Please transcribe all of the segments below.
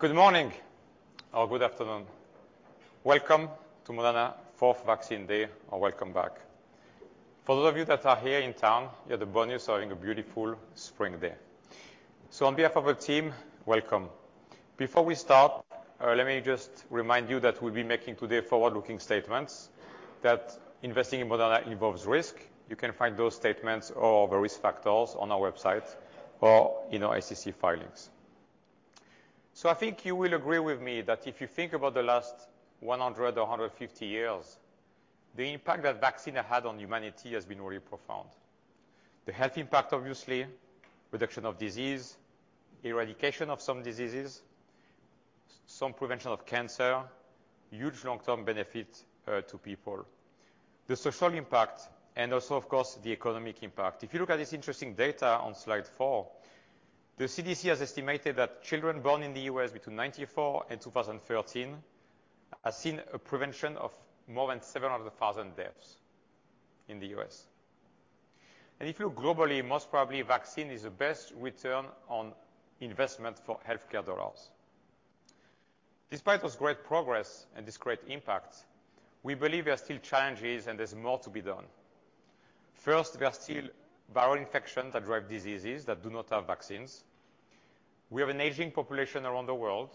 Good morning or good afternoon. Welcome to Moderna fourth Vaccine Day, or welcome back. For those of you that are here in town, you have the bonus of having a beautiful spring day. On behalf of the team, welcome. Before we start, let me just remind you that we'll be making today forward-looking statements that investing in Moderna involves risk. You can find those statements or the risk factors on our website or in our SEC filings. I think you will agree with me that if you think about the last 100 or 150 years, the impact that vaccine had on humanity has been really profound. The health impact, obviously, reduction of disease, eradication of some diseases, some prevention of cancer, huge long-term benefit to people. The social impact and also of course, the economic impact. If you look at this interesting data on slide four, the CDC has estimated that children born in the U.S. between 1994 and 2013 have seen a prevention of more than 700,000 deaths in the U.S. If you look globally, most probably vaccine is the best return on investment for healthcare dollars. Despite this great progress and this great impact, we believe there are still challenges and there's more to be done. First, there are still viral infections that drive diseases that do not have vaccines. We have an aging population around the world,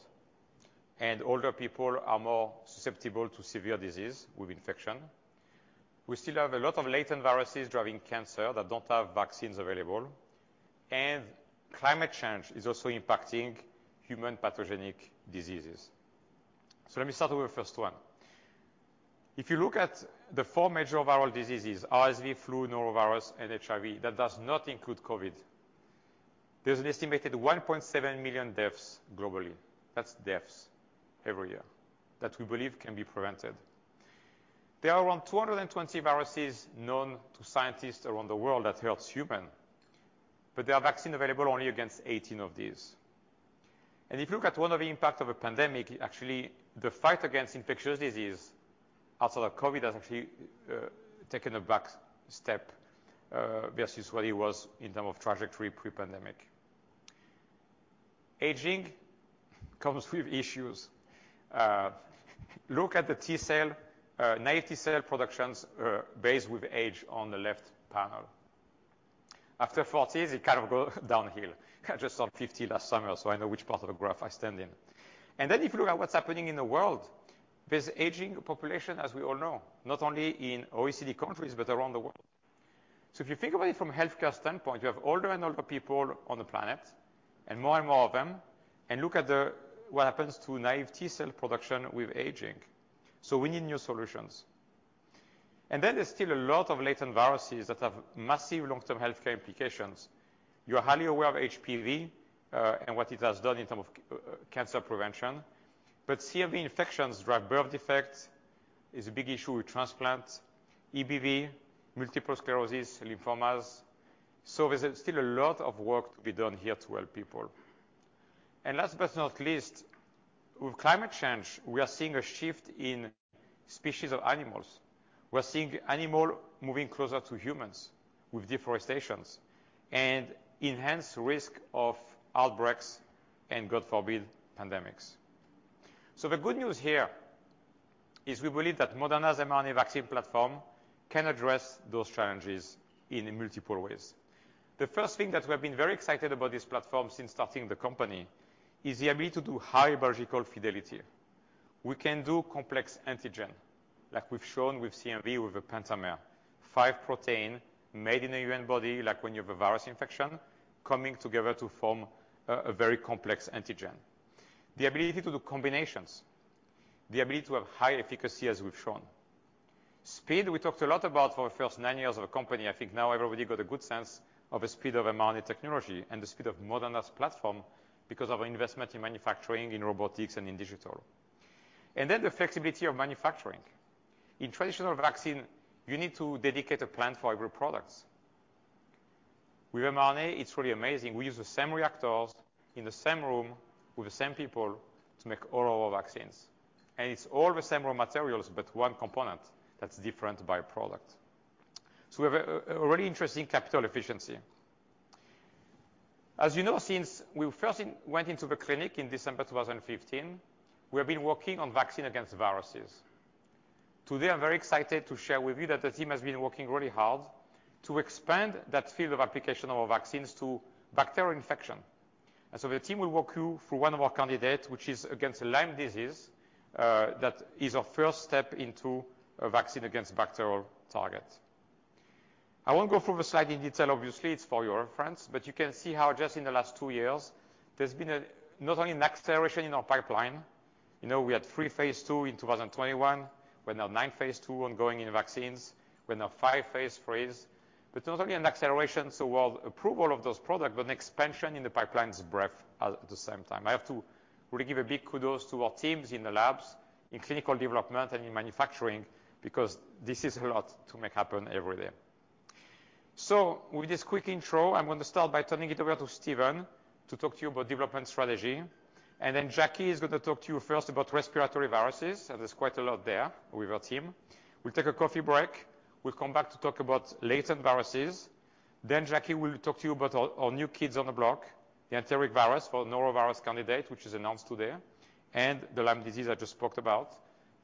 and older people are more susceptible to severe disease with infection. We still have a lot of latent viruses driving cancer that don't have vaccines available. Climate change is also impacting human pathogenic diseases. Let me start with the first one. If you look at the four major viral diseases, RSV, flu, norovirus, and HIV, that does not include COVID. There's an estimated 1.7 million deaths globally. That's deaths every year that we believe can be prevented. There are around 220 viruses known to scientists around the world that hurts human, but there are vaccine available only against 18 of these. If you look at one of the impact of a pandemic, actually the fight against infectious disease after the COVID has actually taken a back step versus what it was in term of trajectory pre-pandemic. Aging comes with issues. Look at the T cell, naive T-cell productions based with age on the left panel. After 40, it kind of go downhill. I just turned 50 last summer, so I know which part of the graph I stand in. If you look at what's happening in the world, there's aging population, as we all know, not only in OECD countries, but around the world. If you think about it from healthcare standpoint, you have older and older people on the planet, and more and more of them, and what happens to naive T-cell production with aging. We need new solutions. There's still a lot of latent viruses that have massive long-term healthcare implications. You are highly aware of HPV, and what it has done in term of cancer prevention. CMV infections drive birth defects, is a big issue with transplants, EBV, multiple sclerosis, lymphomas. There's still a lot of work to be done here to help people. Last but not least, with climate change, we are seeing a shift in species of animals. We're seeing animal moving closer to humans with deforestations and enhanced risk of outbreaks and, God forbid, pandemics. The good news here is we believe that Moderna's mRNA vaccine platform can address those challenges in multiple ways. The first thing that we have been very excited about this platform since starting the company is the ability to do high biological fidelity. We can do complex antigen, like we've shown with CMV, with a pentamer. Five protein made in a human body, like when you have a virus infection, coming together to form a very complex antigen. The ability to do combinations, the ability to have high efficacy, as we've shown. Speed, we talked a lot about for the first nine years of the company. I think now everybody got a good sense of the speed of mRNA technology and the speed of Moderna's platform because of our investment in manufacturing, in robotics and in digital. The flexibility of manufacturing. In traditional vaccine, you need to dedicate a plant for every product. With mRNA, it's really amazing. We use the same reactors in the same room with the same people to make all of our vaccines. It's all the same raw materials, but one component that's different by product. We have a really interesting capital efficiency. As you know, since we first went into the clinic in December 2015, we have been working on vaccine against viruses. Today, I'm very excited to share with you that the team has been working really hard to expand that field of application of our vaccines to bacterial infection. The team will walk you through one of our candidates, which is against Lyme disease, that is our first step into a vaccine against bacterial targets. I won't go through the slide in detail. Obviously, it's for your reference, but you can see how just in the last two years there's been a not only an acceleration in our pipeline. You know, we had three phase II in 2021. We're now nine phase II ongoing in vaccines. We're now five phase IIIs. Not only an acceleration toward approval of those products, but an expansion in the pipeline's breadth at the same time. I have to really give a big kudos to our teams in the labs, in clinical development and in manufacturing because this is a lot to make happen every day. With this quick intro, I'm going to start by turning it over to Stéphane to talk to you about development strategy. Then Jackie is going to talk to you first about respiratory viruses, and there's quite a lot there with our team. We'll take a coffee break. We'll come back to talk about latent viruses. Then Jackie will talk to you about our new kids on the block, the enteric virus for norovirus candidate, which is announced today, and the Lyme disease I just talked about.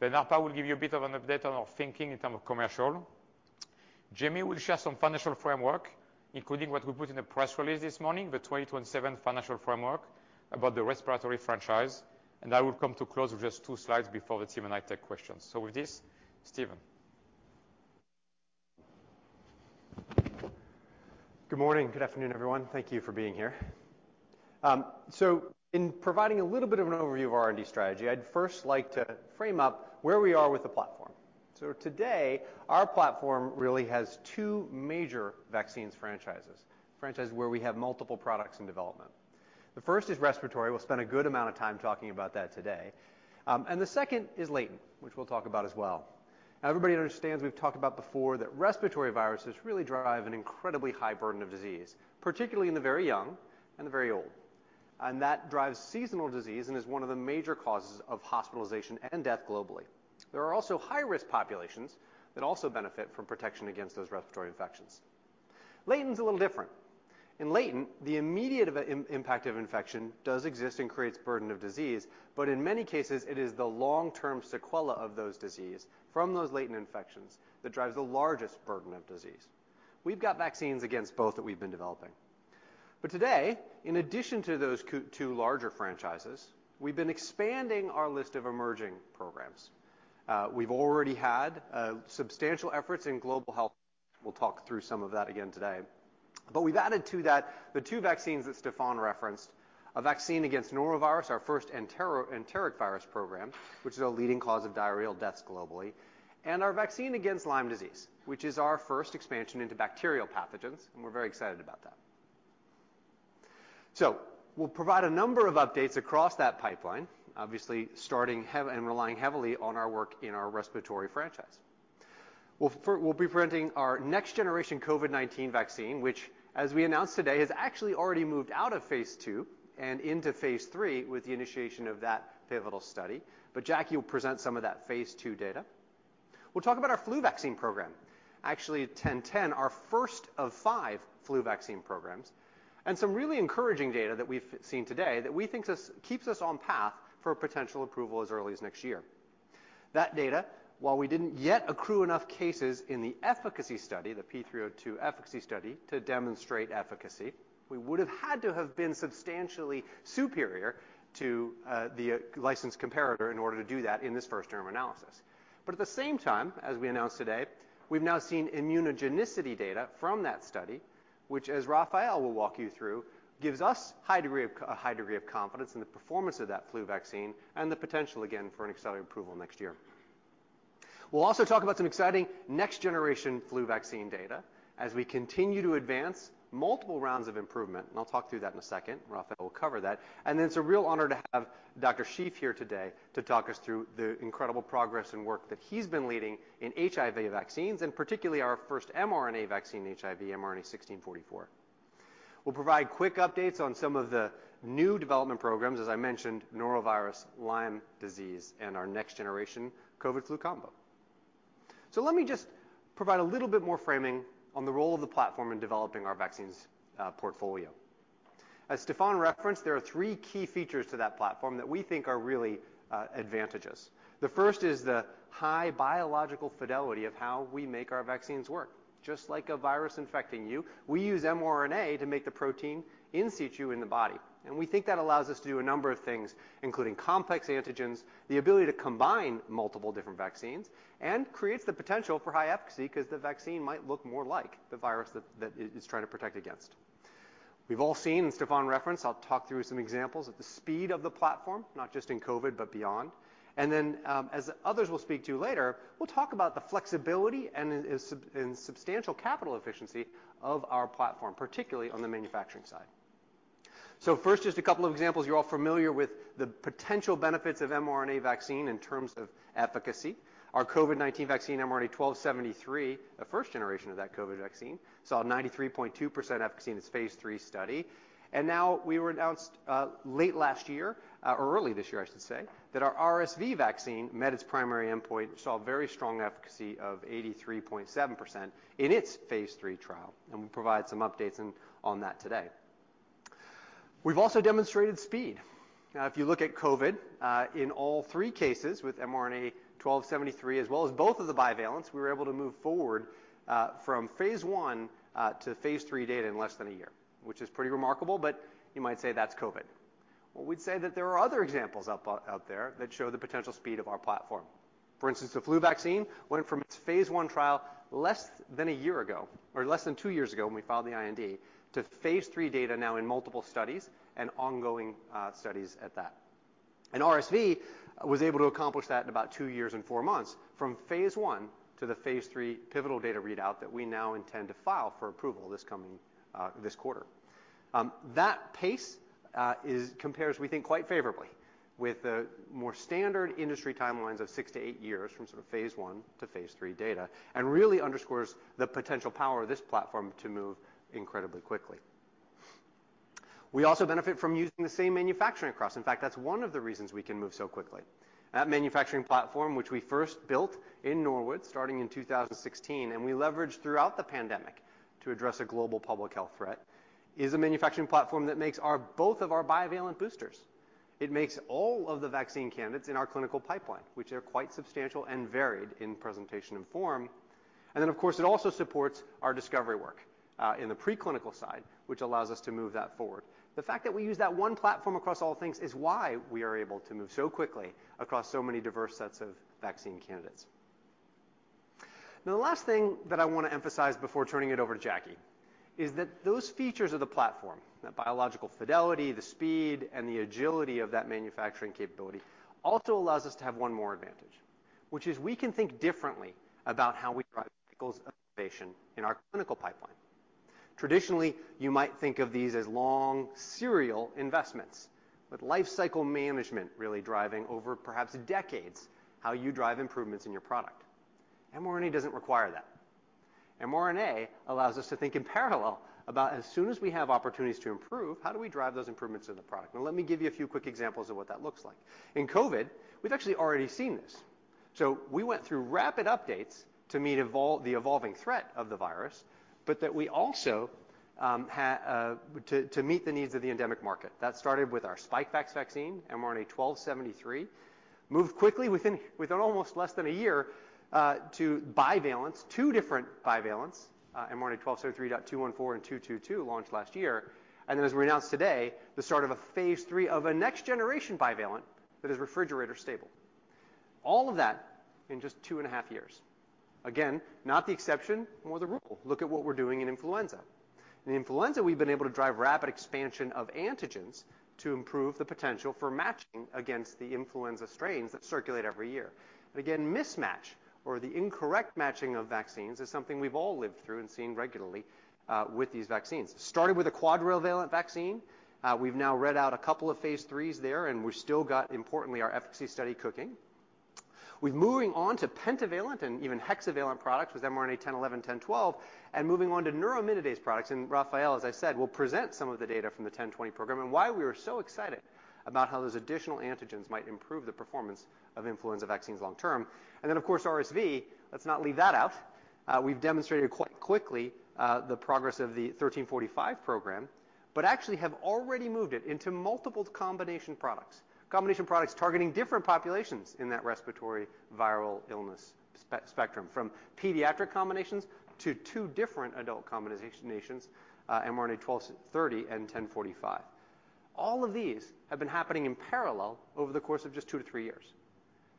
Arpa will give you a bit of an update on our thinking in terms of commercial. Jamey will share some financial framework, including what we put in the press release this morning, the 2027 financial framework about the respiratory franchise. I will come to close with just two slides before the team and I take questions. With this, Stephen. Good morning. Good afternoon, everyone. Thank you for being here. In providing a little bit of an overview of our R&D strategy, I'd first like to frame up where we are with the platform. Today, our platform really has two major vaccines franchises where we have multiple products in development. The first is respiratory. We'll spend a good amount of time talking about that today. The 2nd is latent, which we'll talk about as well. Everybody understands we've talked about before that respiratory viruses really drive an incredibly high burden of disease, particularly in the very young and the very old. That drives seasonal disease and is one of the major causes of hospitalization and death globally. There are also high-risk populations that also benefit from protection against those respiratory infections. Latent's a little different. In latent, the immediate impact of infection does exist and creates burden of disease, but in many cases, it is the long-term sequela of those disease from those latent infections that drives the largest burden of disease. We've got vaccines against both that we've been developing. Today, in addition to those two larger franchises, we've been expanding our list of emerging programs. We've already had substantial efforts in global health. We'll talk through some of that again today. We've added to that the two vaccines that Stéphane referenced, a vaccine against norovirus, our first enteric virus program, which is a leading cause of diarrheal deaths globally, and our vaccine against Lyme disease, which is our first expansion into bacterial pathogens, and we're very excited about that. We'll provide a number of updates across that pipeline, obviously starting and relying heavily on our work in our respiratory franchise. We'll be presenting our next generation COVID-19 vaccine, which as we announced today, has actually already moved out of phase II and into phase III with the initiation of that pivotal study. Jackie will present some of that phase II data. We'll talk about our flu vaccine program, actually mRNA-1010, our first of five flu vaccine programs, and some really encouraging data that we've seen today that we think this keeps us on path for potential approval as early as next year. That data, while we didn't yet accrue enough cases in the efficacy study, the P302 efficacy study, to demonstrate efficacy, we would've had to have been substantially superior to the licensed comparator in order to do that in this first-term analysis. At the same time, as we announced today, we've now seen immunogenicity data from that study, which, as Raphael will walk you through, gives us a high degree of confidence in the performance of that flu vaccine and the potential, again, for an accelerated approval next year. We'll also talk about some exciting next-generation flu vaccine data as we continue to advance multiple rounds of improvement, and I'll talk through that in a second. Raphael will cover that. It's a real honor to have Dr. Schief here today to talk us through the incredible progress and work that he's been leading in HIV vaccines. Particularly our first mRNA vaccine HIV, mRNA-1644. We'll provide quick updates on some of the new development programs, as I mentioned, norovirus, Lyme disease, and our next-generation COVID-19 flu combo. Let me just provide a little bit more framing on the role of the platform in developing our vaccines, portfolio. As Stéphane referenced, there are three key features to that platform that we think are really, advantages. The first is the high biological fidelity of how we make our vaccines work. Just like a virus infecting you, we use mRNA to make the protein in situ in the body, and we think that allows us to do a number of things, including complex antigens, the ability to combine multiple different vaccines, and creates the potential for high efficacy 'cause the vaccine might look more like the virus that it's trying to protect against. We've all seen, Stéphane referenced, I'll talk through some examples of the speed of the platform, not just in COVID, but beyond. As others will speak to later, we'll talk about the flexibility and substantial capital efficiency of our platform, particularly on the manufacturing side. First, just a couple of examples. You're all familiar with the potential benefits of mRNA vaccine in terms of efficacy. Our COVID-19 vaccine, mRNA-1273, the first generation of that COVID vaccine, saw 93.2% efficacy in its phase III study. Now we were announced late last year, or early this year, I should say, that our RSV vaccine met its primary endpoint, saw very strong efficacy of 83.7% in its phase III trial, and we'll provide some updates on that today. We've also demonstrated speed. Now, if you look at COVID, in all three cases with mRNA-1273 as well as both of the bivalents, we were able to move forward from phase I to phase III data in less than a year, which is pretty remarkable. You might say that's COVID. Well, we'd say that there are other examples out there that show the potential speed of our platform. For instance, the flu vaccine went from its phase I trial less than one year ago, or less than two years ago when we filed the IND, to phase III data now in multiple studies and ongoing studies at that. RSV was able to accomplish that in about two years and four months from phase I to the phase III pivotal data readout that we now intend to file for approval this coming this quarter. That pace compares, we think, quite favorably with the more standard industry timelines of six to eight years from sort of phase I to phase III data, and really underscores the potential power of this platform to move incredibly quickly. We also benefit from using the same manufacturing across. In fact, that's one of the reasons we can move so quickly. That manufacturing platform, which we first built in Norwood starting in 2016, and we leveraged throughout the pandemic to address a global public health threat, is a manufacturing platform that makes both of our bivalent boosters. It makes all of the vaccine candidates in our clinical pipeline, which are quite substantial and varied in presentation and form. Of course, it also supports our discovery work in the preclinical side, which allows us to move that forward. The fact that we use that one platform across all things is why we are able to move so quickly across so many diverse sets of vaccine candidates. Now, the last thing that I wanna emphasize before turning it over to Jackie is that those features of the platform, that biological fidelity, the speed, and the agility of that manufacturing capability, also allows us to have one more advantage, which is we can think differently about how we drive cycles of innovation in our clinical pipeline. Traditionally, you might think of these as long serial investments, with lifecycle management really driving over perhaps decades how you drive improvements in your product. mRNA doesn't require that. mRNA allows us to think in parallel about as soon as we have opportunities to improve, how do we drive those improvements in the product? Now, let me give you a few quick examples of what that looks like. In COVID, we've actually already seen this. We went through rapid updates to meet the evolving threat of the virus, but that we also to meet the needs of the endemic market. That started with our Spikevax vaccine, mRNA-1273. Moved quickly within almost less than a year, to bivalents, two different bivalents, mRNA-1273.214 and 222 launched last year. As we announced today, the start of a phase III of a next generation bivalent that is refrigerator stable. All of that in just two and a half years. Not the exception, more the rule. Look at what we're doing in influenza. In influenza, we've been able to drive rapid expansion of antigens to improve the potential for matching against the influenza strains that circulate every year. Again, mismatch or the incorrect matching of vaccines is something we've all lived through and seen regularly with these vaccines. Started with a quadrivalent vaccine. We've now read out a couple of phase IIIs there, and we've still got, importantly, our efficacy study cooking. We're moving on to pentavalent and even hexavalent products with mRNA-1011, mRNA-1012, and moving on to neuraminidase products. Raphael, as I said, will present some of the data from the mRNA-1020 program and why we were so excited about how those additional antigens might improve the performance of influenza vaccines long term. Then of course, RSV, let's not leave that out. We've demonstrated quite quickly the progress of the mRNA-1345 program, but actually have already moved it into multiple combination products. Combination products targeting different populations in that respiratory viral illness spectrum, from pediatric combinations to two different adult combinations, mRNA-1230 and mRNA-1045. All of these have been happening in parallel over the course of just two to three years.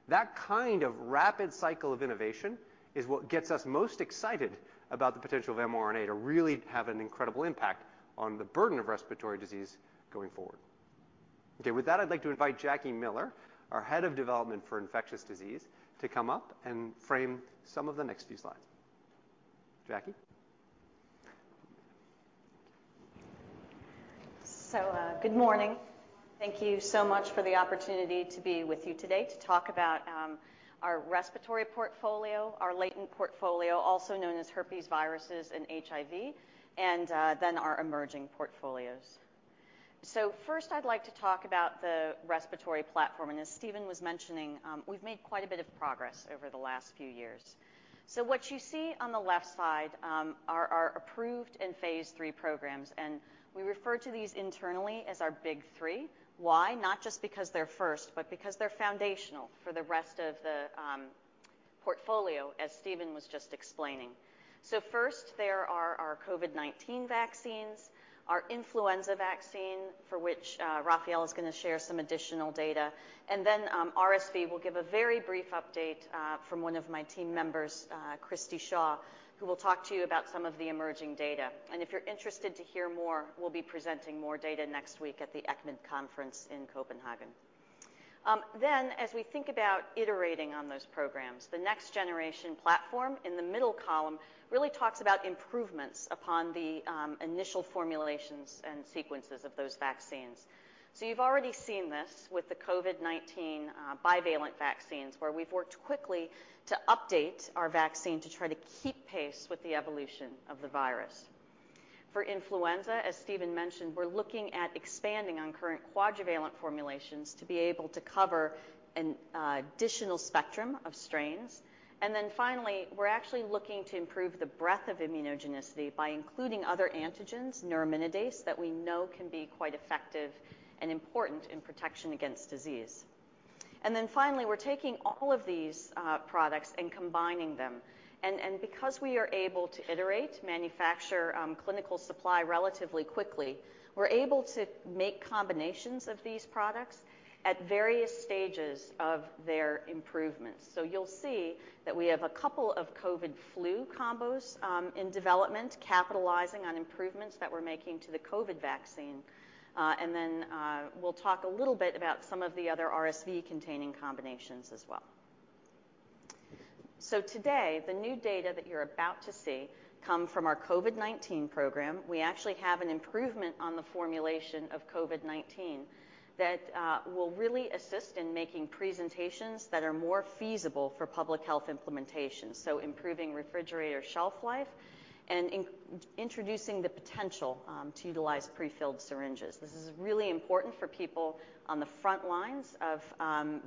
That kind of rapid cycle of innovation is what gets us most excited about the potential of mRNA to really have an incredible impact on the burden of respiratory disease going forward. Okay. With that, I'd like to invite Jackie Miller, our head of development for infectious disease, to come up and frame some of the next few slides. Jackie? Good morning. Thank you so much for the opportunity to be with you today to talk about our respiratory portfolio, our latent portfolio, also known as herpes viruses and HIV, and then our emerging portfolios. First I'd like to talk about the respiratory platform, and as Stéphane was mentioning, we've made quite a bit of progress over the last few years. What you see on the left side are our approved and phase III programs, and we refer to these internally as our big three. Why? Not just because they're first, but because they're foundational for the rest of the portfolio, as Stéphane was just explaining. First, there are our COVID-19 vaccines, our influenza vaccine, for which Raffael is gonna share some additional data. RSV, we'll give a very brief update from one of my team members, Christi Shaw, who will talk to you about some of the emerging data. If you're interested to hear more, we'll be presenting more data next week at the ECCMID conference in Copenhagen. As we think about iterating on those programs, the next generation platform in the middle column really talks about improvements upon the initial formulations and sequences of those vaccines. You've already seen this with the COVID-19 bivalent vaccines, where we've worked quickly to update our vaccine to try to keep pace with the evolution of the virus. For influenza, as Stéphane mentioned, we're looking at expanding on current quadrivalent formulations to be able to cover an additional spectrum of strains. Finally, we're actually looking to improve the breadth of immunogenicity by including other antigens, neuraminidase, that we know can be quite effective and important in protection against disease. Finally, we're taking all of these products and combining them. Because we are able to iterate, manufacture, clinical supply relatively quickly, we're able to make combinations of these products at various stages of their improvements. You'll see that we have a couple of COVID flu combos in development, capitalizing on improvements that we're making to the COVID vaccine. Then, we'll talk a little bit about some of the other RSV-containing combinations as well. Today, the new data that you're about to see come from our COVID-19 program, we actually have an improvement on the formulation of COVID-19 that will really assist in making presentations that are more feasible for public health implementation, so improving refrigerator shelf life and introducing the potential to utilize pre-filled syringes. This is really important for people on the front lines of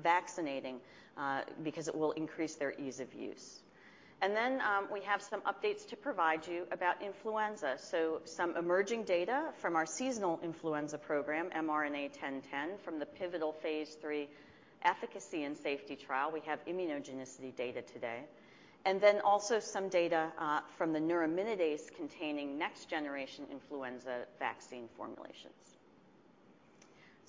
vaccinating because it will increase their ease of use. We have some updates to provide you about influenza. Some emerging data from our seasonal influenza program, mRNA-1010, from the pivotal phase III efficacy and safety trial. We have immunogenicity data today. Also some data from the neuraminidase-containing next generation influenza vaccine formulations.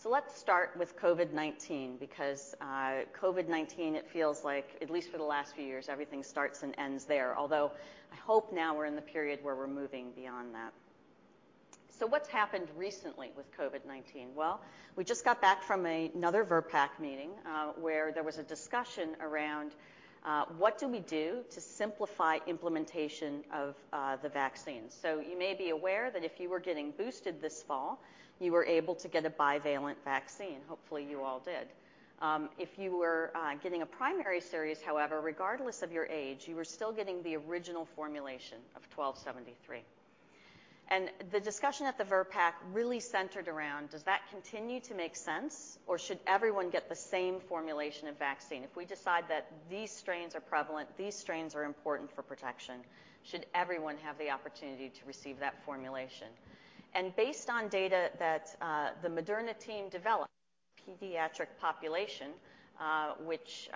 Let's start with COVID-19 because COVID-19, it feels like, at least for the last few years, everything starts and ends there. Although I hope now we're in the period where we're moving beyond that. What's happened recently with COVID-19? We just got back from another VRBPAC meeting, where there was a discussion around what do we do to simplify implementation of the vaccine? You may be aware that if you were getting boosted this fall, you were able to get a bivalent vaccine. Hopefully, you all did. If you were getting a primary series, however, regardless of your age, you were still getting the original formulation of mRNA-1273. The discussion at the VRBPAC really centered around, does that continue to make sense, or should everyone get the same formulation of vaccine? If we decide that these strains are prevalent, these strains are important for protection, should everyone have the opportunity to receive that formulation? Based on data that the Moderna team developed, pediatric population, which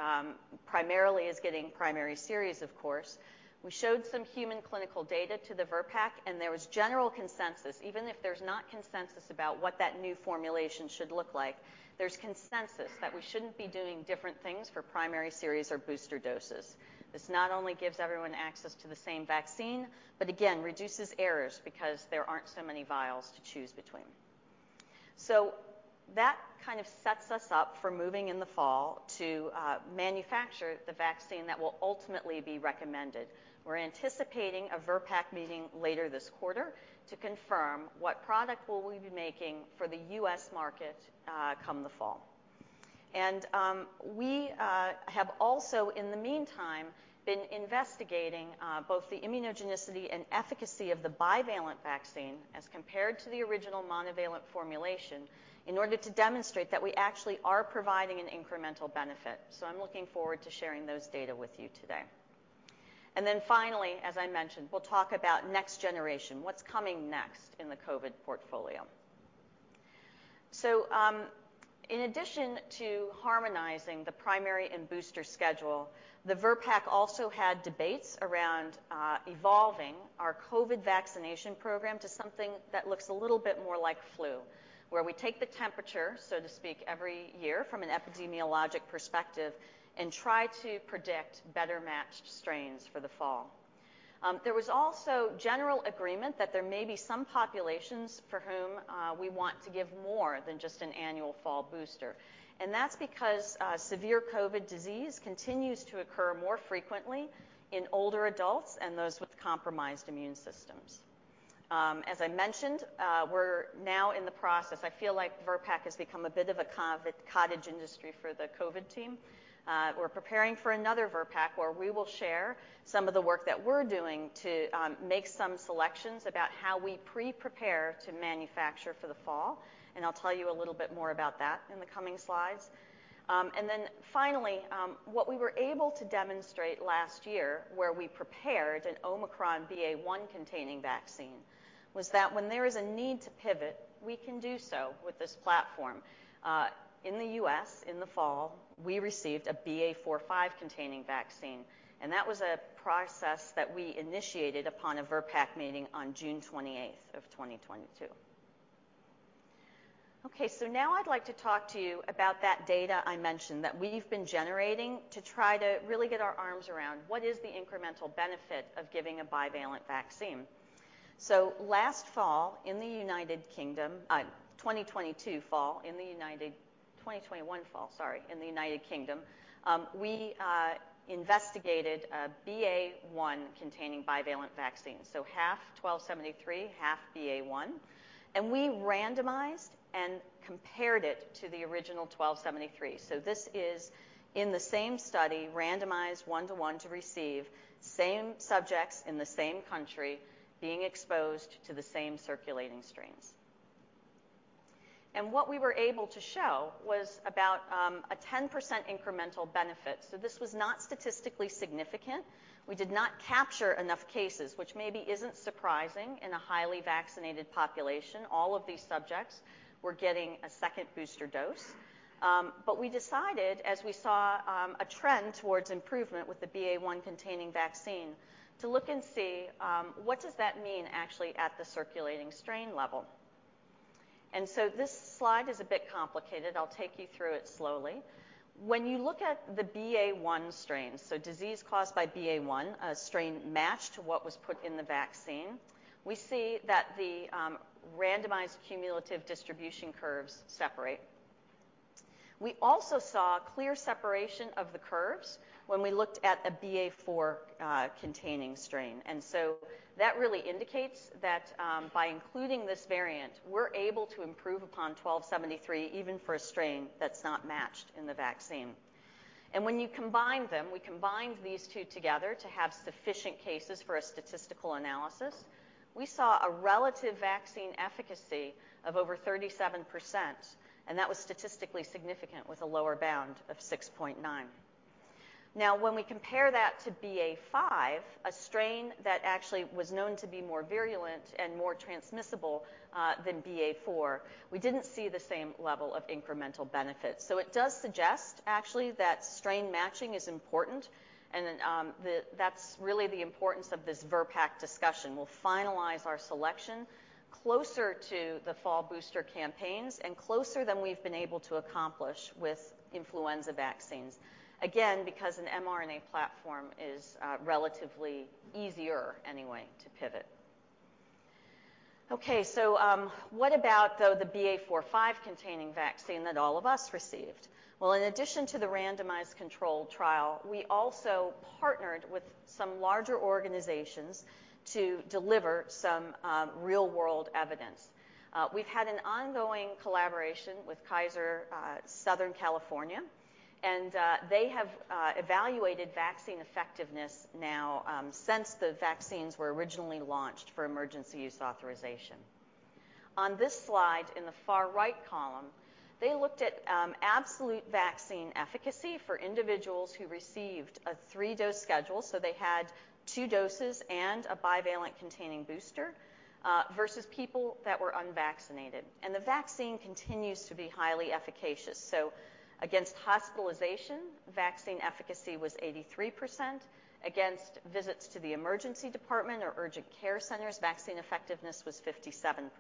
primarily is getting primary series, of course, we showed some human clinical data to the VRBPAC, and there was general consensus. Even if there's not consensus about what that new formulation should look like, there's consensus that we shouldn't be doing different things for primary series or booster doses. This not only gives everyone access to the same vaccine, but again, reduces errors because there aren't so many vials to choose between. That kind of sets us up for moving in the fall to manufacture the vaccine that will ultimately be recommended. We're anticipating a VRBPAC meeting later this quarter to confirm what product will we be making for the U.S. market, come the fall. We have also, in the meantime, been investigating both the immunogenicity and efficacy of the bivalent vaccine as compared to the original monovalent formulation in order to demonstrate that we actually are providing an incremental benefit. I'm looking forward to sharing those data with you today. Finally, as I mentioned, we'll talk about next generation, what's coming next in the COVID portfolio. In addition to harmonizing the primary and booster schedule, the VRBPAC also had debates around evolving our COVID vaccination program to something that looks a little bit more like flu, where we take the temperature, so to speak, every year from an epidemiologic perspective and try to predict better matched strains for the fall. There was also general agreement that there may be some populations for whom we want to give more than just an annual fall booster. That's because severe COVID disease continues to occur more frequently in older adults and those with compromised immune systems. As I mentioned, we're now in the process. I feel like VRBPAC has become a bit of a cottage industry for the COVID team. We're preparing for another VRBPAC where we will share some of the work that we're doing to make some selections about how we pre-prepare to manufacture for the fall. I'll tell you a little bit more about that in the coming slides. Finally, what we were able to demonstrate last year where we prepared an Omicron BA.1 containing vaccine was that when there is a need to pivot, we can do so with this platform. In the US, in the fall, we received a BA.4-5 containing vaccine, that was a process that we initiated upon a VRBPAC meeting on June 28th of 2022. Okay. Now I'd like to talk to you about that data I mentioned that we've been generating to try to really get our arms around what is the incremental benefit of giving a bivalent vaccine. Last fall in the United Kingdom, 2022 fall in the United... 2021 fall, sorry, in the United Kingdom, we investigated a BA.1 containing bivalent vaccine, so half mRNA-1273, half BA.1, and we randomized and compared it to the original mRNA-1273. This is in the same study, randomized one to one to receive same subjects in the same country being exposed to the same circulating strains. What we were able to show was about a 10% incremental benefit. This was not statistically significant. We did not capture enough cases, which maybe isn't surprising in a highly vaccinated population. All of these subjects were getting a second booster dose. We decided, as we saw, a trend towards improvement with the BA.1-containing vaccine, to look and see what does that mean actually at the circulating strain level. This slide is a bit complicated. I'll take you through it slowly. When you look at the BA.1 strain, so disease caused by BA.1, a strain matched to what was put in the vaccine, we see that the randomized cumulative distribution curves separate. We also saw clear separation of the curves when we looked at a BA.4 containing strain. That really indicates that by including this variant, we're able to improve upon mRNA-1273 even for a strain that's not matched in the vaccine. You combine them, we combined these two together to have sufficient cases for a statistical analysis, we saw a relative vaccine efficacy of over 37%, and that was statistically significant with a lower bound of 6.9. When we compare that to BA.5, a strain that actually was known to be more virulent and more transmissible, than BA.4, we didn't see the same level of incremental benefit. It does suggest actually that strain matching is important and then, that's really the importance of this VRBPAC discussion. We'll finalize our selection closer to the fall booster campaigns and closer than we've been able to accomplish with influenza vaccines. Again, because an mRNA platform is relatively easier anyway to pivot. What about though the BA.4-5 containing vaccine that all of us received? In addition to the randomized control trial, we also partnered with some larger organizations to deliver some real-world evidence. We've had an ongoing collaboration with Kaiser Southern California, and they have evaluated vaccine effectiveness now, since the vaccines were originally launched for emergency use authorization. On this slide in the far right column, they looked at absolute vaccine efficacy for individuals who received a three-dose schedule, so they had two doses and a bivalent-containing booster versus people that were unvaccinated. The vaccine continues to be highly efficacious. Against hospitalization, vaccine efficacy was 83%. Against visits to the emergency department or urgent care centers, vaccine effectiveness was 57%.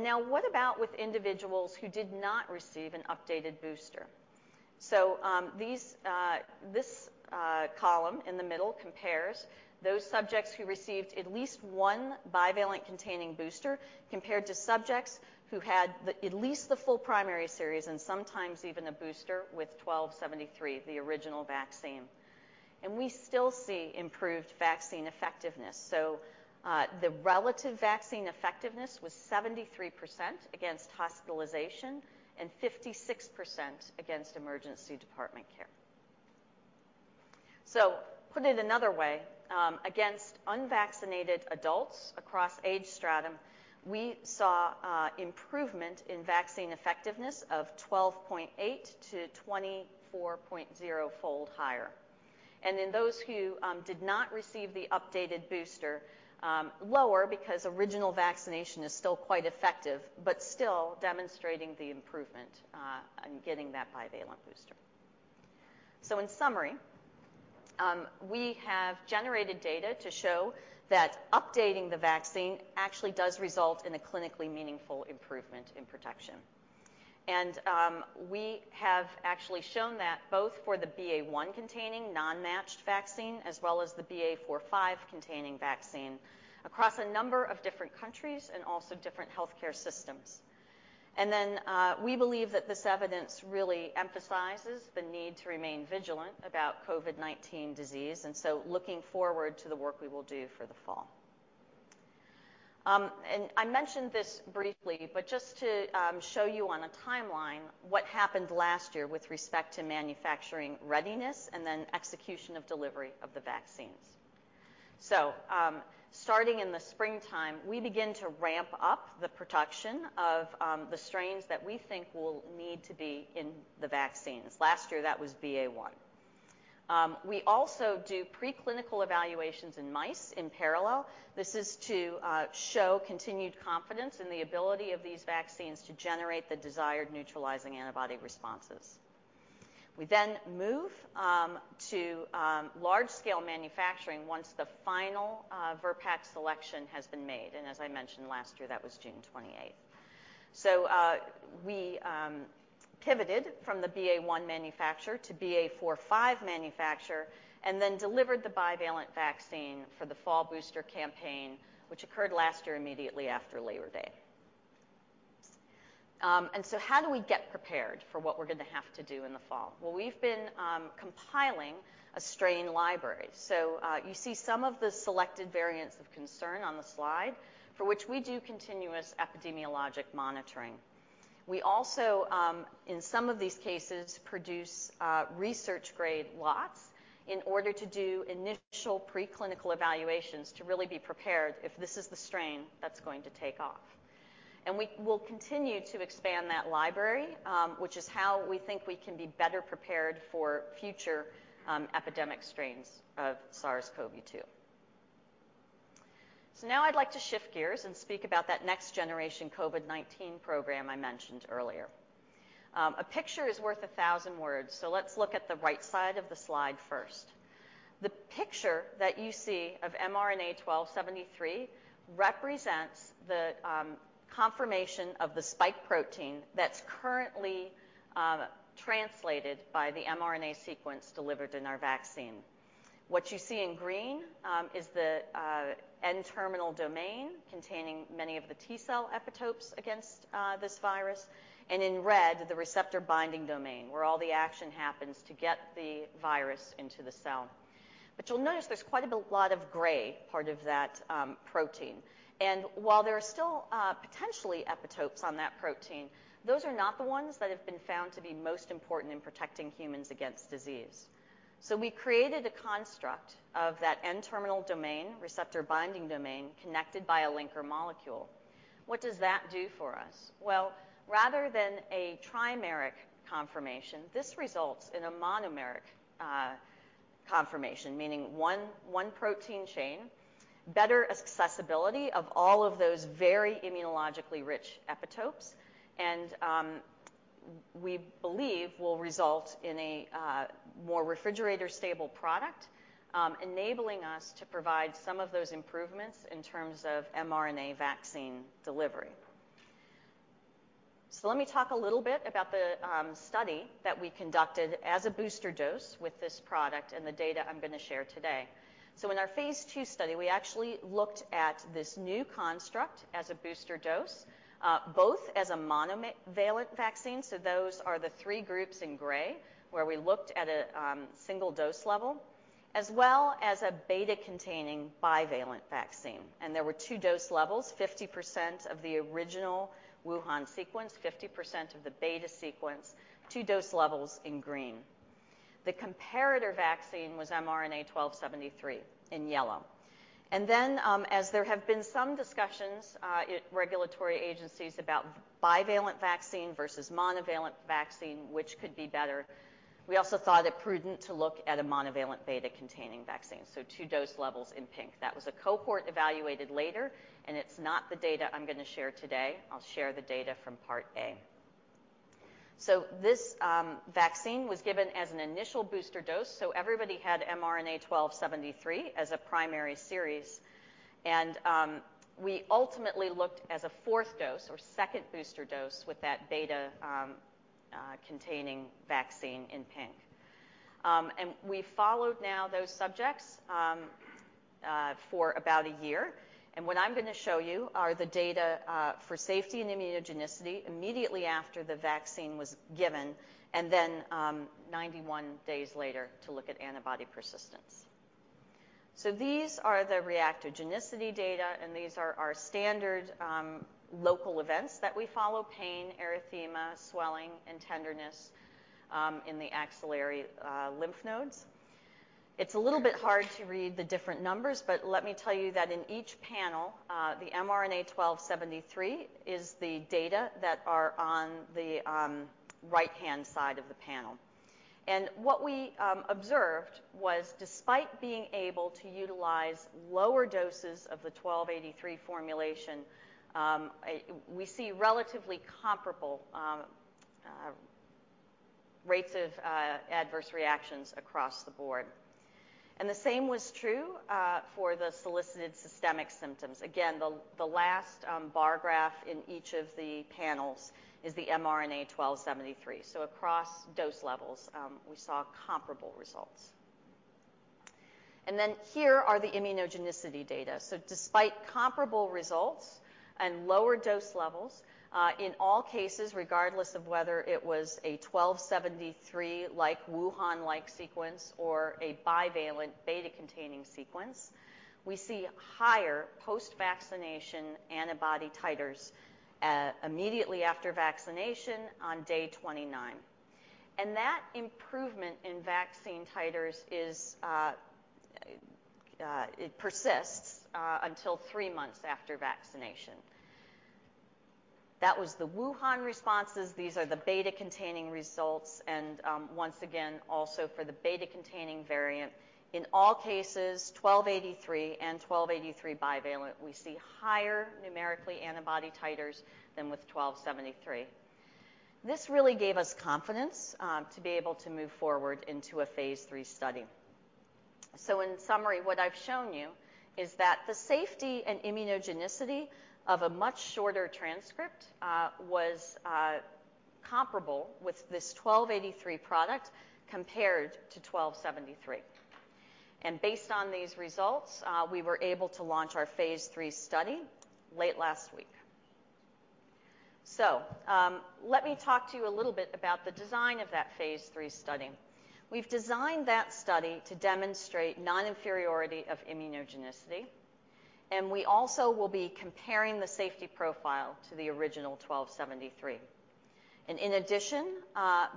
Now what about with individuals who did not receive an updated booster? This column in the middle compares those subjects who received at least one bivalent-containing booster compared to subjects who had the at least the full primary series and sometimes even a booster with mRNA-1273, the original vaccine. We still see improved vaccine effectiveness. The relative vaccine effectiveness was 73% against hospitalization and 56% against emergency department care. Putting it another way, against unvaccinated adults across age stratum, we saw improvement in vaccine effectiveness of 12.8 to 24.0 fold higher. In those who did not receive the updated booster, lower because original vaccination is still quite effective, but still demonstrating the improvement on getting that bivalent booster. In summary, we have generated data to show that updating the vaccine actually does result in a clinically meaningful improvement in protection. We have actually shown that both for the BA.1-containing non-matched vaccine as well as the BA.4-5-containing vaccine across a number of different countries and also different healthcare systems. We believe that this evidence really emphasizes the need to remain vigilant about COVID-19 disease, and so looking forward to the work we will do for the fall. I mentioned this briefly, but just to show you on a timeline what happened last year with respect to manufacturing readiness and then execution of delivery of the vaccines. Starting in the springtime, we begin to ramp up the production of the strains that we think will need to be in the vaccines. Last year, that was BA.1. We also do preclinical evaluations in mice in parallel. This is to show continued confidence in the ability of these vaccines to generate the desired neutralizing antibody responses. We then move to large-scale manufacturing once the final VRBPAC selection has been made. As I mentioned last year, that was June 28th. We pivoted from the BA.1 manufacturer to BA.4-5 manufacturer and then delivered the bivalent vaccine for the fall booster campaign, which occurred last year immediately after Labor Day. How do we get prepared for what we're going to have to do in the fall? Well, we've been compiling a strain library. You see some of the selected variants of concern on the slide for which we do continuous epidemiologic monitoring. We also, in some of these cases, produce research-grade lots in order to do initial preclinical evaluations to really be prepared if this is the strain that's going to take off. We will continue to expand that library, which is how we think we can be better prepared for future epidemic strains of SARS-CoV-2. Now I'd like to shift gears and speak about that next generation COVID-19 program I mentioned earlier. A picture is worth 1,000 words, so let's look at the right side of the slide first. The picture that you see of mRNA-1273 represents the confirmation of the spike protein that's currently translated by the mRNA sequence delivered in our vaccine. What you see in green, is the N-terminal domain containing many of the T-cell epitopes against this virus, and in red, the receptor binding domain, where all the action happens to get the virus into the cell. You'll notice there's lot of gray part of that protein. While there are still, potentially epitopes on that protein, those are not the ones that have been found to be most important in protecting humans against disease. We created a construct of that N-terminal domain, receptor binding domain, connected by a linker molecule. What does that do for us? Rather than a trimeric conformation, this results in a monomeric conformation, meaning one protein chain, better accessibility of all of those very immunologically rich epitopes, and we believe will result in a more refrigerator-stable product, enabling us to provide some of those improvements in terms of mRNA vaccine delivery. Let me talk a little bit about the study that we conducted as a booster dose with this product and the data I'm going to share today. In our phase II study, we actually looked at this new construct as a booster dose, both as a monovalent vaccine, so those are the three groups in gray, where we looked at a single dose level, as well as a beta-containing bivalent vaccine. There were two dose levels, 50% of the original Wuhan sequence, 50% of the beta sequence, two dose levels in green. The comparator vaccine was mRNA-1273 in yellow. As there have been some discussions in regulatory agencies about bivalent vaccine versus monovalent vaccine, which could be better, we also thought it prudent to look at a monovalent beta-containing vaccine, so two dose levels in pink. That was a cohort evaluated later, and it's not the data I'm going to share today. I'll share the data from part A. This vaccine was given as an initial booster dose, so everybody had mRNA-1273 as a primary series, and we ultimately looked as a 4th dose or 2nd booster dose with that beta containing vaccine in pink. We followed now those subjects for about a year, and what I'm going to show you are the data for safety and immunogenicity immediately after the vaccine was given, and then 91 days later to look at antibody persistence. These are the reactogenicity data, and these are our standard local events that we follow: pain, erythema, swelling, and tenderness in the axillary lymph nodes. It's a little bit hard to read the different numbers, let me tell you that in each panel, the mRNA-1273 is the data that are on the right-hand side of the panel. What we observed was despite being able to utilize lower doses of the 1283 formulation, we see relatively comparable rates of adverse reactions across the board. The same was true for the solicited systemic symptoms. Again, the last bar graph in each of the panels is the mRNA-1273. Across dose levels, we saw comparable results. Here are the immunogenicity data. Despite comparable results and lower dose levels, in all cases, regardless of whether it was a 1273 like Wuhan-like sequence or a bivalent beta-containing sequence, we see higher post-vaccination antibody titers immediately after vaccination on day 29. That improvement in vaccine titers persists until three months after vaccination. That was the Wuhan responses. These are the beta-containing results. Once again, also for the beta-containing variant, in all cases, 1283 and 1283 bivalent, we see higher numerically antibody titers than with 1273. This really gave us confidence to be able to move forward into a phase III study. In summary, what I've shown you is that the safety and immunogenicity of a much shorter transcript was comparable with this mRNA-1283 product compared to mRNA-1273. Based on these results, we were able to launch our phase III study late last week. Let me talk to you a little bit about the design of that phase III study. We've designed that study to demonstrate non-inferiority of immunogenicity, and we also will be comparing the safety profile to the original mRNA-1273. In addition,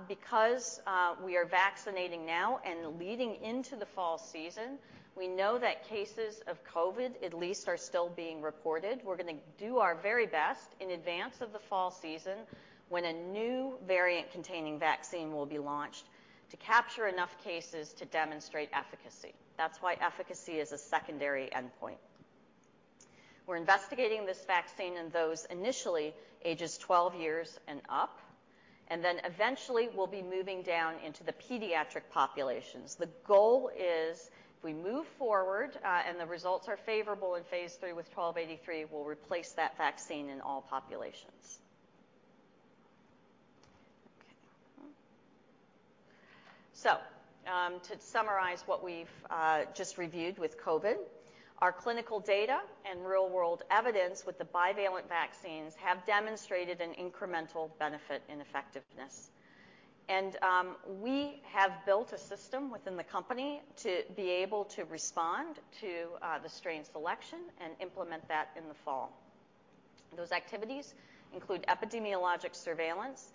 because we are vaccinating now and leading into the fall season, we know that cases of COVID-19 at least are still being reported. We're going to do our very best in advance of the fall season when a new variant-containing vaccine will be launched to capture enough cases to demonstrate efficacy. That's why efficacy is a secondary endpoint. We're investigating this vaccine in those initially ages 12 years and up, and then eventually we'll be moving down into the pediatric populations. The goal is if we move forward, and the results are favorable in phase III with mRNA-1283, we'll replace that vaccine in all populations. To summarize what we've just reviewed with COVID, our clinical data and real-world evidence with the bivalent vaccines have demonstrated an incremental benefit in effectiveness. We have built a system within the company to be able to respond to the strain selection and implement that in the fall. Those activities include epidemiologic surveillance,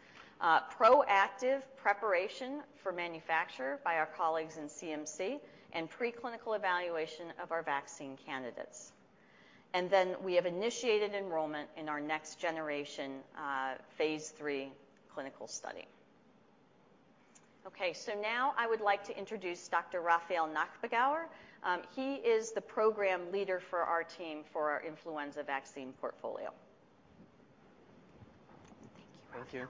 proactive preparation for manufacture by our colleagues in CMC, and preclinical evaluation of our vaccine candidates. We have initiated enrollment in our next-generation, phase III clinical study. Now I would like to introduce Dr. Raffael Nachbagauer. He is the program leader for our team for our influenza vaccine portfolio. Thank you,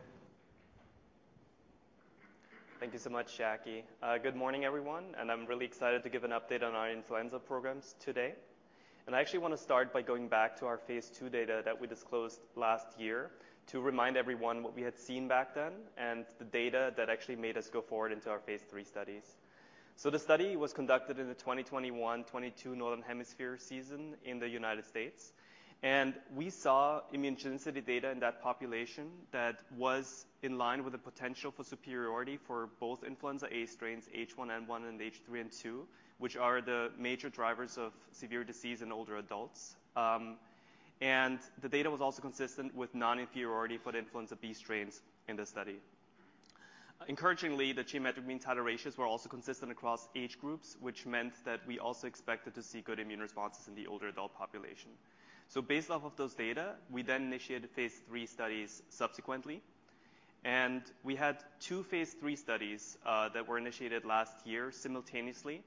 Raffael. Thank you. Thank you so much, Jackie. Good morning, everyone, I'm really excited to give an update on our influenza programs today. I actually wanna start by going back to our phase II data that we disclosed last year to remind everyone what we had seen back then and the data that actually made us go forward into our phase III studies. The study was conducted in the 2021-2022 Northern Hemisphere season in the United States. We saw immunogenicity data in that population that was in line with the potential for superiority for both influenza A strains, H1N1 and H3N2, which are the major drivers of severe disease in older adults. The data was also consistent with non-inferiority for the influenza B strains in this study. Encouragingly, the geometric mean titer ratios were also consistent across age groups, which meant that we also expected to see good immune responses in the older adult population. Based off of those data, we then initiated phase III studies subsequently. We had two phase III studies that were initiated last year simultaneously.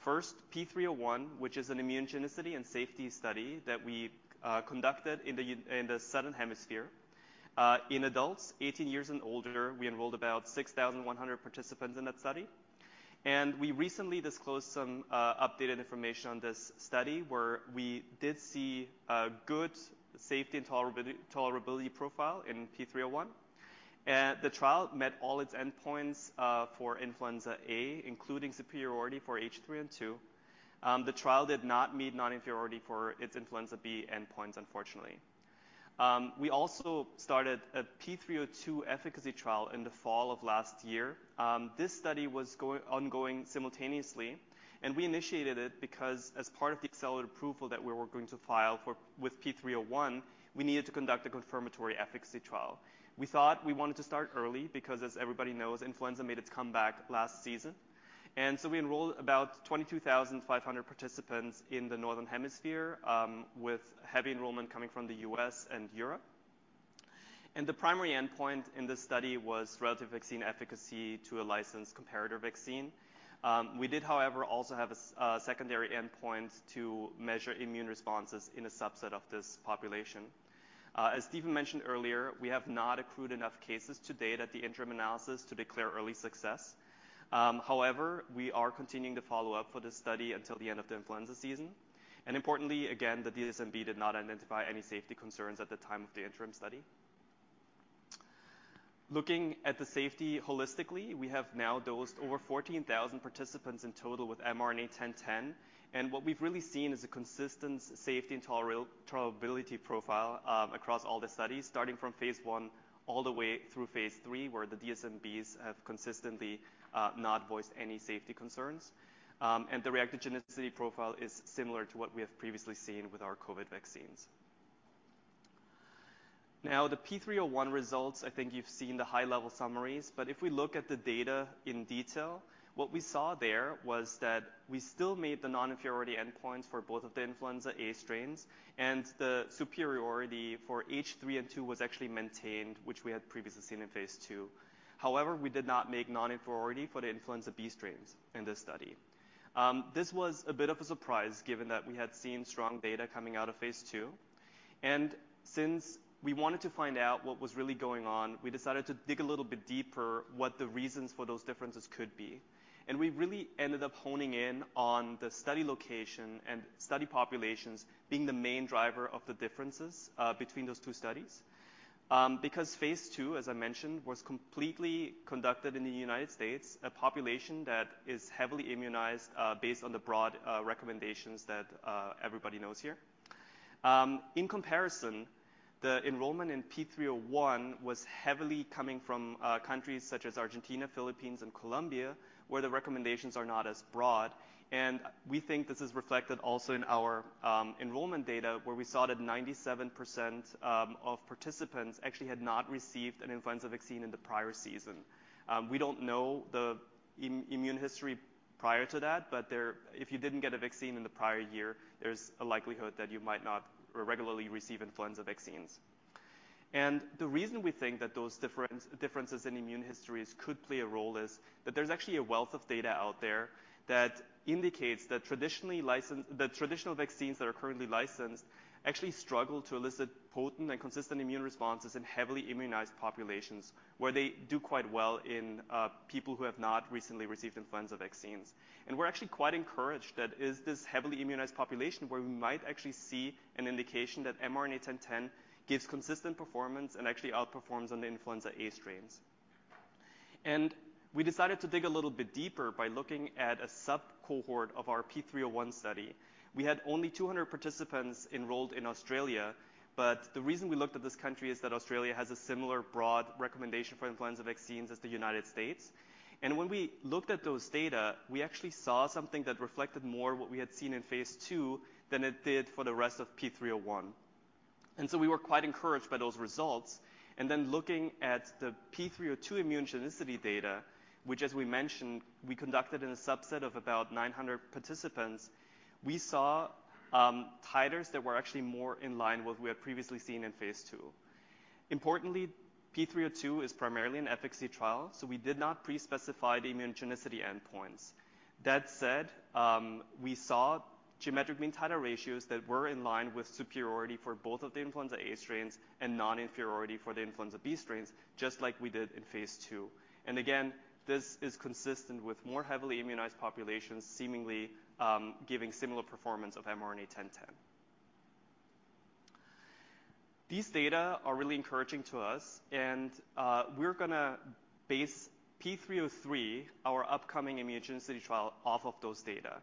First, P301, which is an immunogenicity and safety study that we conducted in the Southern Hemisphere in adults 18 years and older. We enrolled about 6,100 participants in that study. We recently disclosed some updated information on this study, where we did see a good safety and tolerability profile in P301. The trial met all its endpoints for influenza A, including superiority for H3N2. The trial did not meet non-inferiority for its influenza B endpoints, unfortunately. We also started a P302 efficacy trial in the fall of last year. This study was ongoing simultaneously, and we initiated it because as part of the accelerated approval that we were going to file for with P301, we needed to conduct a confirmatory efficacy trial. We thought we wanted to start early because, as everybody knows, influenza made its comeback last season. We enrolled about 22,500 participants in the Northern Hemisphere, with heavy enrollment coming from the U.S. and Europe. The primary endpoint in this study was relative vaccine efficacy to a licensed comparator vaccine. We did, however, also have a secondary endpoint to measure immune responses in a subset of this population. As Stephen mentioned earlier, we have not accrued enough cases to date at the interim analysis to declare early success. However, we are continuing to follow up for this study until the end of the influenza season. Importantly, again, the DSMB did not identify any safety concerns at the time of the interim study. Looking at the safety holistically, we have now dosed over 14,000 participants in total with mRNA-1010, and what we've really seen is a consistent safety and tolerability profile across all the studies, starting from phase III all the way through phase III, where the DSMBs have consistently not voiced any safety concerns. The reactogenicity profile is similar to what we have previously seen with our COVID vaccines. The P301 results, I think you've seen the high-level summaries, but if we look at the data in detail, what we saw there was that we still made the non-inferiority endpoints for both of the influenza A strains, and the superiority for H3N2 was actually maintained, which we had previously seen in phase II. We did not make non-inferiority for the influenza B strains in this study. This was a bit of a surprise given that we had seen strong data coming out of phase II. Since we wanted to find out what was really going on, we decided to dig a little bit deeper what the reasons for those differences could be. We really ended up honing in on the study location and study populations being the main driver of the differences between those two studies. Because phase II, as I mentioned, was completely conducted in the United States, a population that is heavily immunized, based on the broad recommendations that everybody knows here. In comparison, the enrollment in P301 was heavily coming from countries such as Argentina, Philippines, and Colombia, where the recommendations are not as broad. We think this is reflected also in our enrollment data, where we saw that 97% of participants actually had not received an influenza vaccine in the prior season. We don't know the immune history prior to that, but if you didn't get a vaccine in the prior year, there's a likelihood that you might not regularly receive influenza vaccines. The reason we think that those differences in immune histories could play a role is that there's actually a wealth of data out there that indicates that traditional vaccines that are currently licensed actually struggle to elicit potent and consistent immune responses in heavily immunized populations, where they do quite well in people who have not recently received influenza vaccines. We're actually quite encouraged that it is this heavily immunized population where we might actually see an indication that mRNA-1010 gives consistent performance and actually outperforms on the influenza A strains. We decided to dig a little bit deeper by looking at a subcohort of our P301 study. We had only 200 participants enrolled in Australia, but the reason we looked at this country is that Australia has a similar broad recommendation for influenza vaccines as the United States. When we looked at those data, we actually saw something that reflected more what we had seen in phase II than it did for the rest of P301. We were quite encouraged by those results. Looking at the P302 immunogenicity data, which as we mentioned, we conducted in a subset of about 900 participants, we saw titers that were actually more in line with what we had previously seen in phase II. Importantly, P302 is primarily an efficacy trial, so we did not pre-specify the immunogenicity endpoints. That said, we saw geometric mean titer ratios that were in line with superiority for both of the influenza A strains and non-inferiority for the influenza B strains, just like we did in phase II. Again, this is consistent with more heavily immunized populations seemingly giving similar performance of mRNA-1010. These data are really encouraging to us and we're gonna base P303, our upcoming immunogenicity trial, off of those data.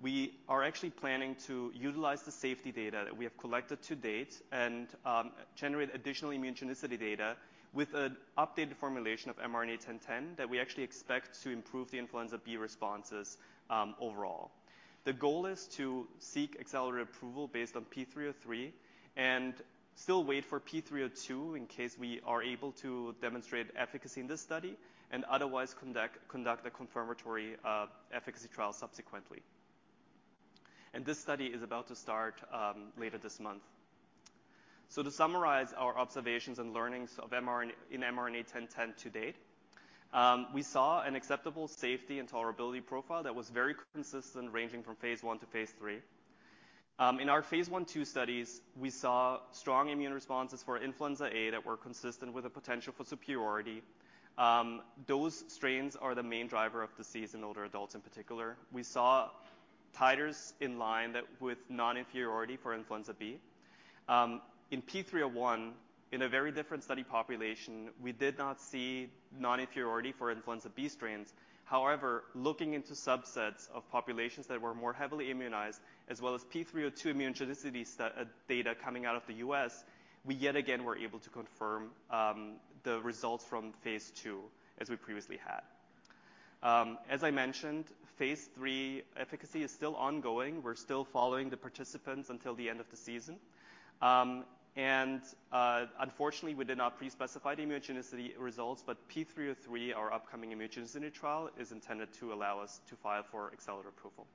We are actually planning to utilize the safety data that we have collected to date and generate additional immunogenicity data with an updated formulation of mRNA-1010 that we actually expect to improve the influenza B responses overall. The goal is to seek accelerated approval based on P303 and still wait for P302 in case we are able to demonstrate efficacy in this study, and otherwise conduct a confirmatory efficacy trial subsequently. This study is about to start later this month. To summarize our observations and learnings in mRNA-1010 to date, we saw an acceptable safety and tolerability profile that was very consistent ranging from phase I to phase III. In our phase I/II studies, we saw strong immune responses for influenza A that were consistent with the potential for superiority. Those strains are the main driver of disease in older adults in particular. We saw titers in line that with non-inferiority for influenza B. In P301, in a very different study population, we did not see non-inferiority for influenza B strains. Looking into subsets of populations that were more heavily immunized, as well as P302 immunogenicity data coming out of the U.S., we yet again were able to confirm the results from phase II as we previously had. As I mentioned, phase III efficacy is still ongoing. We're still following the participants until the end of the season. Unfortunately, we did not pre-specify the immunogenicity results. P303, our upcoming immunogenicity trial, is intended to allow us to file for accelerated approval.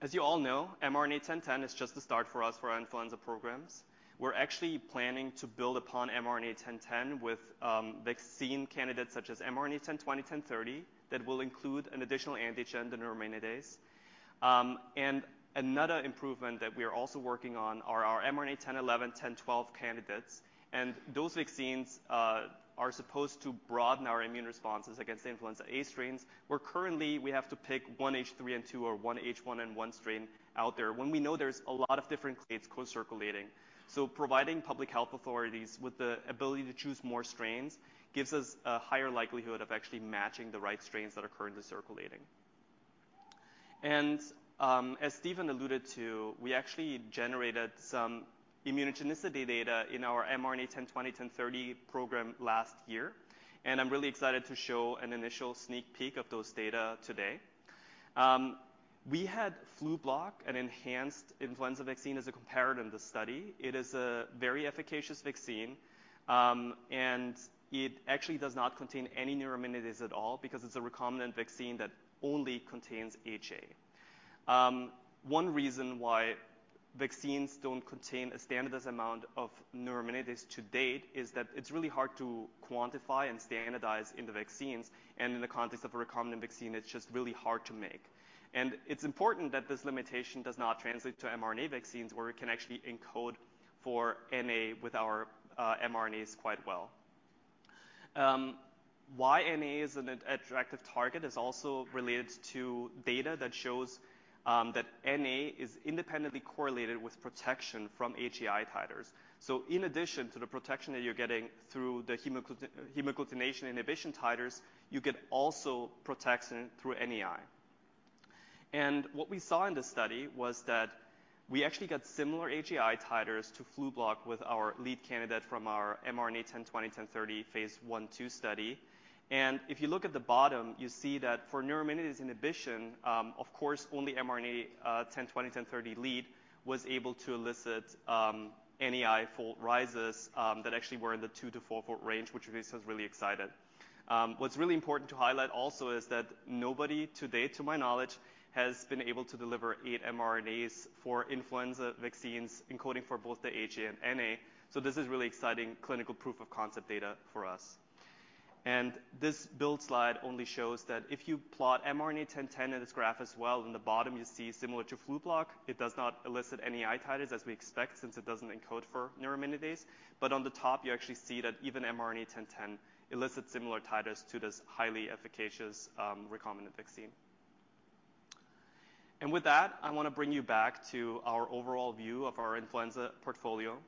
As you all know, mRNA-1010 is just the start for us for our influenza programs. We're actually planning to build upon mRNA-1010 with vaccine candidates such as mRNA-1020/1030 that will include an additional antigen, the neuraminidase. Another improvement that we are also working on are our mRNA-1011-1012 candidates, and those vaccines are supposed to broaden our immune responses against influenza A strains, where currently we have to pick one H3N2 or one H1N1 strain out there when we know there's a lot of different clades co-circulating. Providing public health authorities with the ability to choose more strains gives us a higher likelihood of actually matching the right strains that are currently circulating. As Stéphane alluded to, we actually generated some immunogenicity data in our mRNA-1020/1030 program last year, and I'm really excited to show an initial sneak peek of those data today. We had Flublok, an enhanced influenza vaccine, as a comparator in this study. It is a very efficacious vaccine, and it actually does not contain any neuraminidase at all because it's a recombinant vaccine that only contains HA. One reason why vaccines don't contain a standardized amount of neuraminidase to date is that it's really hard to quantify and standardize in the vaccines, and in the context of a recombinant vaccine, it's just really hard to make. It's important that this limitation does not translate to mRNA vaccines, where we can actually encode for NA with our mRNAs quite well. Why NA is an attractive target is also related to data that shows that NA is independently correlated with protection from HAI titers. In addition to the protection that you're getting through the hemagglutination inhibition titers, you get also protection through NAI. What we saw in this study was that we actually got similar HAI titers to Flublok with our lead candidate from our mRNA-1020/1030 phase I/II study. If you look at the bottom, you see that for neuraminidase inhibition, of course, only mRNA 1020/1030 lead was able to elicit NAI fold rises that actually were in the 2- to 4-fold range, which makes us really excited. What's really important to highlight also is that nobody to date, to my knowledge, has been able to deliver 8 mRNAs for influenza vaccines encoding for both the HA and NA. This is really exciting clinical proof of concept data for us. This build slide only shows that if you plot mRNA-1010 in this graph as well, in the bottom you see similar to Flublok, it does not elicit NAI titers as we expect since it doesn't encode for neuraminidase. On the top, you actually see that even mRNA-1010 elicits similar titers to this highly efficacious recombinant vaccine. With that, I want to bring you back to our overall view of our influenza portfolio.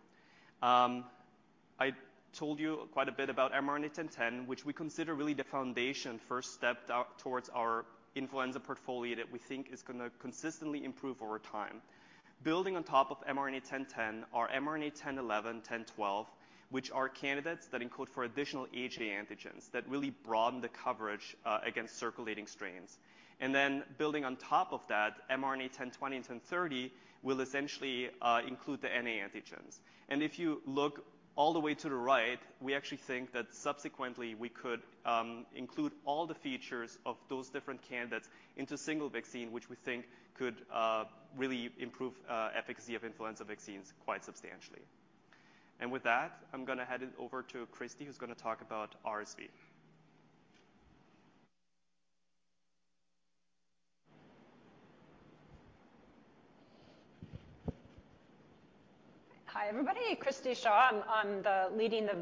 I told you quite a bit about mRNA-1010, which we consider really the foundation first step towards our influenza portfolio that we think is gonna consistently improve over time. Building on top of mRNA-1010 are mRNA-1011, mRNA-1012, which are candidates that encode for additional HA antigens that really broaden the coverage against circulating strains. Building on top of that, mRNA-1020, mRNA-1030 will essentially include the NA antigens. If you look all the way to the right, we actually think that subsequently we could include all the features of those different candidates into a single vaccine, which we think could really improve efficacy of influenza vaccines quite substantially. With that, I'm gonna hand it over to Christi, who's gonna talk about RSV. Hi, everybody. Christi Shaw. I'm leading the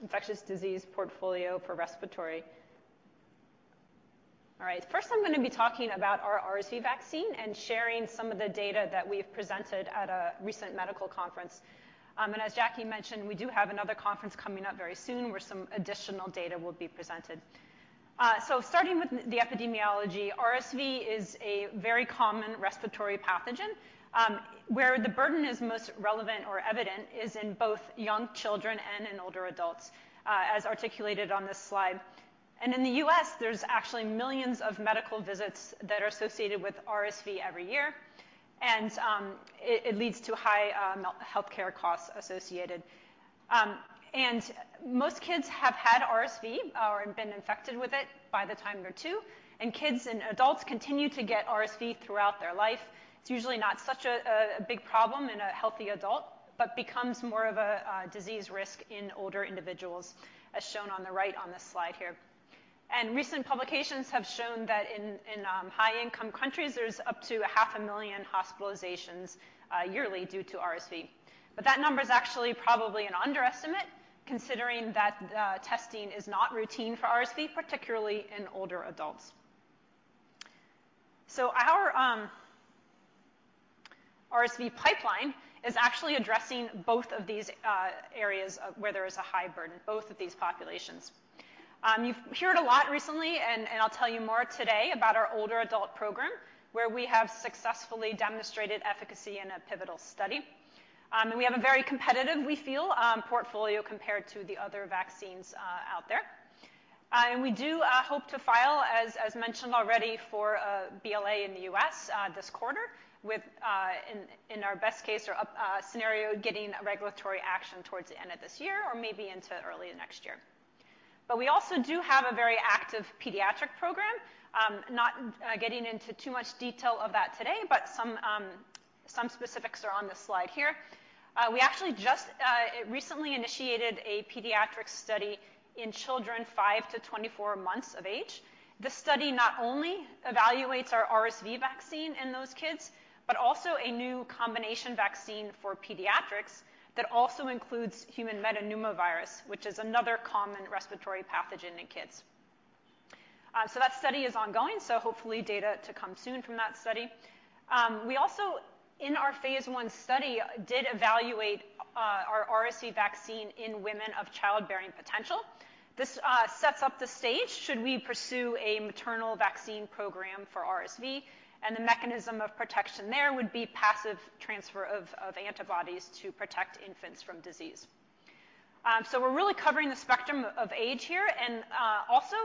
infectious disease portfolio for respiratory. First, I'm gonna be talking about our RSV vaccine and sharing some of the data that we've presented at a recent medical conference. And as Jackie mentioned, we do have another conference coming up very soon where some additional data will be presented. Starting with the epidemiology, RSV is a very common respiratory pathogen, where the burden is most relevant or evident is in both young children and in older adults, as articulated on this slide. In the U.S., there's actually millions of medical visits that are associated with RSV every year, and it leads to high healthcare costs associated. Most kids have had RSV or have been infected with it by the time they're two, and kids and adults continue to get RSV throughout their life. It's usually not such a big problem in a healthy adult, but becomes more of a disease risk in older individuals, as shown on the right on this slide here. Recent publications have shown that in high-income countries, there's up to a half a million hospitalizations yearly due to RSV. That number is actually probably an underestimate considering that testing is not routine for RSV, particularly in older adults. Our RSV pipeline is actually addressing both of these areas of where there is a high burden, both of these populations. You've heard a lot recently, and I'll tell you more today about our older adult program, where we have successfully demonstrated efficacy in a pivotal study. We have a very competitive, we feel, portfolio compared to the other vaccines out there. We do hope to file, as mentioned already, for a BLA in the U.S., this quarter with, in our best case or up scenario, getting a regulatory action towards the end of this year or maybe into early next year. We also do have a very active pediatric program. Not getting into too much detail of that today, but some specifics are on this slide here. We actually just recently initiated a pediatric study in children five to 24 months of age. This study not only evaluates our RSV vaccine in those kids, but also a new combination vaccine for pediatrics that also includes human metapneumovirus, which is another common respiratory pathogen in kids. That study is ongoing, so hopefully data to come soon from that study. We also, in our phase I study, did evaluate our RSV vaccine in women of childbearing potential. This sets up the stage should we pursue a maternal vaccine program for RSV, the mechanism of protection there would be passive transfer of antibodies to protect infants from disease. We're really covering the spectrum of age here and also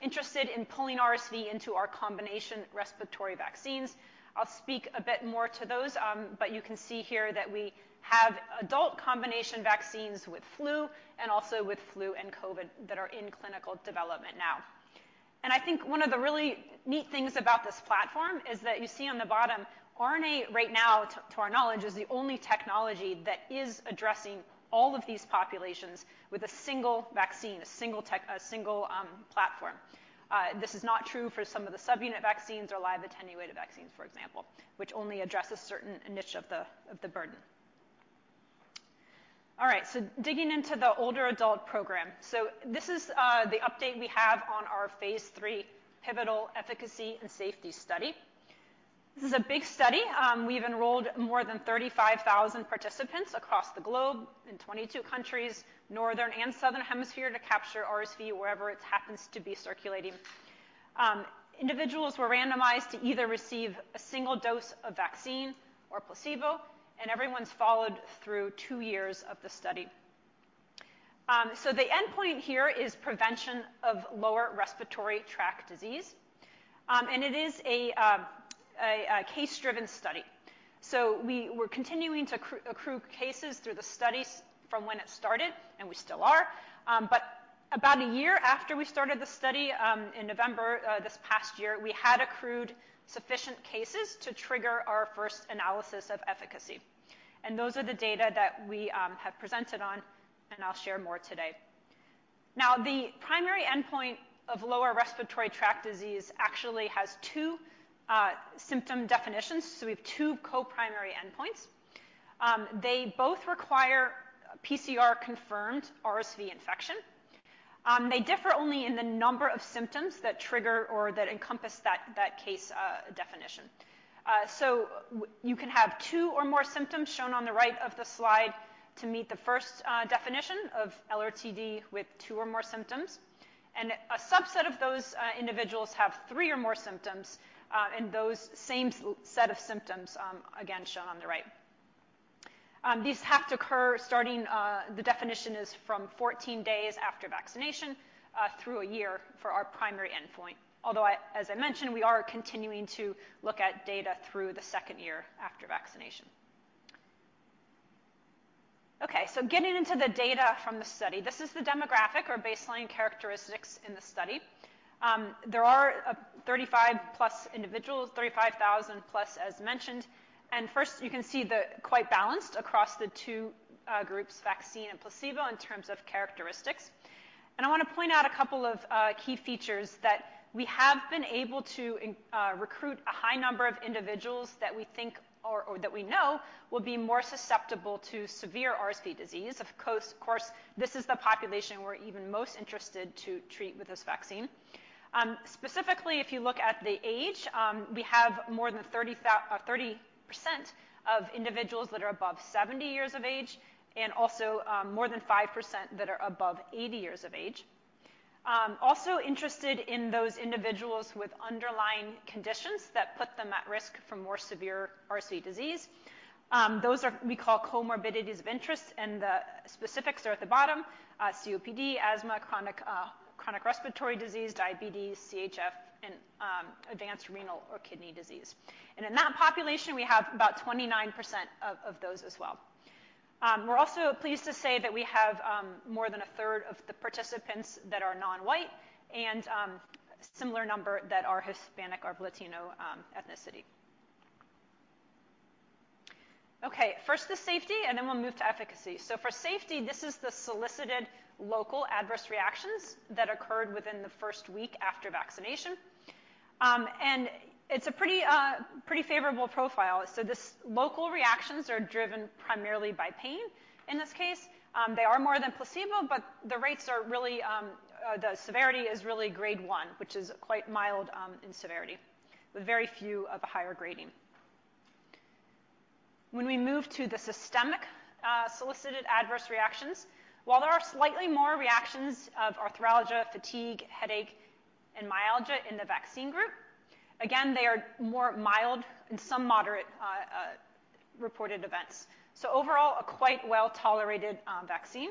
interested in pulling RSV into our combination respiratory vaccines. I'll speak a bit more to those, but you can see here that we have adult combination vaccines with flu and also with flu and COVID that are in clinical development now. I think one of the really neat things about this platform is that you see on the bottom, RNA right now, to our knowledge, is the only technology that is addressing all of these populations with a single vaccine, a single platform. This is not true for some of the subunit vaccines or live attenuated vaccines, for example, which only addresses certain niche of the burden. Digging into the older adult program. This is the update we have on our Phase III pivotal efficacy and safety study. This is a big study. We've enrolled more than 35,000 participants across the globe in 22 countries, Northern and Southern Hemisphere, to capture RSV wherever it happens to be circulating. Individuals were randomized to either receive a single dose of vaccine or placebo, and everyone's followed through two years of the study. The endpoint here is prevention of lower respiratory tract disease. It is a case-driven study. We were continuing to accrue cases through the study from when it started, and we still are. About a year after we started the study, in November, this past year, we had accrued sufficient cases to trigger our first analysis of efficacy. Those are the data that we have presented on, and I'll share more today. The primary endpoint of lower respiratory tract disease actually has two symptom definitions. We have two co-primary endpoints. They both require PCR-confirmed RSV infection. They differ only in the number of symptoms that trigger or that encompass that case definition. You can have two or more symptoms shown on the right of the slide to meet the first definition of LRTD with two or more symptoms. A subset of those individuals have three or more symptoms, and those same set of symptoms, again shown on the right. These have to occur starting, the definition is from 14 days after vaccination, through a year for our primary endpoint. Although I, as I mentioned, we are continuing to look at data through the 2nd year after vaccination. Getting into the data from the study. This is the demographic or baseline characteristics in the study. There are 35+ individuals, 35,000+ as mentioned. First, you can see the quite balanced across the two groups, vaccine and placebo, in terms of characteristics. I wanna point out a couple of key features that we have been able to recruit a high number of individuals that we think or that we know will be more susceptible to severe RSV disease. Of course, this is the population we're even most interested to treat with this vaccine. Specifically, if you look at the age, we have more than 30% of individuals that are above 70 years of age and also, more than 5% that are above 80 years of age. Also interested in those individuals with underlying conditions that put them at risk for more severe RSV disease. Those are, we call comorbidities of interest, and the specifics are at the bottom: COPD, asthma, chronic respiratory disease, diabetes, CHF, and advanced renal or kidney disease. In that population, we have about 29% of those as well. We're also pleased to say that we have more than a third of the participants that are non-white and similar number that are Hispanic or Latino ethnicity. Okay. First, the safety, and then we'll move to efficacy. For safety, this is the solicited local adverse reactions that occurred within the first week after vaccination. And it's a pretty favorable profile. This local reactions are driven primarily by pain in this case. They are more than placebo, the rates are really, the severity is really grade one, which is quite mild in severity, with very few of a higher grading. When we move to the systemic, solicited adverse reactions, while there are slightly more reactions of arthralgia, fatigue, headache, and myalgia in the vaccine group, again, they are more mild and some moderate reported events. Overall, a quite well-tolerated vaccine.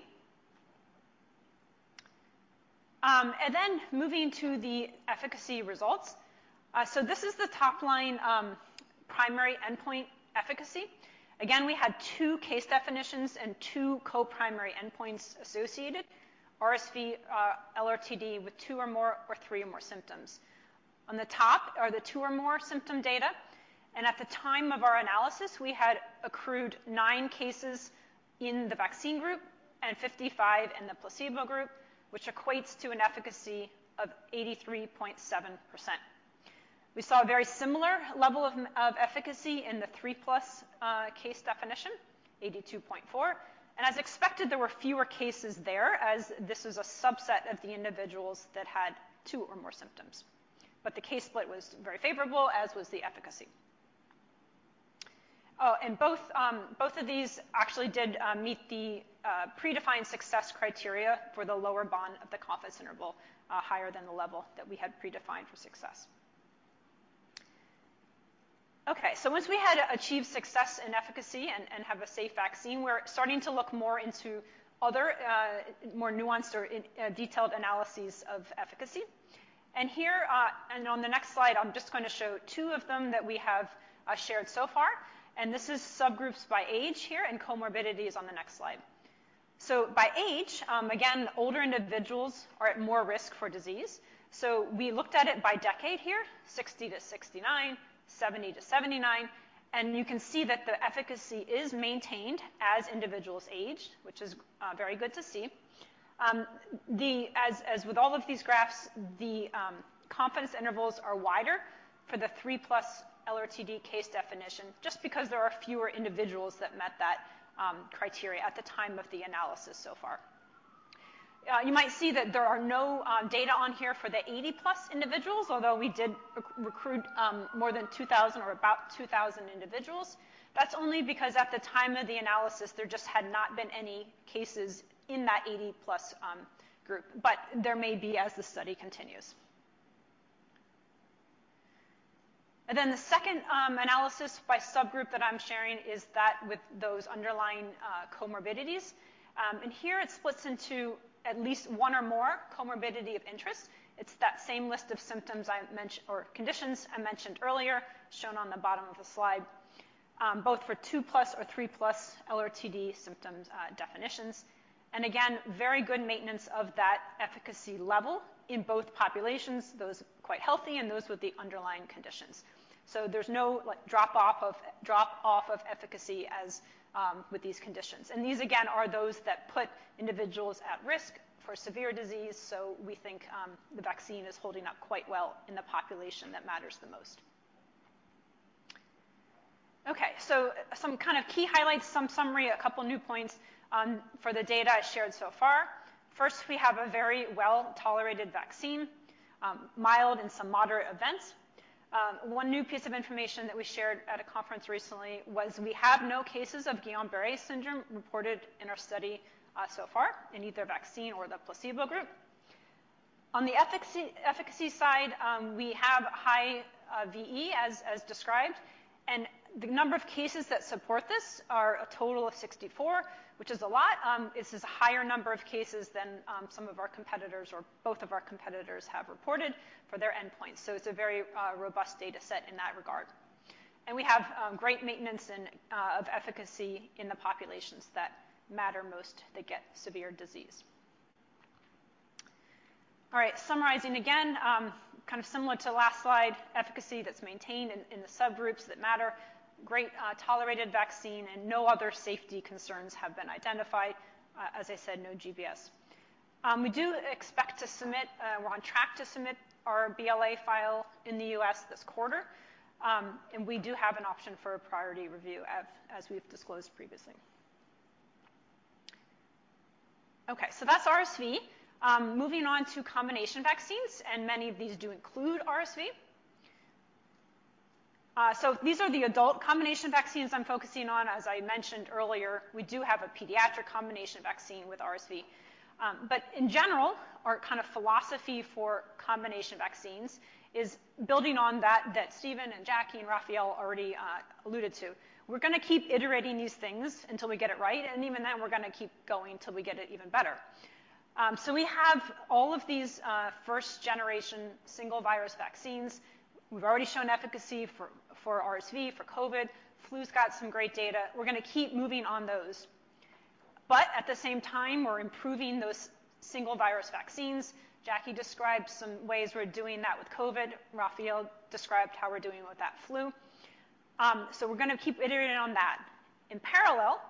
Moving to the efficacy results. This is the top-line primary endpoint efficacy. Again, we had two case definitions and two co-primary endpoints associated, RSV, LRTD with two or more or three or more symptoms. On the top are the two or more symptom data, at the time of our analysis, we had accrued nine cases in the vaccine group and 55 in the placebo group, which equates to an efficacy of 83.7%. We saw a very similar level of efficacy in the 3+ case definition, 82.4%. As expected, there were fewer cases there as this is a subset of the individuals that had two or more symptoms. The case split was very favorable, as was the efficacy. Both of these actually did meet the predefined success criteria for the lower bond of the confidence interval, higher than the level that we had predefined for success. Okay. Once we had achieved success and efficacy and have a safe vaccine, we're starting to look more into other, more nuanced or in, detailed analyses of efficacy. Here, and on the next slide, I'm just gonna show two of them that we have shared so far. This is subgroups by age here, and comorbidity is on the next slide. By age, again, older individuals are at more risk for disease. We looked at it by decade here, 60-69, 70-79, and you can see that the efficacy is maintained as individuals age, which is very good to see. as with all of these graphs, the confidence intervals are wider for the 3+ LRTD case definition just because there are fewer individuals that met that criteria at the time of the analysis so far. You might see that there are no data on here for the 80+ individuals, although we did recruit more than 2,000 or about 2,000 individuals. That's only because at the time of the analysis, there just had not been any cases in that 80+ group. There may be as the study continues. The second analysis by subgroup that I'm sharing is that with those underlying comorbidities. Here it splits into at least one or more comorbidity of interest. It's that same list of symptoms I mentioned or conditions I mentioned earlier, shown on the bottom of the slide, both for 2+ or 3+ LRTD symptoms, definitions. Again, very good maintenance of that efficacy level in both populations, those quite healthy and those with the underlying conditions. There's no, like, drop-off of efficacy as with these conditions. These, again, are those that put individuals at risk for severe disease, we think the vaccine is holding up quite well in the population that matters the most. Okay. Some kind of key highlights, some summary, a couple new points for the data I shared so far. First, we have a very well-tolerated vaccine, mild and some moderate events. One new piece of information that we shared at a conference recently was we have no cases of Guillain-Barré syndrome reported in our study so far in either vaccine or the placebo group. On the efficacy side, we have high VE as described, and the number of cases that support this are a total of 64, which is a lot. This is a higher number of cases than some of our competitors or both of our competitors have reported for their endpoint. It's a very robust data set in that regard. We have great maintenance and of efficacy in the populations that matter most that get severe disease. All right. Summarizing again, kind of similar to last slide, efficacy that's maintained in the subgroups that matter, great, tolerated vaccine, and no other safety concerns have been identified. As I said, no GBS. We're on track to submit our BLA file in the US this quarter. We do have an option for a priority review as we've disclosed previously. That's RSV. Moving on to combination vaccines, and many of these do include RSV. These are the adult combination vaccines I'm focusing on. As I mentioned earlier, we do have a pediatric combination vaccine with RSV. In general, our kind of philosophy for combination vaccines is building on that Stéphane and Jackie, and Raphael already alluded to. We're gonna keep iterating these things until we get it right, and even then we're gonna keep going till we get it even better. We have all of these first generation single virus vaccines. We've already shown efficacy for RSV, for COVID. flu's got some great data. We're gonna keep moving on those. At the same time, we're improving those single virus vaccines. Jackie described some ways we're doing that with COVID. Raphael described how we're doing with that flu. We're gonna keep iterating on that. In parallel,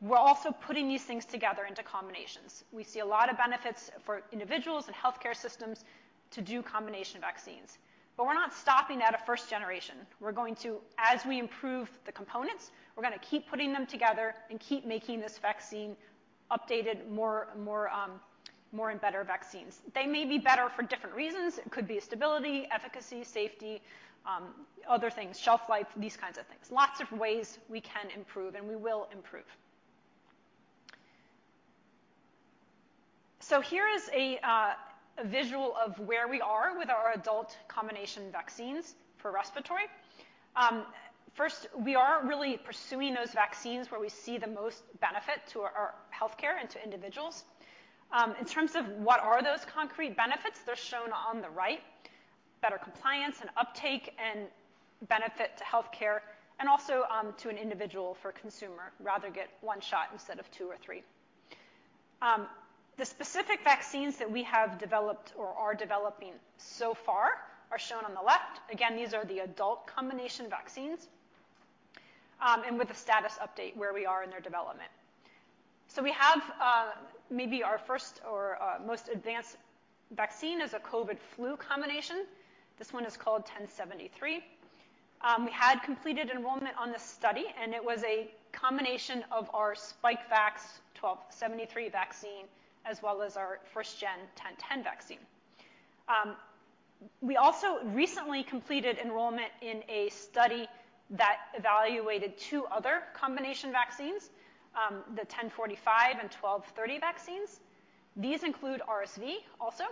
we're also putting these things together into combinations. We see a lot of benefits for individuals and healthcare systems to do combination vaccines. We're not stopping at a first generation. We're going to, as we improve the components, we're gonna keep putting them together and keep making this vaccine updated more and better vaccines. They may be better for different reasons. It could be stability, efficacy, safety, other things, shelf life, these kinds of things. Lots of ways we can improve, and we will improve. Here is a visual of where we are with our adult combination vaccines for respiratory. First, we are really pursuing those vaccines where we see the most benefit to our healthcare and to individuals. In terms of what are those concrete benefits, they're shown on the right, better compliance and uptake, and benefit to healthcare, and also, to an individual for consumer, rather get one shot instead of two or three. The specific vaccines that we have developed or are developing so far are shown on the left. Again, these are the adult combination vaccines, and with a status update where we are in their development. We have maybe our first or most advanced vaccine is a COVID flu combination. This one is called mRNA-1073. We had completed enrollment on this study, and it was a combination of our Spikevax mRNA-1273 vaccine as well as our first-gen mRNA-1010 vaccine. We also recently completed enrollment in a study that evaluated two other combination vaccines, the mRNA-1045 and mRNA-1230 vaccines. These include RSV also.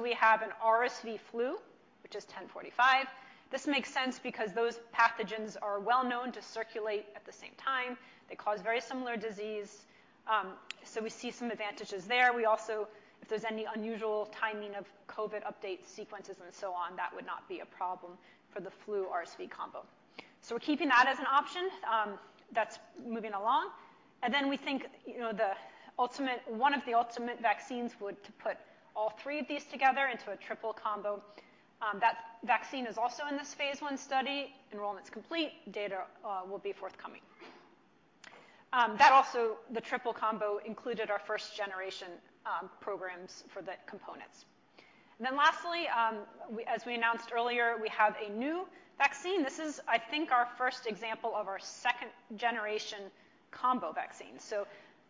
We have an RSV flu, which is mRNA-1045. This makes sense because those pathogens are well known to circulate at the same time. They cause very similar disease, we see some advantages there. We also, if there's any unusual timing of COVID update sequences and so on, that would not be a problem for the flu RSV combo. We're keeping that as an option. That's moving along. We think, you know, the ultimate... one of the ultimate vaccines would to put all three of these together into a triple combo. That vaccine is also in this phase I study. Enrollment's complete. Data will be forthcoming. That also, the triple combo, included our first generation programs for the components. Lastly, as we announced earlier, we have a new vaccine. This is, I think, our first example of our second generation combo vaccine.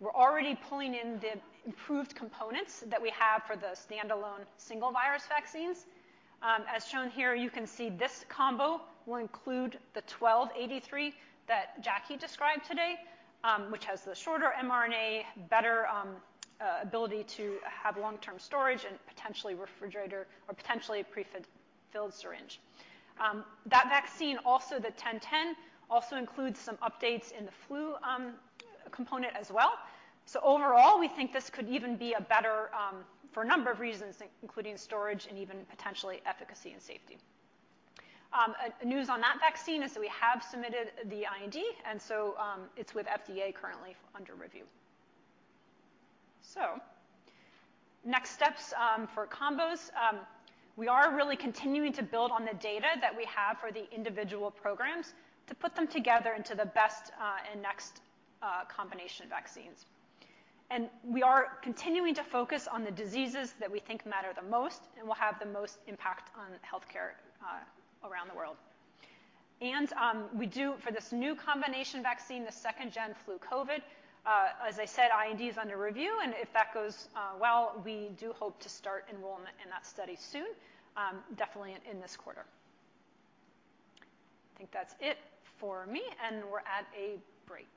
We're already pulling in the improved components that we have for the standalone single virus vaccines. As shown here, you can see this combo will include the mRNA-1283 that Jackie described today, which has the shorter mRNA, better, ability to have long-term storage and potentially refrigerator or potentially prefill-filled syringe. That vaccine, also the mRNA-1010, also includes some updates in the flu, component as well. Overall, we think this could even be a better, for a number of reasons, including storage and even potentially efficacy and safety. News on that vaccine is that we have submitted the IND. It's with FDA currently under review. Next steps, for combos. We are really continuing to build on the data that we have for the individual programs to put them together into the best, and next, combination vaccines. We are continuing to focus on the diseases that we think matter the most and will have the most impact on healthcare around the world. For this new combination vaccine, the second-gen FluCOVID, as I said, IND is under review, and if that goes well, we do hope to start enrollment in that study soon, definitely in this quarter. I think that's it for me, and we're at a break.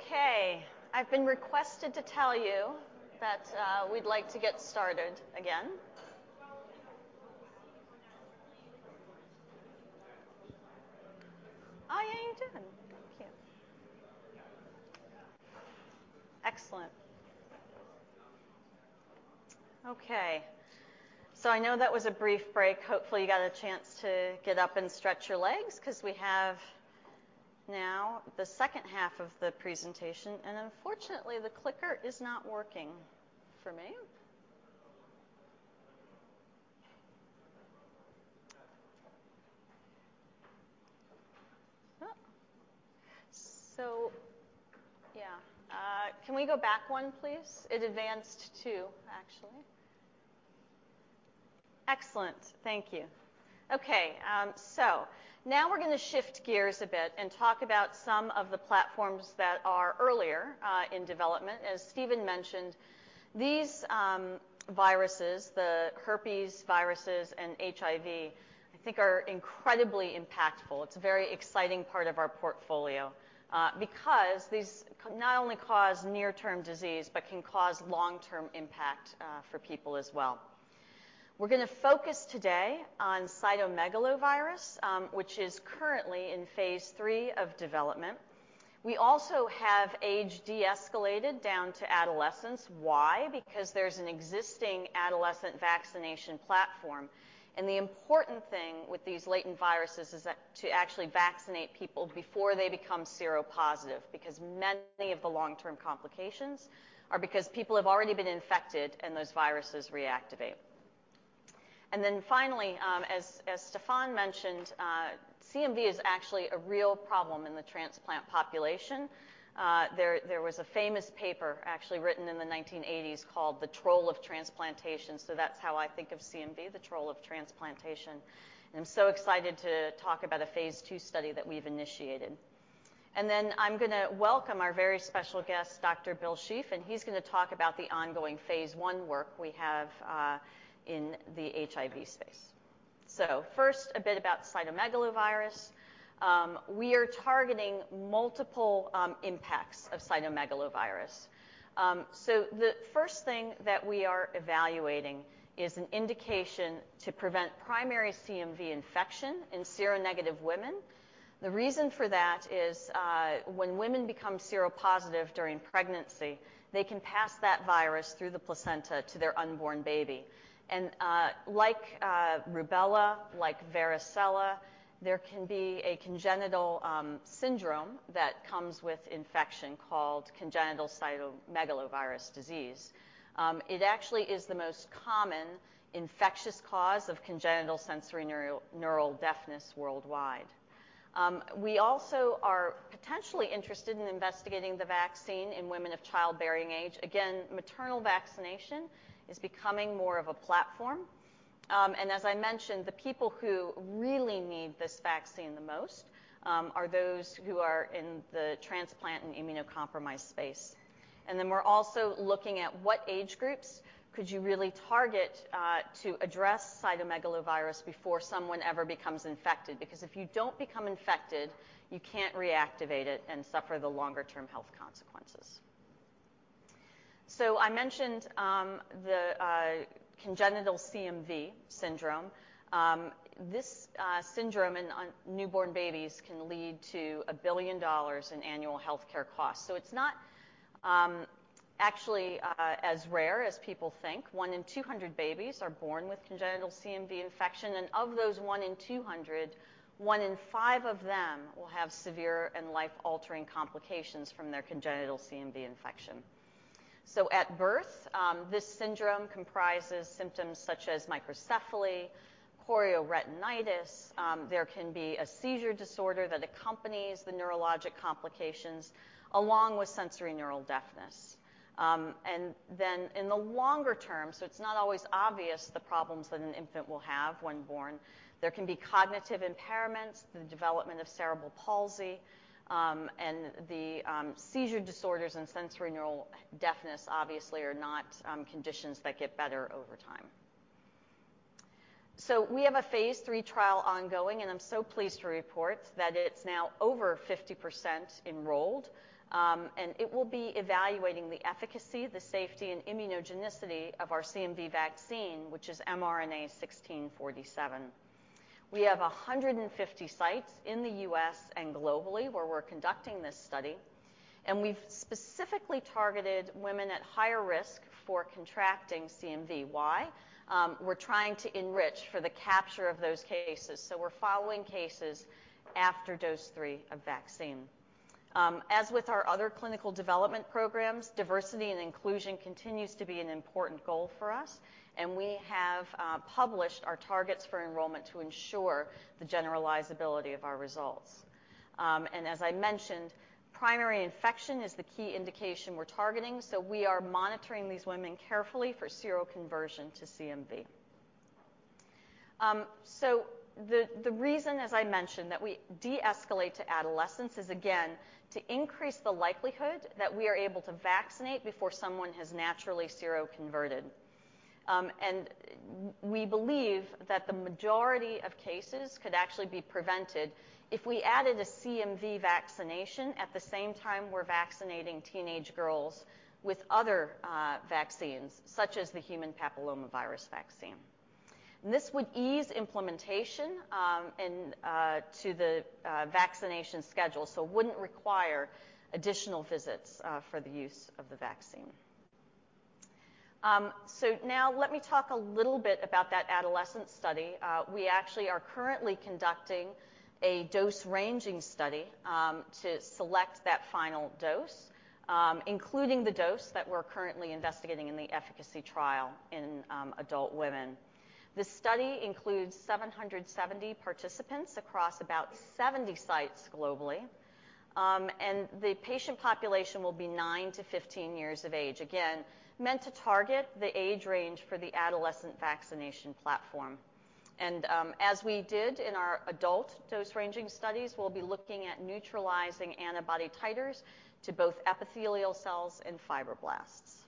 Okay, I've been requested to tell you that we'd like to get started again. Oh, yeah, you did. Thank you. Excellent. Okay. I know that was a brief break. Hopefully, you got a chance to get up and stretch your legs 'cause we have now the second half of the presentation, and unfortunately, the clicker is not working for me. Oh. Yeah. Can we go back one, please? It advanced two, actually. Excellent. Thank you. Okay. Now we're gonna shift gears a bit and talk about some of the platforms that are earlier in development. As Stéphane mentioned, these viruses, the herpes viruses and HIV, I think are incredibly impactful. It's a very exciting part of our portfolio, because these not only cause near-term disease, but can cause long-term impact for people as well. We're gonna focus today on cytomegalovirus, which is currently in phase III of development. We also have age de-escalated down to adolescents. Why? Because there's an existing adolescent vaccination platform. The important thing with these latent viruses is that to actually vaccinate people before they become seropositive, because many of the long-term complications are because people have already been infected, and those viruses reactivate. Finally, as Stéphane mentioned, CMV is actually a real problem in the transplant population. There was a famous paper, actually written in the 1980s, called The Troll of Transplantation, so that's how I think of CMV, the troll of transplantation. I'm so excited to talk about a phase II study that we've initiated. I'm gonna welcome our very special guest, Dr. Bill Schief, he's gonna talk about the ongoing phase I work we have in the HIV space. First, a bit about cytomegalovirus. We are targeting multiple impacts of cytomegalovirus. The first thing that we are evaluating is an indication to prevent primary CMV infection in seronegative women. The reason for that is when women become seropositive during pregnancy, they can pass that virus through the placenta to their unborn baby. Like rubella, like varicella, there can be a congenital syndrome that comes with infection called congenital cytomegalovirus disease. It actually is the most common infectious cause of congenital sensorineural hearing loss worldwide. We also are potentially interested in investigating the vaccine in women of childbearing age. Again, maternal vaccination is becoming more of a platform. As I mentioned, the people who really need this vaccine the most are those who are in the transplant and immunocompromised space. We're also looking at what age groups could you really target to address cytomegalovirus before someone ever becomes infected, because if you don't become infected, you can't reactivate it and suffer the longer term health consequences. I mentioned the congenital CMV syndrome. This syndrome on newborn babies can lead to $1 billion in annual healthcare costs. It's not actually as rare as people think. one in 200 babies are born with congenital CMV infection, and of those one in 200, one in five of them will have severe and life-altering complications from their congenital CMV infection. At birth, this syndrome comprises symptoms such as microcephaly, chorioretinitis, there can be a seizure disorder that accompanies the neurologic complications, along with sensorineural deafness. And then in the longer term, it's not always obvious the problems that an infant will have when born, there can be cognitive impairments, the development of cerebral palsy, and the seizure disorders and sensorineural deafness obviously are not conditions that get better over time. We have a phase III trial ongoing, and I'm so pleased to report that it's now over 50% enrolled, and it will be evaluating the efficacy, the safety, and immunogenicity of our CMV vaccine, which is mRNA-1647. We have 150 sites in the U.S. and globally where we're conducting this study, and we've specifically targeted women at higher risk for contracting CMV. Why? We're trying to enrich for the capture of those cases. We're following cases after dose three of vaccine. As with our other clinical development programs, diversity and inclusion continues to be an important goal for us, and we have published our targets for enrollment to ensure the generalizability of our results. As I mentioned, primary infection is the key indication we're targeting, so we are monitoring these women carefully for seroconversion to CMV. The reason, as I mentioned, that we de-escalate to adolescence is, again, to increase the likelihood that we are able to vaccinate before someone has naturally seroconverted. We believe that the majority of cases could actually be prevented if we added a CMV vaccination at the same time we're vaccinating teenage girls with other vaccines, such as the human papillomavirus vaccine. This would ease implementation, and to the vaccination schedule, so it wouldn't require additional visits for the use of the vaccine. Now let me talk a little bit about that adolescent study. We actually are currently conducting a dose-ranging study to select that final dose, including the dose that we're currently investigating in the efficacy trial in adult women. The study includes 770 participants across about 70 sites globally, and the patient population will be nine to 15 years of age, again, meant to target the age range for the adolescent vaccination platform. As we did in our adult dose-ranging studies, we'll be looking at neutralizing antibody titers to both epithelial cells and fibroblasts.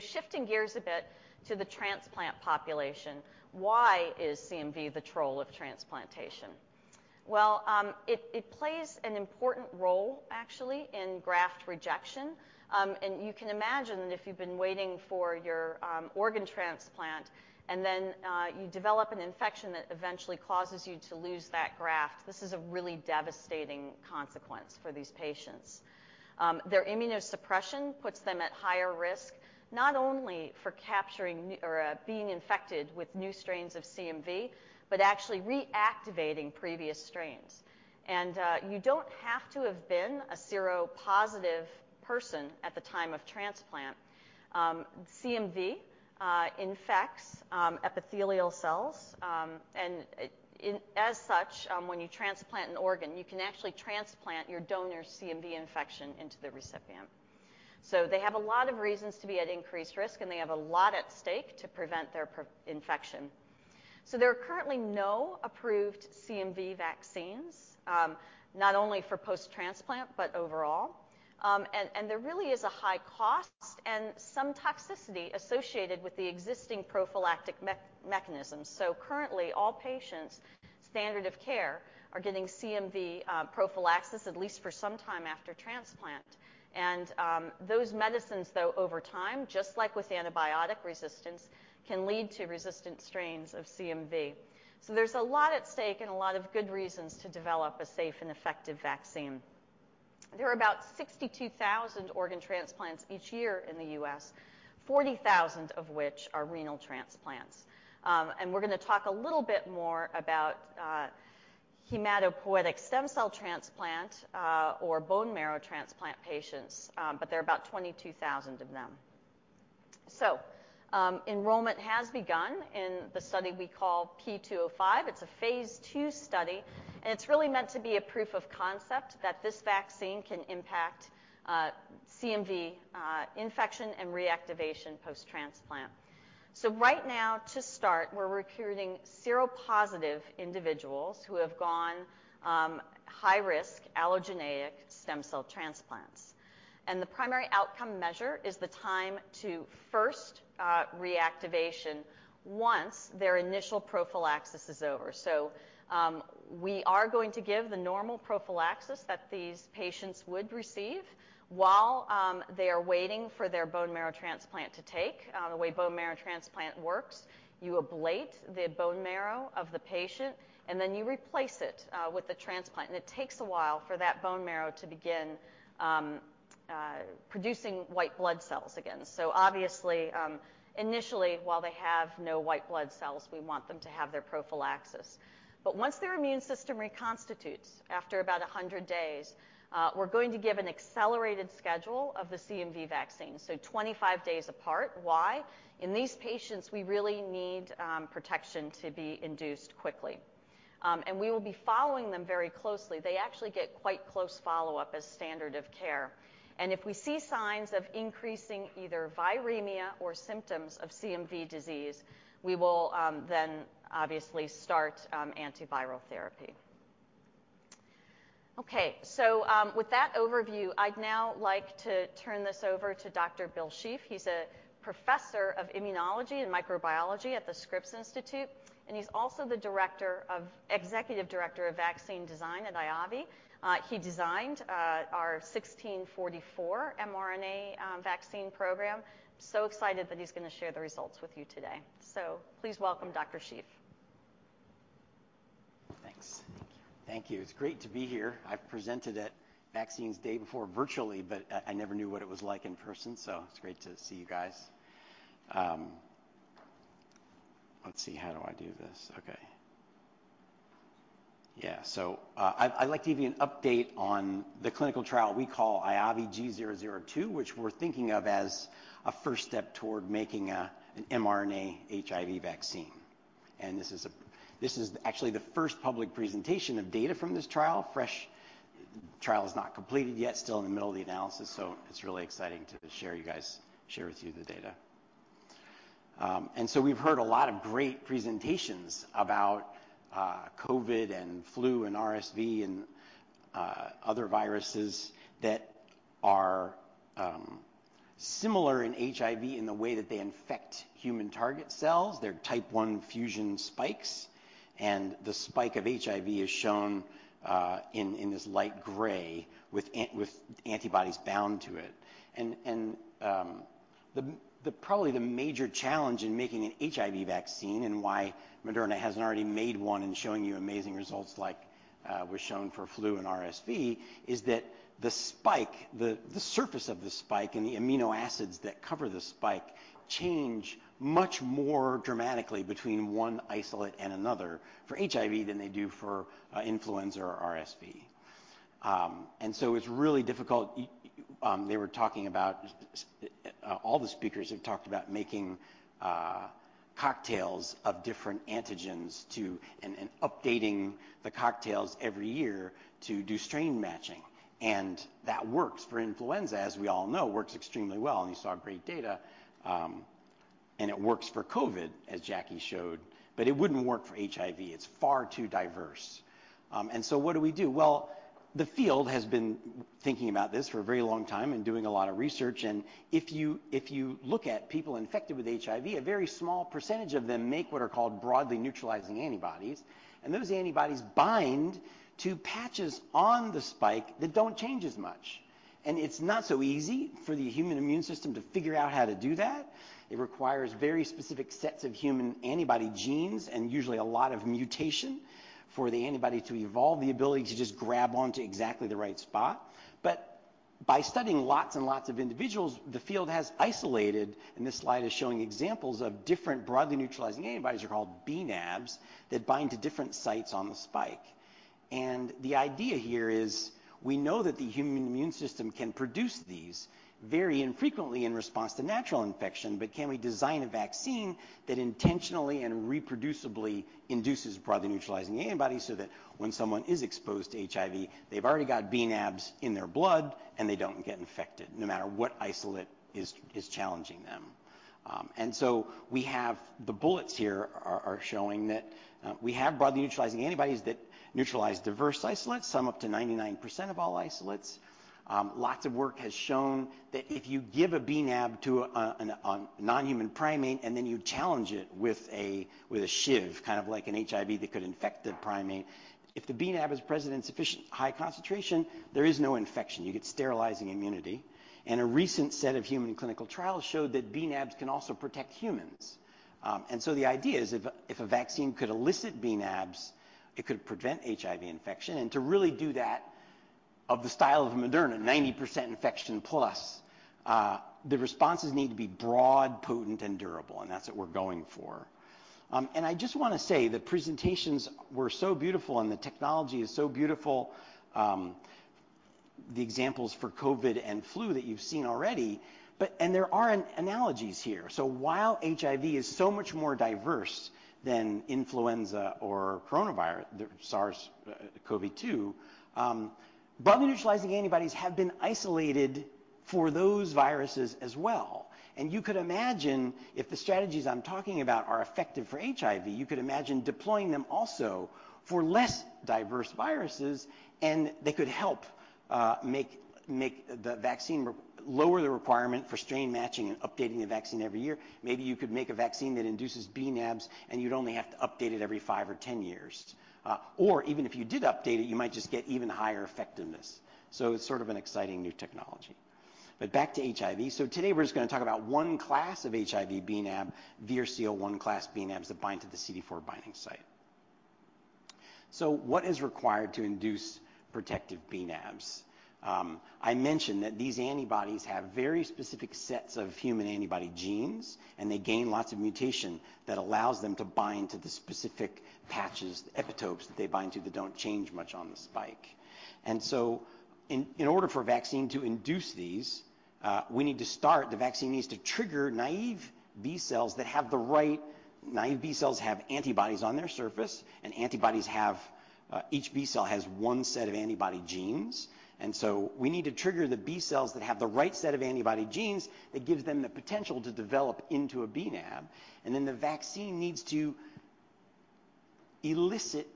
Shifting gears a bit to the transplant population, why is CMV the troll of transplantation? Well, it plays an important role actually in graft rejection. You can imagine that if you've been waiting for your organ transplant and then you develop an infection that eventually causes you to lose that graft, this is a really devastating consequence for these patients. Their immunosuppression puts them at higher risk, not only for capturing or being infected with new strains of CMV, but actually reactivating previous strains. You don't have to have been a seropositive person at the time of transplant. CMV infects epithelial cells, and as such, when you transplant an organ, you can actually transplant your donor's CMV infection into the recipient. They have a lot of reasons to be at increased risk, and they have a lot at stake to prevent their infection. There are currently no approved CMV vaccines, not only for post-transplant, but overall. There really is a high cost and some toxicity associated with the existing prophylactic mechanisms. Currently, all patients' standard of care are getting CMV prophylaxis at least for some time after transplant. Those medicines, though, over time, just like with antibiotic resistance, can lead to resistant strains of CMV. There's a lot at stake and a lot of good reasons to develop a safe and effective vaccine. There are about 62,000 organ transplants each year in the U.S., 40,000 of which are renal transplants. We're gonna talk a little bit more about hematopoietic stem cell transplant or bone marrow transplant patients, but there are about 22,000 of them. Enrollment has begun in the study we call P205. It's a Phase II study, and it's really meant to be a proof of concept that this vaccine can impact CMV infection and reactivation post-transplant. Right now, to start, we're recruiting seropositive individuals who have gone high-risk allogeneic stem cell transplants. The primary outcome measure is the time to first reactivation once their initial prophylaxis is over. We are going to give the normal prophylaxis that these patients would receive while they are waiting for their bone marrow transplant to take. The way bone marrow transplant works, you ablate the bone marrow of the patient, and then you replace it with the transplant. It takes a while for that bone marrow to begin producing white blood cells again. Obviously, initially, while they have no white blood cells, we want them to have their prophylaxis. Once their immune system reconstitutes after about 100 days, we're going to give an accelerated schedule of the CMV vaccine, so 25 days apart. Why? In these patients, we really need protection to be induced quickly. We will be following them very closely. They actually get quite close follow-up as standard of care. If we see signs of increasing either viremia or symptoms of CMV disease, we will then obviously start antiviral therapy. With that overview, I'd now like to turn this over to Dr. Bill Schief. He's a professor of immunology and microbiology at The Scripps Institute, and he's also the Executive Director of Vaccine Design at IAVI. He designed our mRNA-1644 vaccine program. Excited that he's gonna share the results with you today. Please welcome Dr. Schief. Thanks. Thank you. Thank you. It's great to be here. I've presented at Vaccines Day Before virtually, but I never knew what it was like in person, so it's great to see you guys. Let's see. How do I do this? Okay. I'd like to give you an update on the clinical trial we call IAVI G002, which we're thinking of as a first step toward making an mRNA HIV vaccine. This is actually the first public presentation of data from this trial. The trial is not completed yet, still in the middle of the analysis, so it's really exciting to share, you guys, share with you the data. We've heard a lot of great presentations about COVID and flu and RSV and other viruses that are similar in HIV in the way that they infect human target cells, their type one fusion spikes, and the spike of HIV is shown in this light gray with antibodies bound to it. Probably the major challenge in making an HIV vaccine and why Moderna hasn't already made one and showing you amazing results like was shown for flu and RSV is that the spike, the surface of the spike and the amino acids that cover the spike change much more dramatically between one isolate and another for HIV than they do for influenza or RSV. It's really difficult, they were talking about, all the speakers have talked about making cocktails of different antigens to, and updating the cocktails every year to do strain matching. That works for influenza, as we all know, works extremely well, and you saw great data. It works for COVID, as Jackie showed, but it wouldn't work for HIV. It's far too diverse. What do we do? Well, the field has been thinking about this for a very long time and doing a lot of research, and if you look at people infected with HIV, a very small percentage of them make what are called broadly neutralizing antibodies, and those antibodies bind to patches on the spike that don't change as much. It's not so easy for the human immune system to figure out how to do that. It requires very specific sets of human antibody genes and usually a lot of mutation for the antibody to evolve the ability to just grab on to exactly the right spot. By studying lots and lots of individuals, the field has isolated, and this slide is showing examples of different broadly neutralizing antibodies, they're called bnAbs, that bind to different sites on the spike. The idea here is we know that the human immune system can produce these very infrequently in response to natural infection, but can we design a vaccine that intentionally and reproducibly induces broadly neutralizing antibodies so that when someone is exposed to HIV, they've already got bnAbs in their blood, and they don't get infected no matter what isolate is challenging them. We have... The bullets here are showing that we have broadly neutralizing antibodies that neutralize diverse isolates, some up to 99% of all isolates. Lots of work has shown that if you give a bnAb to a non-human primate, and then you challenge it with a, with a SHIV, kind of like an HIV that could infect the primate, if the bnAb is present in sufficient high concentration, there is no infection. You get sterilizing immunity. A recent set of human clinical trials showed that bnAbs can also protect humans. The idea is if a vaccine could elicit bnAbs, it could prevent HIV infection, and to really do that of the style of Moderna, 90% infection plus, the responses need to be broad, potent, and durable, and that's what we're going for. I just wanna say the presentations were so beautiful, and the technology is so beautiful, the examples for COVID and flu that you've seen already. There are analogies here. While HIV is so much more diverse than influenza or coronavirus, the SARS-CoV-2, broadly neutralizing antibodies have been isolated for those viruses as well. You could imagine if the strategies I'm talking about are effective for HIV, you could imagine deploying them also for less diverse viruses, and they could help make the vaccine lower the requirement for strain matching and updating the vaccine every year. Maybe you could make a vaccine that induces bnAbs, and you'd only have to update it every five or 10 years. Even if you did update it, you might just get even higher effectiveness. It's sort of an exciting new technology. Back to HIV. Today we're just gonna talk about one class of HIV bnAb, VRC01 class bnAbs that bind to the CD4 binding site. What is required to induce protective bnAbs? I mentioned that these antibodies have very specific sets of human antibody genes, and they gain lots of mutation that allows them to bind to the specific patches, epitopes that they bind to that don't change much on the spike. In order for a vaccine to induce these, we need to start. The vaccine needs to trigger naive B cells that have the right. Naive B cells have antibodies on their surface, and antibodies have, each B cell has one set of antibody genes. We need to trigger the B cells that have the right set of antibody genes that gives them the potential to develop into a bnAb. The vaccine needs to elicit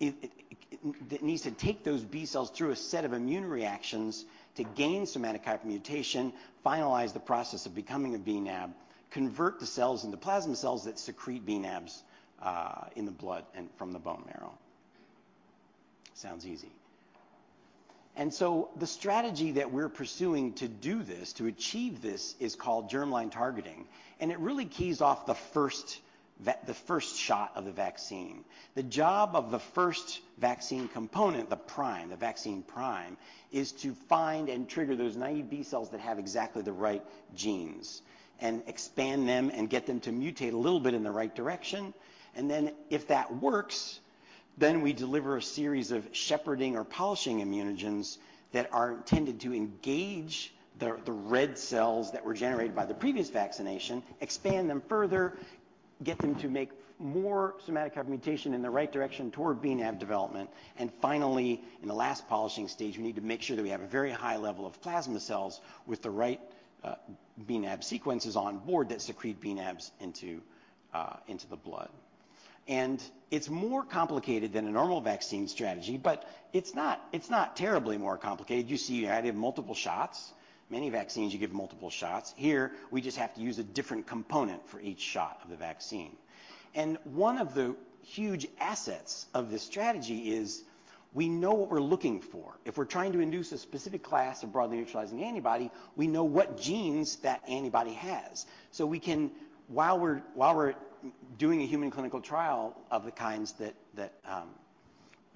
it needs to take those B cells through a set of immune reactions to gain somatic hypermutation, finalize the process of becoming a bnAb, convert the cells into plasma cells that secrete bnAbs in the blood and from the bone marrow. Sounds easy. The strategy that we're pursuing to do this, to achieve this, is called germline targeting, and it really keys off the first the first shot of the vaccine. The job of the first vaccine component, the vaccine prime, is to find and trigger those naive B cells that have exactly the right genes and expand them and get them to mutate a little bit in the right direction. If that works, then we deliver a series of shepherding or polishing immunogens that are intended to engage the red cells that were generated by the previous vaccination, expand them further, get them to make more somatic hypermutation in the right direction toward bnAb development. Finally, in the last polishing stage, we need to make sure that we have a very high level of plasma cells with the right bnAb sequences on board that secrete bnAbs into the blood. It's more complicated than a normal vaccine strategy, but it's not terribly more complicated. You see I did multiple shots. Many vaccines, you give multiple shots. Here, we just have to use a different component for each shot of the vaccine. One of the huge assets of this strategy is we know what we're looking for. If we're trying to induce a specific class of broadly neutralizing antibody, we know what genes that antibody has. We can, while we're doing a human clinical trial of the kinds that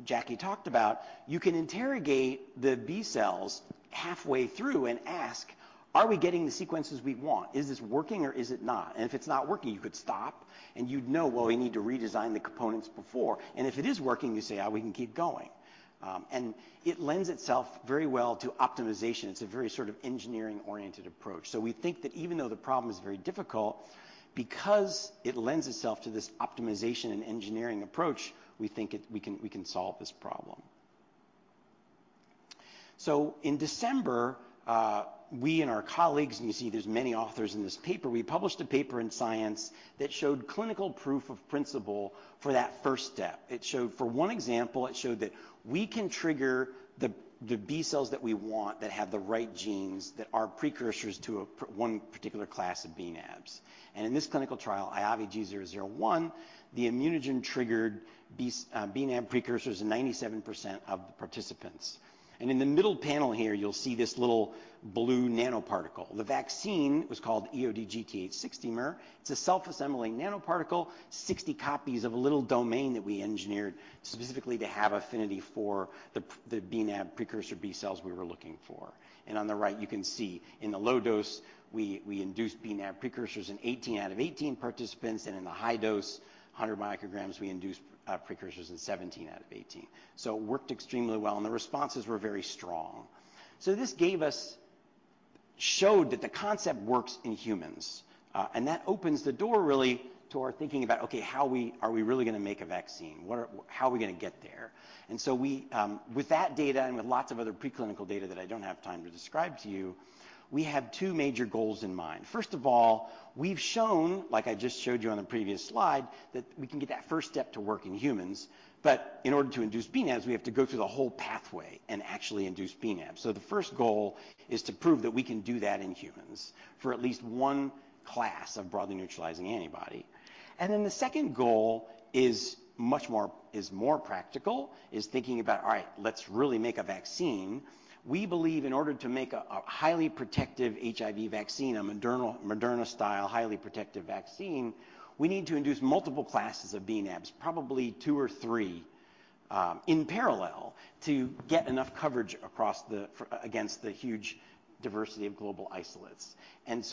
Jackie talked about, you can interrogate the B cells halfway through and ask, "Are we getting the sequences we want? Is this working or is it not?" If it's not working, you could stop, and you'd know, well, we need to redesign the components before. If it is working, you say, "Oh, we can keep going." It lends itself very well to optimization. It's a very sort of engineering-oriented approach. We think that even though the problem is very difficult, because it lends itself to this optimization and engineering approach, we can solve this problem. In December, we and our colleagues, and you see there's many authors in this paper, we published a paper in Science that showed clinical proof of principle for that first step. For one example, it showed that we can trigger the B cells that we want that have the right genes that are precursors to one particular class of bnAbs. In this clinical trial, IAVI G001, the immunogen triggered a bnAb precursors in 97% of the participants. In the middle panel here, you'll see this little blue nanoparticle. The vaccine was called eOD-GT8 60mer. It's a self-assembling nanoparticle, 60 copies of a little domain that we engineered specifically to have affinity for the bnAb precursor B cells we were looking for. On the right, you can see in the low dose, we induced bnAb precursors in 18 out of 18 participants, and in the high dose, 100 micrograms, we induced precursors in 17 out of 18. It worked extremely well, and the responses were very strong. This gave us showed that the concept works in humans, and that opens the door really to our thinking about, okay, how we are we really going to make a vaccine? How are we going to get there? We, with that data and with lots of other preclinical data that I don't have time to describe to you, we have two major goals in mind. First of all, we've shown, like I just showed you on the previous slide, that we can get that first step to work in humans. In order to induce bNAbs, we have to go through the whole pathway and actually induce bNAbs. The first goal is to prove that we can do that in humans for at least one class of broadly neutralizing antibody. The second goal is more practical, is thinking about, all right, let's really make a vaccine. We believe in order to make a highly protective HIV vaccine, a Moderna style, highly protective vaccine, we need to induce multiple classes of bnAbs, probably two or three in parallel to get enough coverage against the huge diversity of global isolates.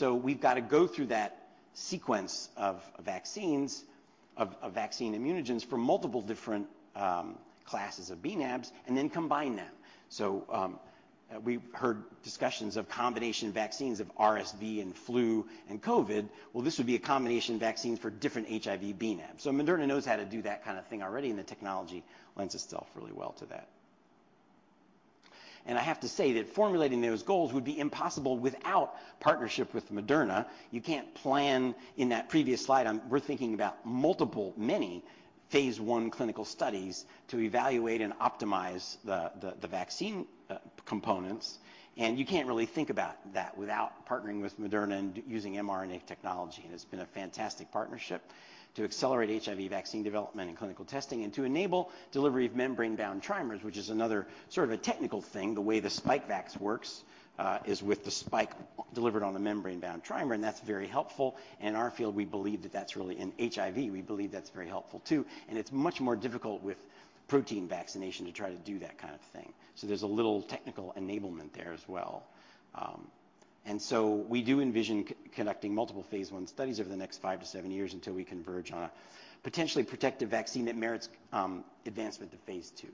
We've got to go through that sequence of vaccines, of vaccine immunogens for multiple different classes of bnAbs and then combine them. We've heard discussions of combination vaccines of RSV and flu and COVID. This would be a combination vaccine for different HIV bnAb. Moderna knows how to do that kind of thing already, and the technology lends itself really well to that. I have to say that formulating those goals would be impossible without partnership with Moderna. You can't plan... In that previous slide, we're thinking about multiple, many phase I clinical studies to evaluate and optimize the, the vaccine components. You can't really think about that without partnering with Moderna and using mRNA technology. It's been a fantastic partnership to accelerate HIV vaccine development and clinical testing and to enable delivery of membrane-bound trimers, which is another sort of a technical thing. The way the Spikevax works, is with the spike delivered on a membrane-bound trimer, and that's very helpful. In our field, In HIV, we believe that's very helpful too, and it's much more difficult with protein vaccination to try to do that kind of thing. There's a little technical enablement there as well. We do envision conducting multiple phase I studies over the next five to seven years until we converge on a potentially protective vaccine that merits advancement to phase II.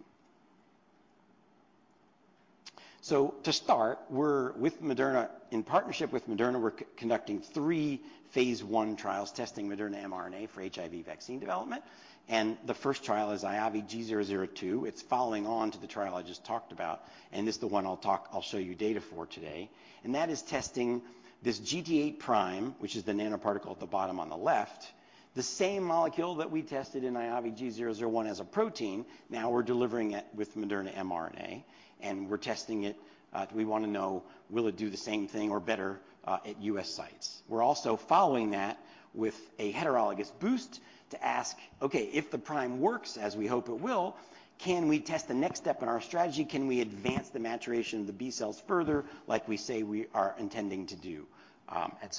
In partnership with Moderna, we're conducting three phase I trials testing Moderna mRNA for HIV vaccine development, and the first trial is IAVI G002. It's following on to the trial I just talked about, and this is the one I'll show you data for today. That is testing this GT8 prime, which is the nanoparticle at the bottom on the left, the same molecule that we tested in IAVI G001 as a protein. Now we're delivering it with Moderna mRNA, and we're testing it. Do we want to know will it do the same thing or better at U.S. sites? We're also following that with a heterologous boost to ask, okay, if the prime works as we hope it will, can we test the next step in our strategy? Can we advance the maturation of the B cells further like we say we are intending to do?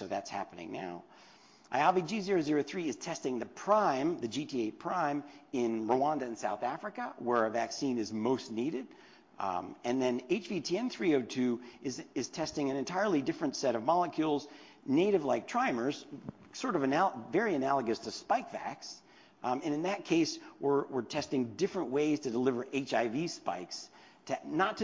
That's happening now. IAVI G003 is testing the prime, the GT8 prime, in Rwanda and South Africa, where a vaccine is most needed. HVTN 302 is testing an entirely different set of molecules, native-like trimers, very analogous to Spikevax. In that case, we're testing different ways to deliver HIV spikes to not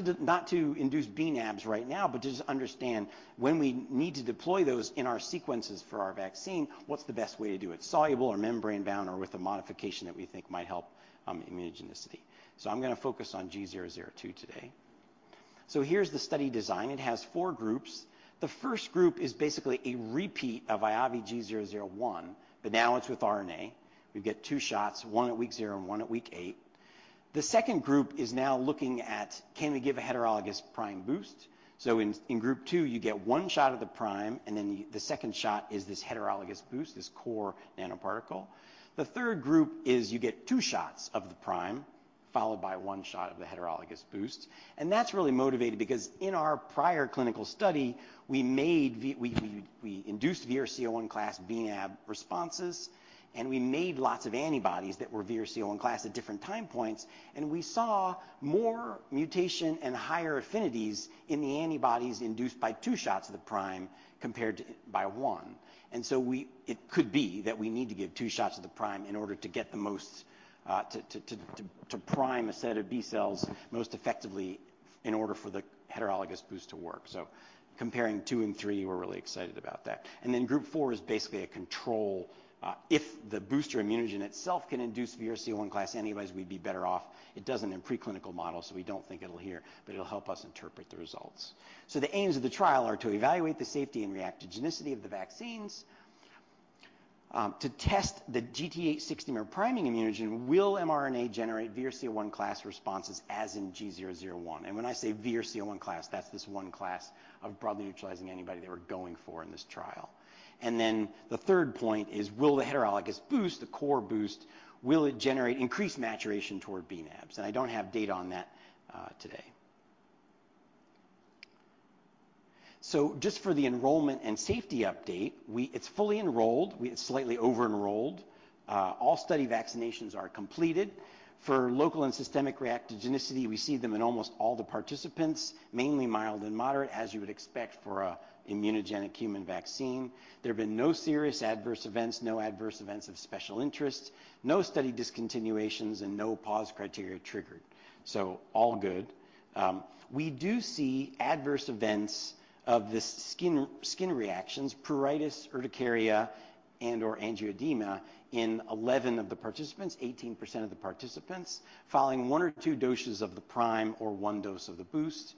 to induce bnAbs right now, but to just understand when we need to deploy those in our sequences for our vaccine, what's the best way to do it? Soluble or membrane-bound or with a modification that we think might help immunogenicity. I'm going to focus on G002 today. Here's the study design. It has four groups. The first group is basically a repeat of IAVI G001, but now it's with RNA. We get two shots, one at week zero and one at week eight. The second group is now looking at can we give a heterologous prime boost? In group two, you get one shot of the prime, and then the second shot is this heterologous boost, this core nanoparticle. The third group is you get two shots of the prime followed by one shot of the heterologous boost. That's really motivated because in our prior clinical study, we induced VRC01 class bNAb responses, and we made lots of antibodies that were VRC01 class at different time points, and we saw more mutation and higher affinities in the antibodies induced by two shots of the prime compared to by one. It could be that we need to give two shots of the prime in order to get the most to prime a set of B cells most effectively in order for the heterologous boost to work. Comparing two and three, we're really excited about that. Group four is basically a control, if the booster immunogen itself can induce VRC01 class antibodies, we'd be better off. It doesn't in preclinical models. We don't think it'll here, but it'll help us interpret the results. The aims of the trial are to evaluate the safety and reactogenicity of the vaccines. To test the GT8 60-mer priming immunogen, will mRNA generate VRC01 class responses as in G001? When I say VRC01 class, that's this one class of broadly neutralizing antibody that we're going for in this trial. Then the third point is will the heterologous boost, the core boost, will it generate increased maturation toward bNAbs? I don't have data on that today. Just for the enrollment and safety update, It's fully enrolled. It's slightly over-enrolled. All study vaccinations are completed. For local and systemic reactogenicity, we see them in almost all the participants, mainly mild and moderate, as you would expect for a immunogenic human vaccine. There have been no serious adverse events, no adverse events of special interest, no study discontinuations, and no pause criteria triggered, so all good. We do see adverse events of this skin reactions, pruritus, urticaria, and/or angioedema in 11 of the participants, 18% of the participants, following one or two doses of the prime or one dose of the boost.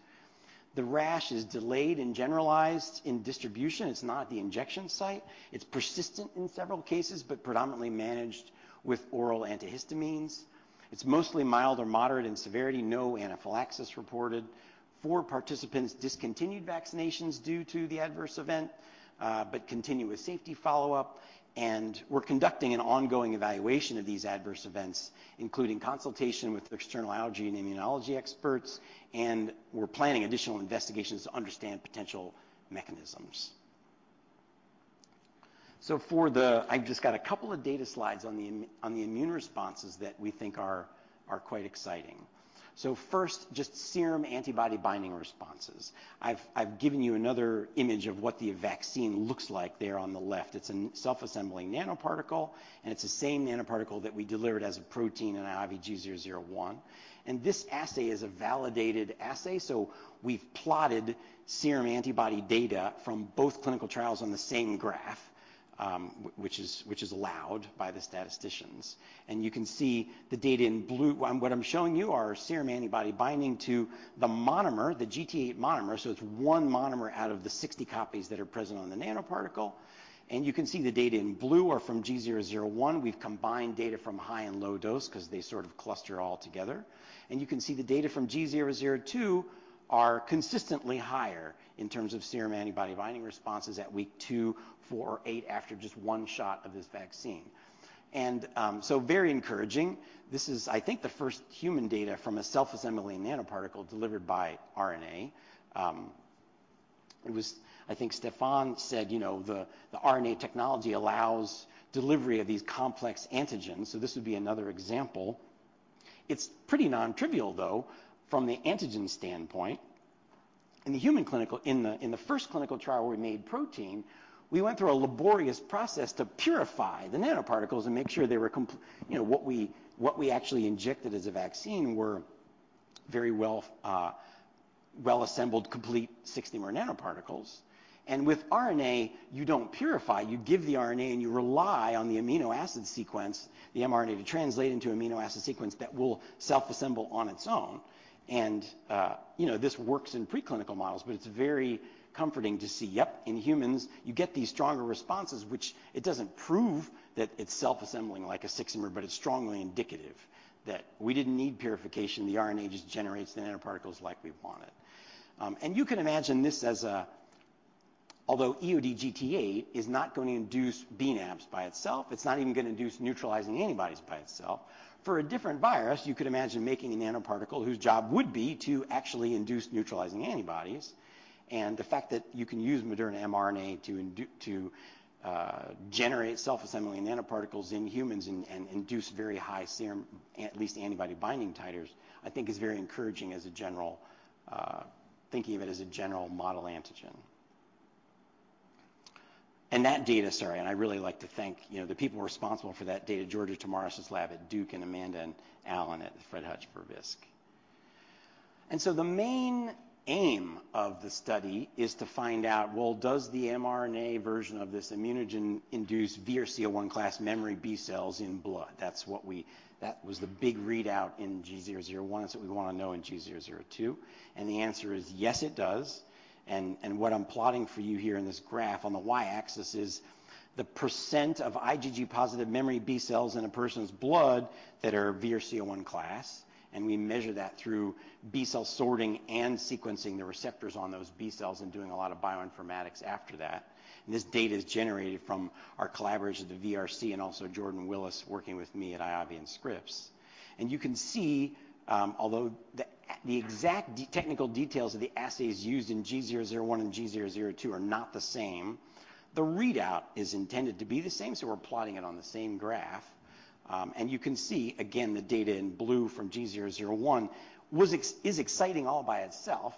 The rash is delayed and generalized in distribution. It's not the injection site. It's persistent in several cases, but predominantly managed with oral antihistamines. It's mostly mild or moderate in severity. No anaphylaxis reported. four participants discontinued vaccinations due to the adverse event, but continue with safety follow-up. We're conducting an ongoing evaluation of these adverse events, including consultation with external allergy and immunology experts, and we're planning additional investigations to understand potential mechanisms. For the. I've just got a couple of data slides on the immune responses that we think are quite exciting. First, just serum antibody binding responses. I've given you another image of what the vaccine looks like there on the left. It's a self-assembling nanoparticle. It's the same nanoparticle that we delivered as a protein in IAVI G001. This assay is a validated assay, so we've plotted serum antibody data from both clinical trials on the same graph, which is allowed by the statisticians. You can see the data in blue. What I'm showing you are serum antibody binding to the monomer, the GT8 monomer. It's one monomer out of the 60 copies that are present on the nanoparticle. You can see the data in blue are from G001. We've combined data from high and low dose 'cause they sort of cluster all together. You can see the data from G002 are consistently higher in terms of serum antibody binding responses at week two, four, or eight after just one shot of this vaccine. Very encouraging. This is, I think, the first human data from a self-assembling nanoparticle delivered by RNA. I think Stéphane said, you know, the RNA technology allows delivery of these complex antigens, this would be another example. It's pretty non-trivial though from the antigen standpoint. In the first clinical trial where we made protein, we went through a laborious process to purify the nanoparticles and make sure they were You know, what we, what we actually injected as a vaccine were very well, well-assembled, complete 60mer nanoparticles. With RNA, you don't purify. You give the RNA, and you rely on the amino acid sequence, the mRNA to translate into amino acid sequence that will self-assemble on its own. You know, this works in preclinical models, but it's very comforting to see, yep, in humans, you get these stronger responses, which it doesn't prove that it's self-assembling like a siximer, but it's strongly indicative that we didn't need purification. The RNA just generates the nanoparticles like we want it. You can imagine this as a. Although eOD-GT8 is not going to induce bNAbs by itself, it's not even going to induce neutralizing antibodies by itself. For a different virus, you could imagine making a nanoparticle whose job would be to actually induce neutralizing antibodies. The fact that you can use Moderna mRNA to generate self-assembling nanoparticles in humans and induce very high serum at least antibody binding titers, I think is very encouraging as a general, thinking of it as a general model antigen. That data. Sorry. I'd really like to thank, you know, the people responsible for that data, Georgia Tomaras's lab at Duke, and Amanda and Alan at the Fred Hutch for VISC. The main aim of the study is to find out, well, does the mRNA version of this immunogen induce VRC01 class memory B cells in blood? That was the big readout in G001, and it's what we want to know in G002. The answer is yes, it does. What I'm plotting for you here in this graph on the y-axis is the % of IgG-positive memory B cells in a person's blood that are VRC01 class, and we measure that through B cell sorting and sequencing the receptors on those B cells and doing a lot of bioinformatics after that. This data is generated from our collaborators at the VRC and also Jordan Willis working with me at IAVI and Scripps. You can see, although the exact technical details of the assays used in G001 and G002 are not the same, the readout is intended to be the same, so we're plotting it on the same graph. You can see again the data in blue from G001 is exciting all by itself.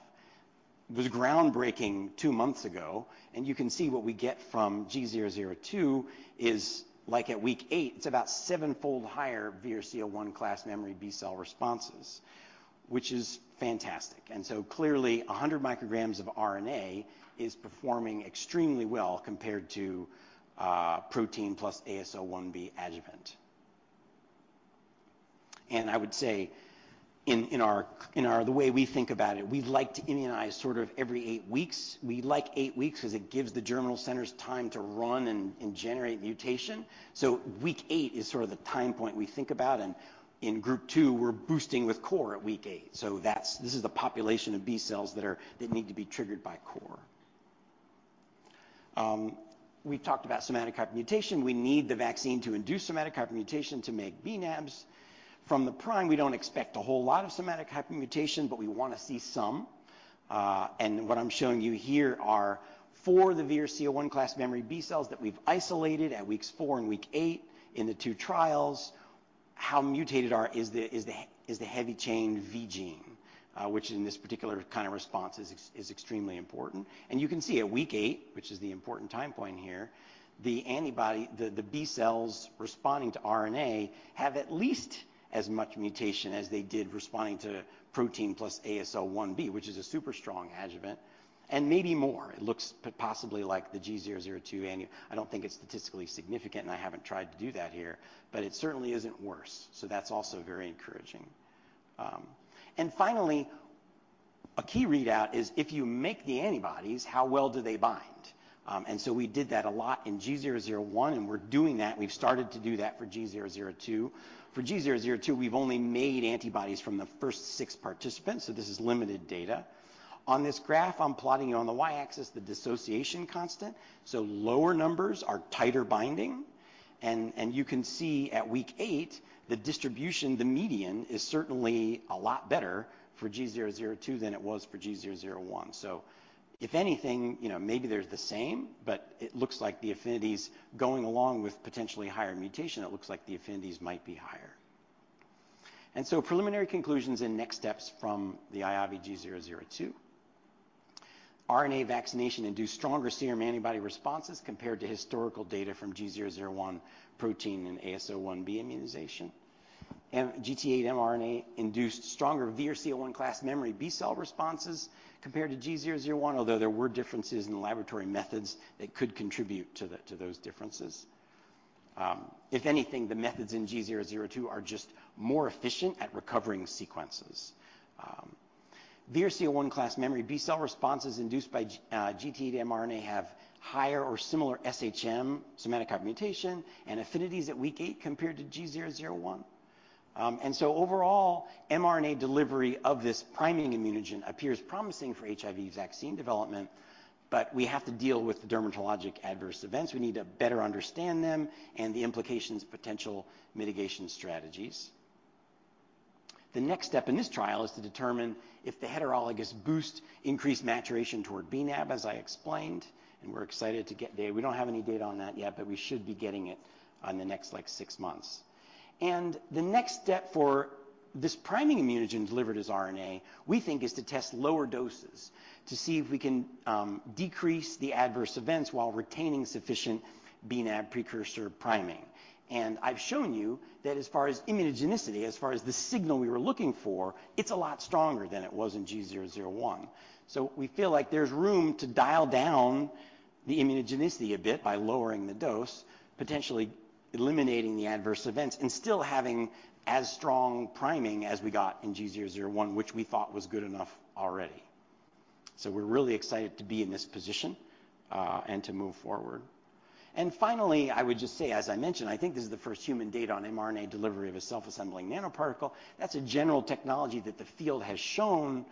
It was groundbreaking two months ago. You can see what we get from G002 is like at week eight, it's about 7-fold higher VRC01 class memory B cell responses, which is fantastic. Clearly, 100 micrograms of RNA is performing extremely well compared to protein plus AS01B adjuvant. I would say in our the way we think about it, we'd like to immunize sort of every eight weeks. We like eight weeks 'cause it gives the germinal centers time to run and generate mutation. Week eight is sort of the time point we think about. In group two, we're boosting with core at week eight. That's this is the population of B cells that are that need to be triggered by core. We've talked about somatic hypermutation. We need the vaccine to induce somatic hypermutation to make bNAbs. From the prime, we don't expect a whole lot of somatic hypermutation, but we wanna see some. And what I'm showing you here are for the VRC01 class memory B cells that we've isolated at weeks four and week eight in the two trials, how mutated is the heavy chain V gene, which in this particular kind of response is extremely important. You can see at week eight, which is the important time point here, the antibody, the B cells responding to RNA have at least as much mutation as they did responding to protein plus AS01B, which is a super strong adjuvant, and maybe more. It looks possibly like the G002 anti... I don't think it's statistically significant, I haven't tried to do that here, but it certainly isn't worse. That's also very encouraging. Finally, a key readout is if you make the antibodies, how well do they bind? We did that a lot in G001, and we're doing that, we've started to do that for G002. For G002, we've only made antibodies from the first six participants, this is limited data. On this graph, I'm plotting it on the y-axis, the dissociation constant, lower numbers are tighter binding. You can see at week eight, the distribution, the median is certainly a lot better for G002 than it was for G001. If anything, you know, maybe they're the same, but it looks like the affinity's going along with potentially higher mutation. It looks like the affinities might be higher. Preliminary conclusions and next steps from the IAVI G002. RNA vaccination induced stronger serum antibody responses compared to historical data from G001 protein and AS01B immunization. GT8 mRNA induced stronger VRC01 class memory B cell responses compared to G001, although there were differences in the laboratory methods that could contribute to those differences. If anything, the methods in G002 are just more efficient at recovering sequences. VRC01 class memory B cell responses induced by GT8 mRNA have higher or similar SHM, somatic hypermutation, and affinities at week eight compared to G001. Overall, mRNA delivery of this priming immunogen appears promising for HIV vaccine development, but we have to deal with the dermatologic adverse events. We need to better understand them and the implications of potential mitigation strategies. The next step in this trial is to determine if the heterologous boost increased maturation toward bNAbs, as I explained. We don't have any data on that yet, but we should be getting it on the next, like, six months. The next step for this priming immunogen delivered as RNA, we think, is to test lower doses to see if we can decrease the adverse events while retaining sufficient bNAbs precursor priming. I've shown you that as far as immunogenicity, as far as the signal we were looking for, it's a lot stronger than it was in G001. We feel like there's room to dial down the immunogenicity a bit by lowering the dose, potentially eliminating the adverse events and still having as strong priming as we got in G001, which we thought was good enough already. We're really excited to be in this position and to move forward. Finally, I would just say, as I mentioned, I think this is the first human data on mRNA delivery of a self-assembling nanoparticle. That's a general technology that the field has shown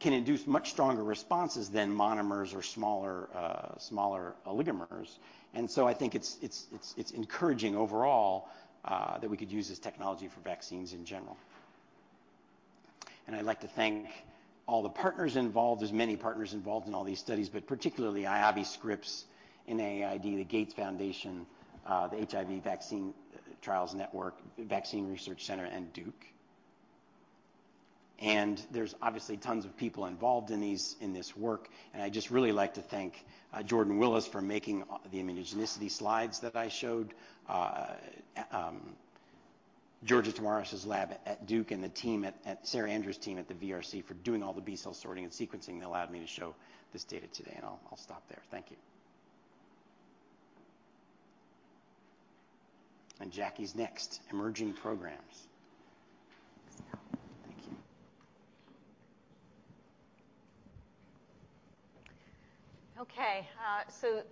can induce much stronger responses than monomers or smaller oligomers. I think it's encouraging overall that we could use this technology for vaccines in general. I'd like to thank all the partners involved. There's many partners involved in all these studies, but particularly IAVI, Scripps, NIAID, the Gates Foundation, the HIV Vaccine Trials Network, Vaccine Research Center, and Duke. There's obviously tons of people involved in these, in this work, and I'd just really like to thank Jordan Willis for making the immunogenicity slides that I showed. Georgia Tomaras's lab at Duke and the team at Sarah Andrews's team at the VRC for doing all the B cell sorting and sequencing that allowed me to show this data today. I'll stop there. Thank you. Jackie's next, emerging programs. Okay.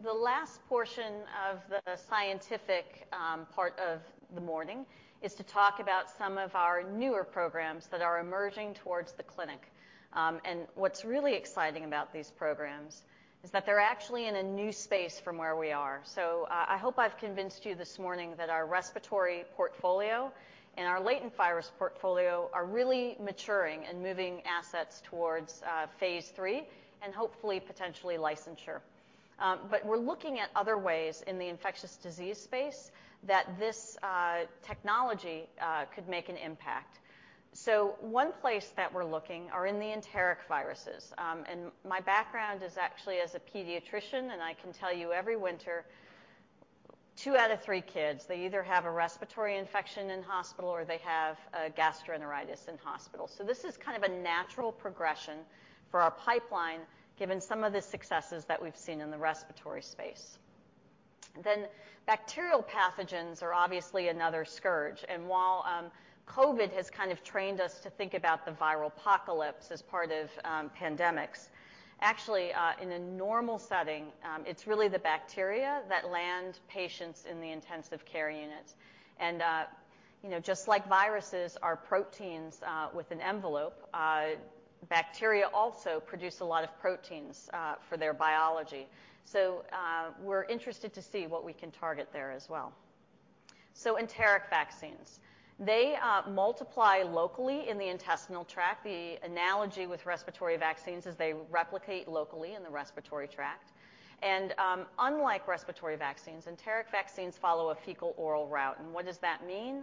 The last portion of the scientific part of the morning is to talk about some of our newer programs that are emerging towards the clinic. What's really exciting about these programs is that they're actually in a new space from where we are. I hope I've convinced you this morning that our respiratory portfolio and our latent virus portfolio are really maturing and moving assets towards phase III and hopefully potentially licensure. We're looking at other ways in the infectious disease space that this technology could make an impact. One place that we're looking are in the enteric viruses, my background is actually as a pediatrician, and I can tell you every winter, two out of three kids, they either have a respiratory infection in hospital or they have a gastroenteritis in hospital. This is kind of a natural progression for our pipeline given some of the successes that we've seen in the respiratory space. Bacterial pathogens are obviously another scourge. While COVID has kind of trained us to think about the viral apocalypse as part of pandemics, actually, in a normal setting, it's really the bacteria that land patients in the intensive care units. You know, just like viruses are proteins, with an envelope, bacteria also produce a lot of proteins for their biology. We're interested to see what we can target there as well. Enteric vaccines, they multiply locally in the intestinal tract. The analogy with respiratory vaccines is they replicate locally in the respiratory tract. Unlike respiratory vaccines, enteric vaccines follow a fecal-oral route. What does that mean?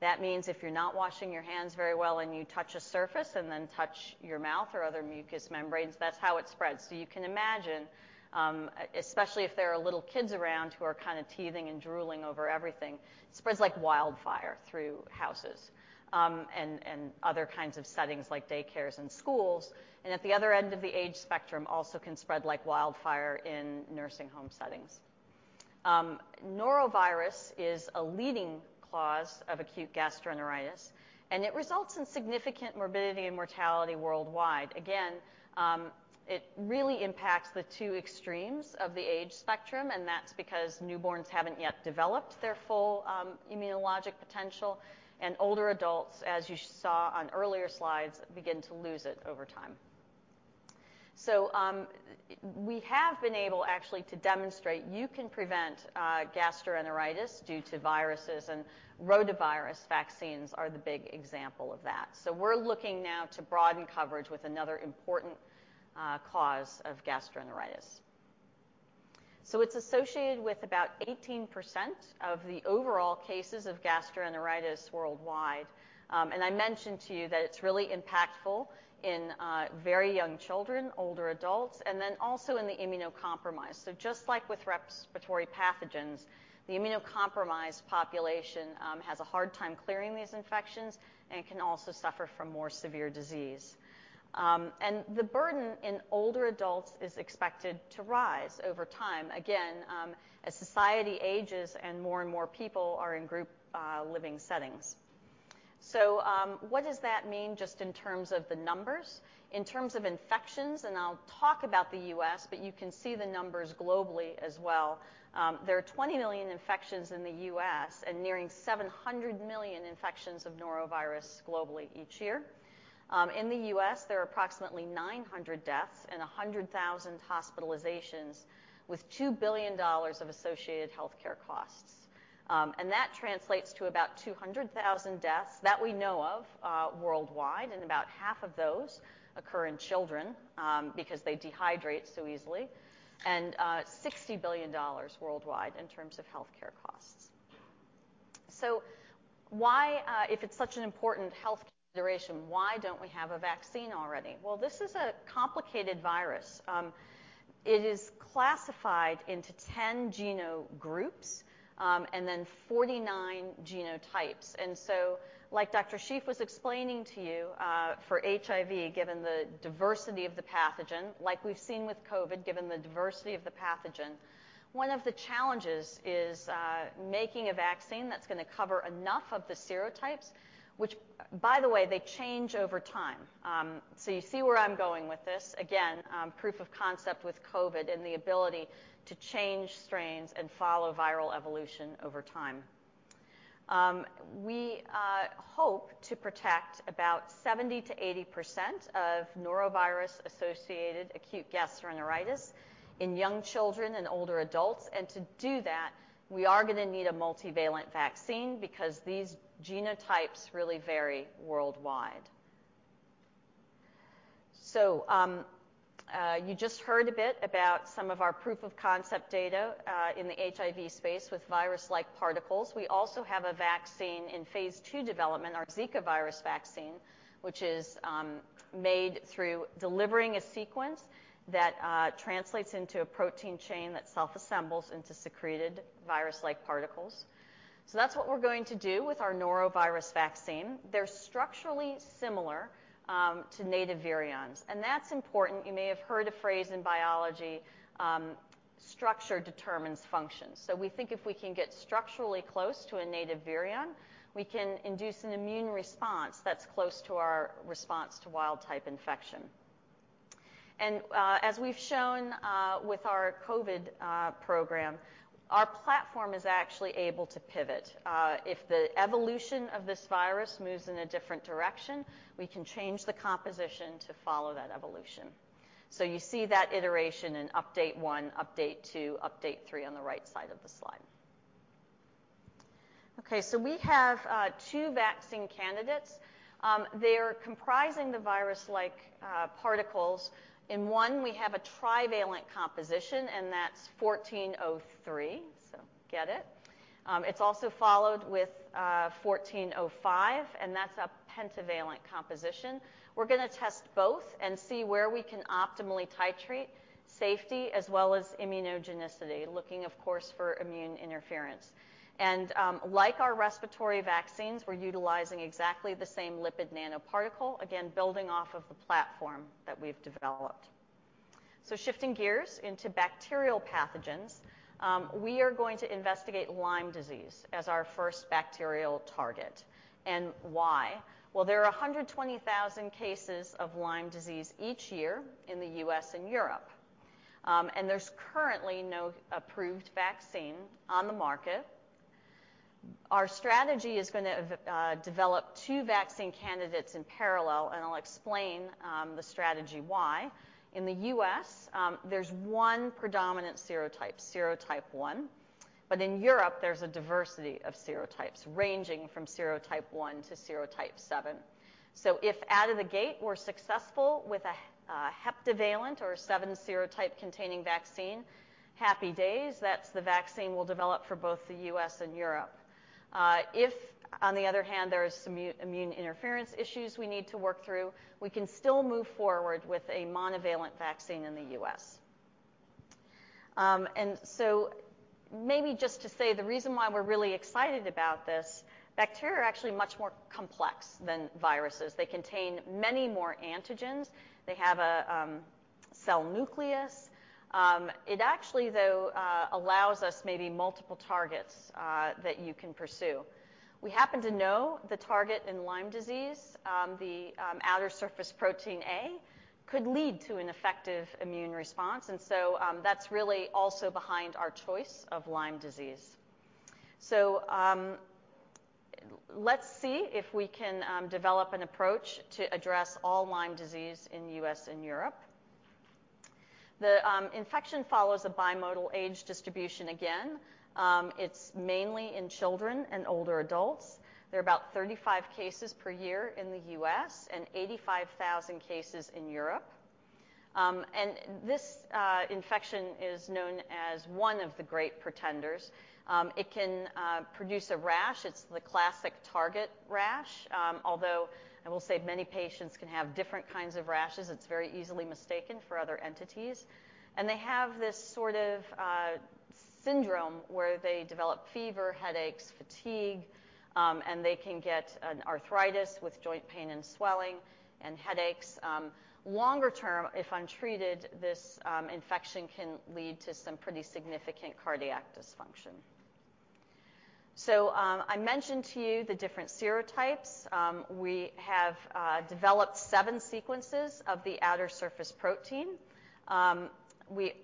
That means if you're not washing your hands very well, and you touch a surface and then touch your mouth or other mucous membranes, that's how it spreads. You can imagine, especially if there are little kids around who are kind of teething and drooling over everything, it spreads like wildfire through houses, and other kinds of settings like daycares and schools, and at the other end of the age spectrum, also can spread like wildfire in nursing home settings. Norovirus is a leading cause of acute gastroenteritis. It results in significant morbidity and mortality worldwide. Again, it really impacts the two extremes of the age spectrum. That's because newborns haven't yet developed their full immunologic potential, and older adults, as you saw on earlier slides, begin to lose it over time. We have been able actually to demonstrate you can prevent gastroenteritis due to viruses, and rotavirus vaccines are the big example of that. We're looking now to broaden coverage with another important cause of gastroenteritis. It's associated with about 18% of the overall cases of gastroenteritis worldwide. And I mentioned to you that it's really impactful in very young children, older adults, and then also in the immunocompromised. Just like with respiratory pathogens, the immunocompromised population has a hard time clearing these infections and can also suffer from more severe disease. And the burden in older adults is expected to rise over time, again, as society ages and more and more people are in group living settings. What does that mean just in terms of the numbers? In terms of infections, and I'll talk about the U.S., but you can see the numbers globally as well, there are 20 million infections in the U.S. and nearing 700 million infections of norovirus globally each year. In the U.S., there are approximately 900 deaths and 100,000 hospitalizations with $2 billion of associated healthcare costs. And that translates to about 200,000 deaths that we know of, worldwide, and about half of those occur in children, because they dehydrate so easily, and $60 billion worldwide in terms of healthcare costs. If it's such an important health consideration, why don't we have a vaccine already? Well, this is a complicated virus. It is classified into 10 genogroups, and then 49 genotypes. Like Dr. Schief was explaining to you, for HIV, given the diversity of the pathogen, like we've seen with COVID-19, given the diversity of the pathogen, one of the challenges is making a vaccine that's gonna cover enough of the serotypes, which by the way, they change over time. You see where I'm going with this. Again, proof of concept with COVID-19 and the ability to change strains and follow viral evolution over time. We hope to protect about 70%-80% of norovirus-associated acute gastroenteritis in young children and older adults. To do that, we are gonna need a multivalent vaccine because these genotypes really vary worldwide. You just heard a bit about some of our proof of concept data in the HIV space with virus-like particles. We also have a vaccine in phase II development, our Zika virus vaccine, which is made through delivering a sequence that translates into a protein chain that self-assembles into secreted virus-like particles. That's what we're going to do with our norovirus vaccine. They're structurally similar to native virions, and that's important. You may have heard a phrase in biology, structure determines function. We think if we can get structurally close to a native virion, we can induce an immune response that's close to our response to wild type infection. As we've shown with our COVID program, our platform is actually able to pivot. If the evolution of this virus moves in a different direction, we can change the composition to follow that evolution. You see that iteration in update one, update two, update three on the right side of the slide. We have two vaccine candidates. They're comprising the virus-like particles. In one, we have a trivalent composition, and that's 1403, so get it. It's also followed with 1405, and that's a pentavalent composition. We're gonna test both and see where we can optimally titrate safety as well as immunogenicity, looking of course for immune interference. Like our respiratory vaccines, we're utilizing exactly the same lipid nanoparticle, again, building off of the platform that we've developed. Shifting gears into bacterial pathogens, we are going to investigate Lyme disease as our first bacterial target. Why? Well, there are 120,000 cases of Lyme disease each year in the U.S. and Europe, and there's currently no approved vaccine on the market. Our strategy is gonna develop two vaccine candidates in parallel, and I'll explain the strategy why. In the U.S., there's one predominant serotype 1, but in Europe, there's a diversity of serotypes ranging from serotype 1 to serotype 7. If out of the gate, we're successful with a heptavalent or a 7 serotype-containing vaccine, happy days. That's the vaccine we'll develop for both the U.S. and Europe. If, on the other hand, there's immune interference issues we need to work through, we can still move forward with a monovalent vaccine in the U.S. Maybe just to say, the reason why we're really excited about this, bacteria are actually much more complex than viruses. They contain many more antigens. They have a cell nucleus. It actually, though, allows us maybe multiple targets that you can pursue. We happen to know the target in Lyme disease. The outer surface protein A could lead to an effective immune response, that's really also behind our choice of Lyme disease. Let's see if we can develop an approach to address all Lyme disease in the U.S. and Europe. The infection follows a bimodal age distribution again. It's mainly in children and older adults. There are about 35 cases per year in the U.S. and 85,000 cases in Europe. This infection is known as one of the great pretenders. It can produce a rash. It's the classic target rash. Although I will say many patients can have different kinds of rashes. It's very easily mistaken for other entities. They have this sort of syndrome where they develop fever, headaches, fatigue, and they can get an arthritis with joint pain and swelling and headaches. Longer-term, if untreated, this infection can lead to some pretty significant cardiac dysfunction. I mentioned to you the different serotypes. We have developed seven sequences of the outer surface protein. We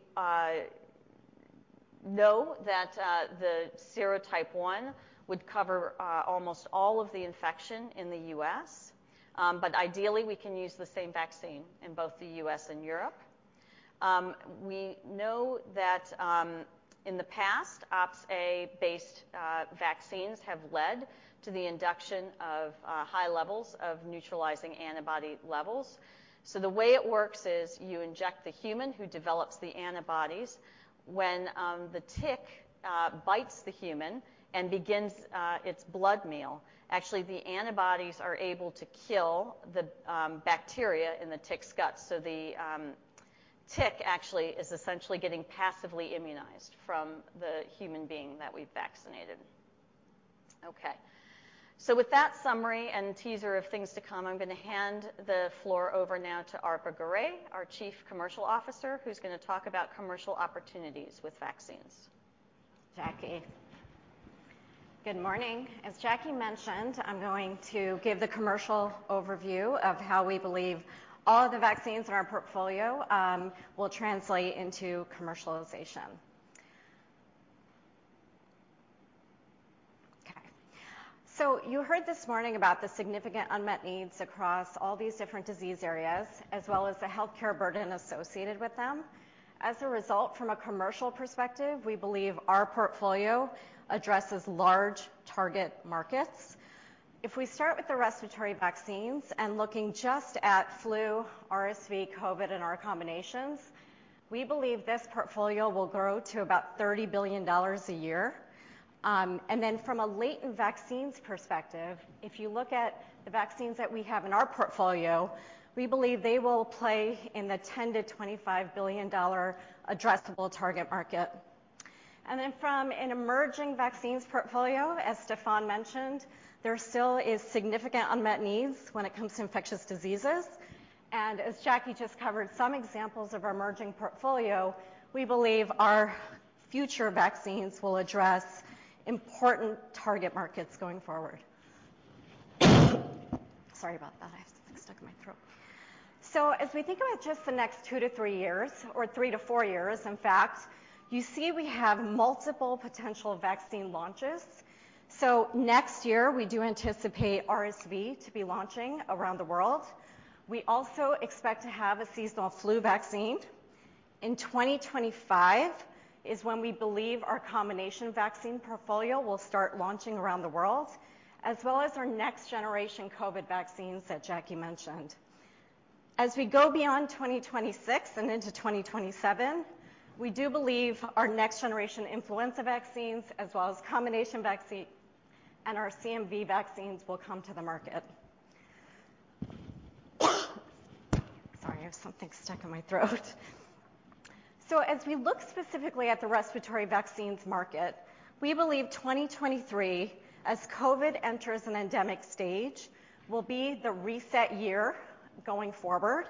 know that the serotype 1 would cover almost all of the infection in the U.S., but ideally, we can use the same vaccine in both the U.S. and Europe. We know that in the past, OspA-based vaccines have led to the induction of high levels of neutralizing antibody levels. The way it works is you inject the human who develops the antibodies. When the tick bites the human and begins its blood meal, actually, the antibodies are able to kill the bacteria in the tick's gut. The tick actually is essentially getting passively immunized from the human being that we've vaccinated. Okay. With that summary and teaser of things to come, I'm gonna hand the floor over now to Arpa Garay, our Chief Commercial Officer, who's gonna talk about commercial opportunities with vaccines. Jackie. Good morning. As Jackie mentioned, I'm going to give the commercial overview of how we believe all of the vaccines in our portfolio will translate into commercialization. Okay. You heard this morning about the significant unmet needs across all these different disease areas, as well as the healthcare burden associated with them. As a result, from a commercial perspective, we believe our portfolio addresses large target markets. If we start with the respiratory vaccines and looking just at flu, RSV, COVID, and our combinations, we believe this portfolio will grow to about $30 billion a year. Then from a latent vaccines perspective, if you look at the vaccines that we have in our portfolio, we believe they will play in the $10 billion-$25 billion addressable target market. From an emerging vaccines portfolio, as Stéphane mentioned, there still is significant unmet needs when it comes to infectious diseases. As Jackie just covered some examples of our emerging portfolio, we believe our future vaccines will address important target markets going forward. Sorry about that. I have something stuck in my throat. As we think about just the next two to three years or three to four years, in fact, you see we have multiple potential vaccine launches. Next year, we do anticipate RSV to be launching around the world. We also expect to have a seasonal flu vaccine. In 2025 is when we believe our combination vaccine portfolio will start launching around the world, as well as our next-generation COVID vaccines that Jackie mentioned. As we go beyond 2026 and into 2027, we do believe our next generation influenza vaccines as well as combination vaccine and our CMV vaccines will come to the market. Sorry, I have something stuck in my throat. As we look specifically at the respiratory vaccines market, we believe 2023, as COVID enters an endemic stage, will be the reset year going forward.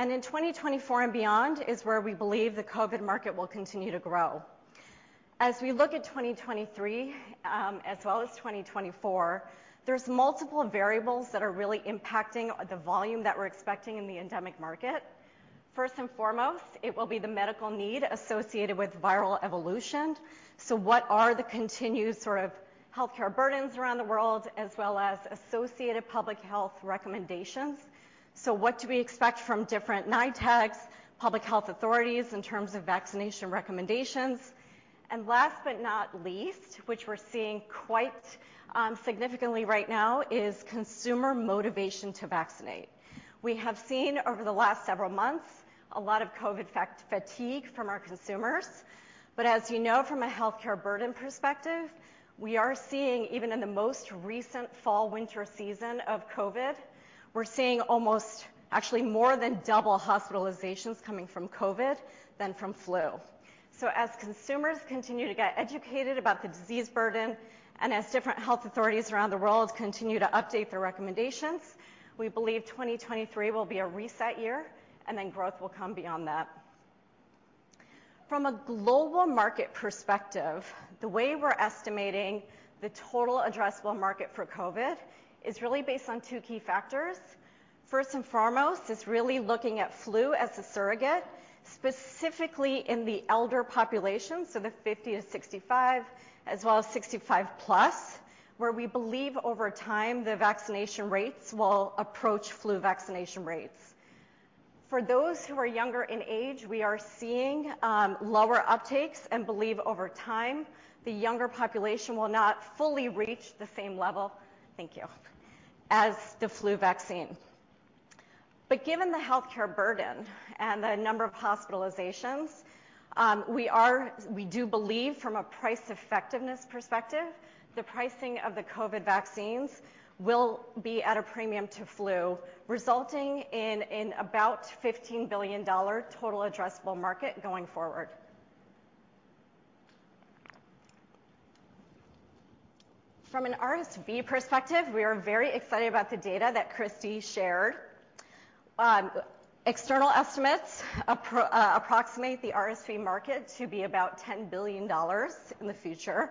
In 2024 and beyond is where we believe the COVID market will continue to grow. As we look at 2023, as well as 2024, there's multiple variables that are really impacting the volume that we're expecting in the endemic market. First and foremost, it will be the medical need associated with viral evolution. What are the continued sort of healthcare burdens around the world, as well as associated public health recommendations? What do we expect from different NITAGs, public health authorities in terms of vaccination recommendations? Last but not least, which we're seeing quite significantly right now, is consumer motivation to vaccinate. We have seen over the last several months a lot of COVID fatigue from our consumers. As you know from a healthcare burden perspective, we are seeing even in the most recent fall/winter season of COVID, we're seeing almost actually more than 2x hospitalizations coming from COVID than from flu. As consumers continue to get educated about the disease burden, as different health authorities around the world continue to update their recommendations, we believe 2023 will be a reset year, growth will come beyond that. From a global market perspective, the way we're estimating the total addressable market for COVID is really based on two key factors. First and foremost is really looking at flu as a surrogate, specifically in the elder population, so the 50-65 as well as 65+, where we believe over time the vaccination rates will approach flu vaccination rates. For those who are younger in age, we are seeing lower uptakes and believe over time the younger population will not fully reach the same level, thank you, as the flu vaccine. Given the healthcare burden and the number of hospitalizations, we do believe from a price effectiveness perspective, the pricing of the COVID vaccines will be at a premium to flu, resulting in an about $15 billion total addressable market going forward. From an RSV perspective, we are very excited about the data that Christi shared. External estimates approximate the RSV market to be about $10 billion in the future.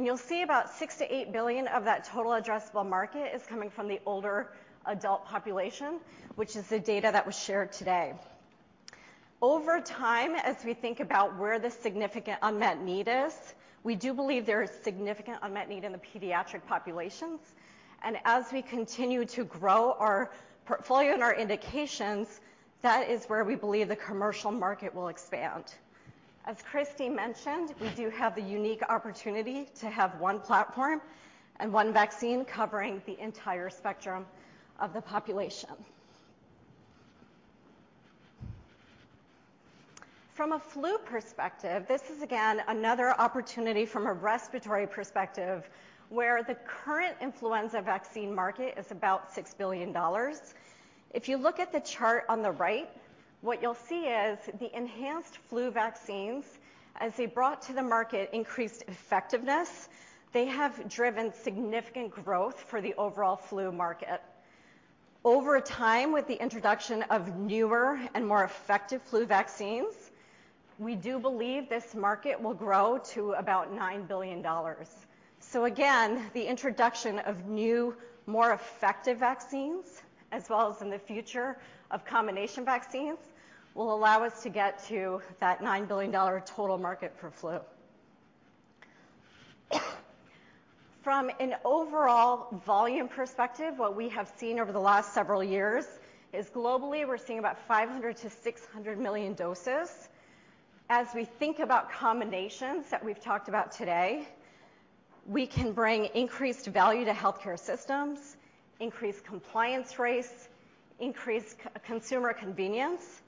You'll see about $6 billion-$8 billion of that total addressable market is coming from the older adult population, which is the data that was shared today. Over time, as we think about where the significant unmet need is, we do believe there is significant unmet need in the pediatric populations. As we continue to grow our portfolio and our indications, that is where we believe the commercial market will expand. As Christi mentioned, we do have the unique opportunity to have one platform and one vaccine covering the entire spectrum of the population. From a flu perspective, this is again another opportunity from a respiratory perspective where the current influenza vaccine market is about $6 billion. If you look at the chart on the right, what you'll see is the enhanced flu vaccines, as they brought to the market increased effectiveness, they have driven significant growth for the overall flu market. Over time, with the introduction of newer and more effective flu vaccines, we do believe this market will grow to about $9 billion. Again, the introduction of new, more effective vaccines, as well as in the future of combination vaccines, will allow us to get to that $9 billion total market for flu. From an overall volume perspective, what we have seen over the last several years is globally, we're seeing about 500 million to 600 million doses. We think about combinations that we've talked about today, we can bring increased value to healthcare systems, increase compliance rates, increase consumer convenience,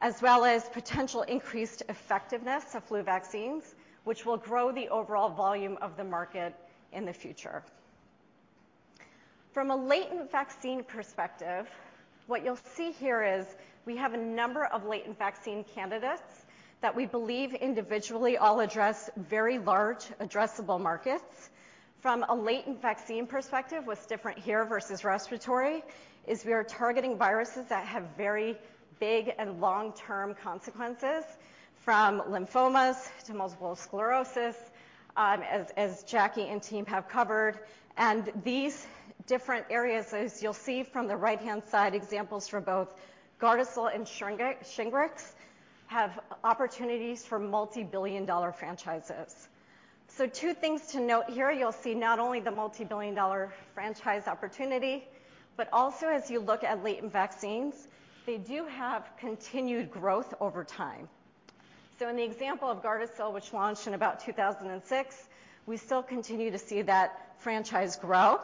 as well as potential increased effectiveness of flu vaccines, which will grow the overall volume of the market in the future. From a latent vaccine perspective, what you'll see here is we have a number of latent vaccine candidates that we believe individually all address very large addressable markets. From a latent vaccine perspective, what's different here versus respiratory, is we are targeting viruses that have very big and long-term consequences, from lymphomas to multiple sclerosis, as Jackie and team have covered. These different areas, as you'll see from the right-hand side examples for both GARDASIL and Shingrix, have opportunities for multi-billion dollar franchises. Two things to note here. You'll see not only the multi-billion dollar franchise opportunity, but also as you look at latent vaccines, they do have continued growth over time. In the example of GARDASIL, which launched in about 2006, we still continue to see that franchise grow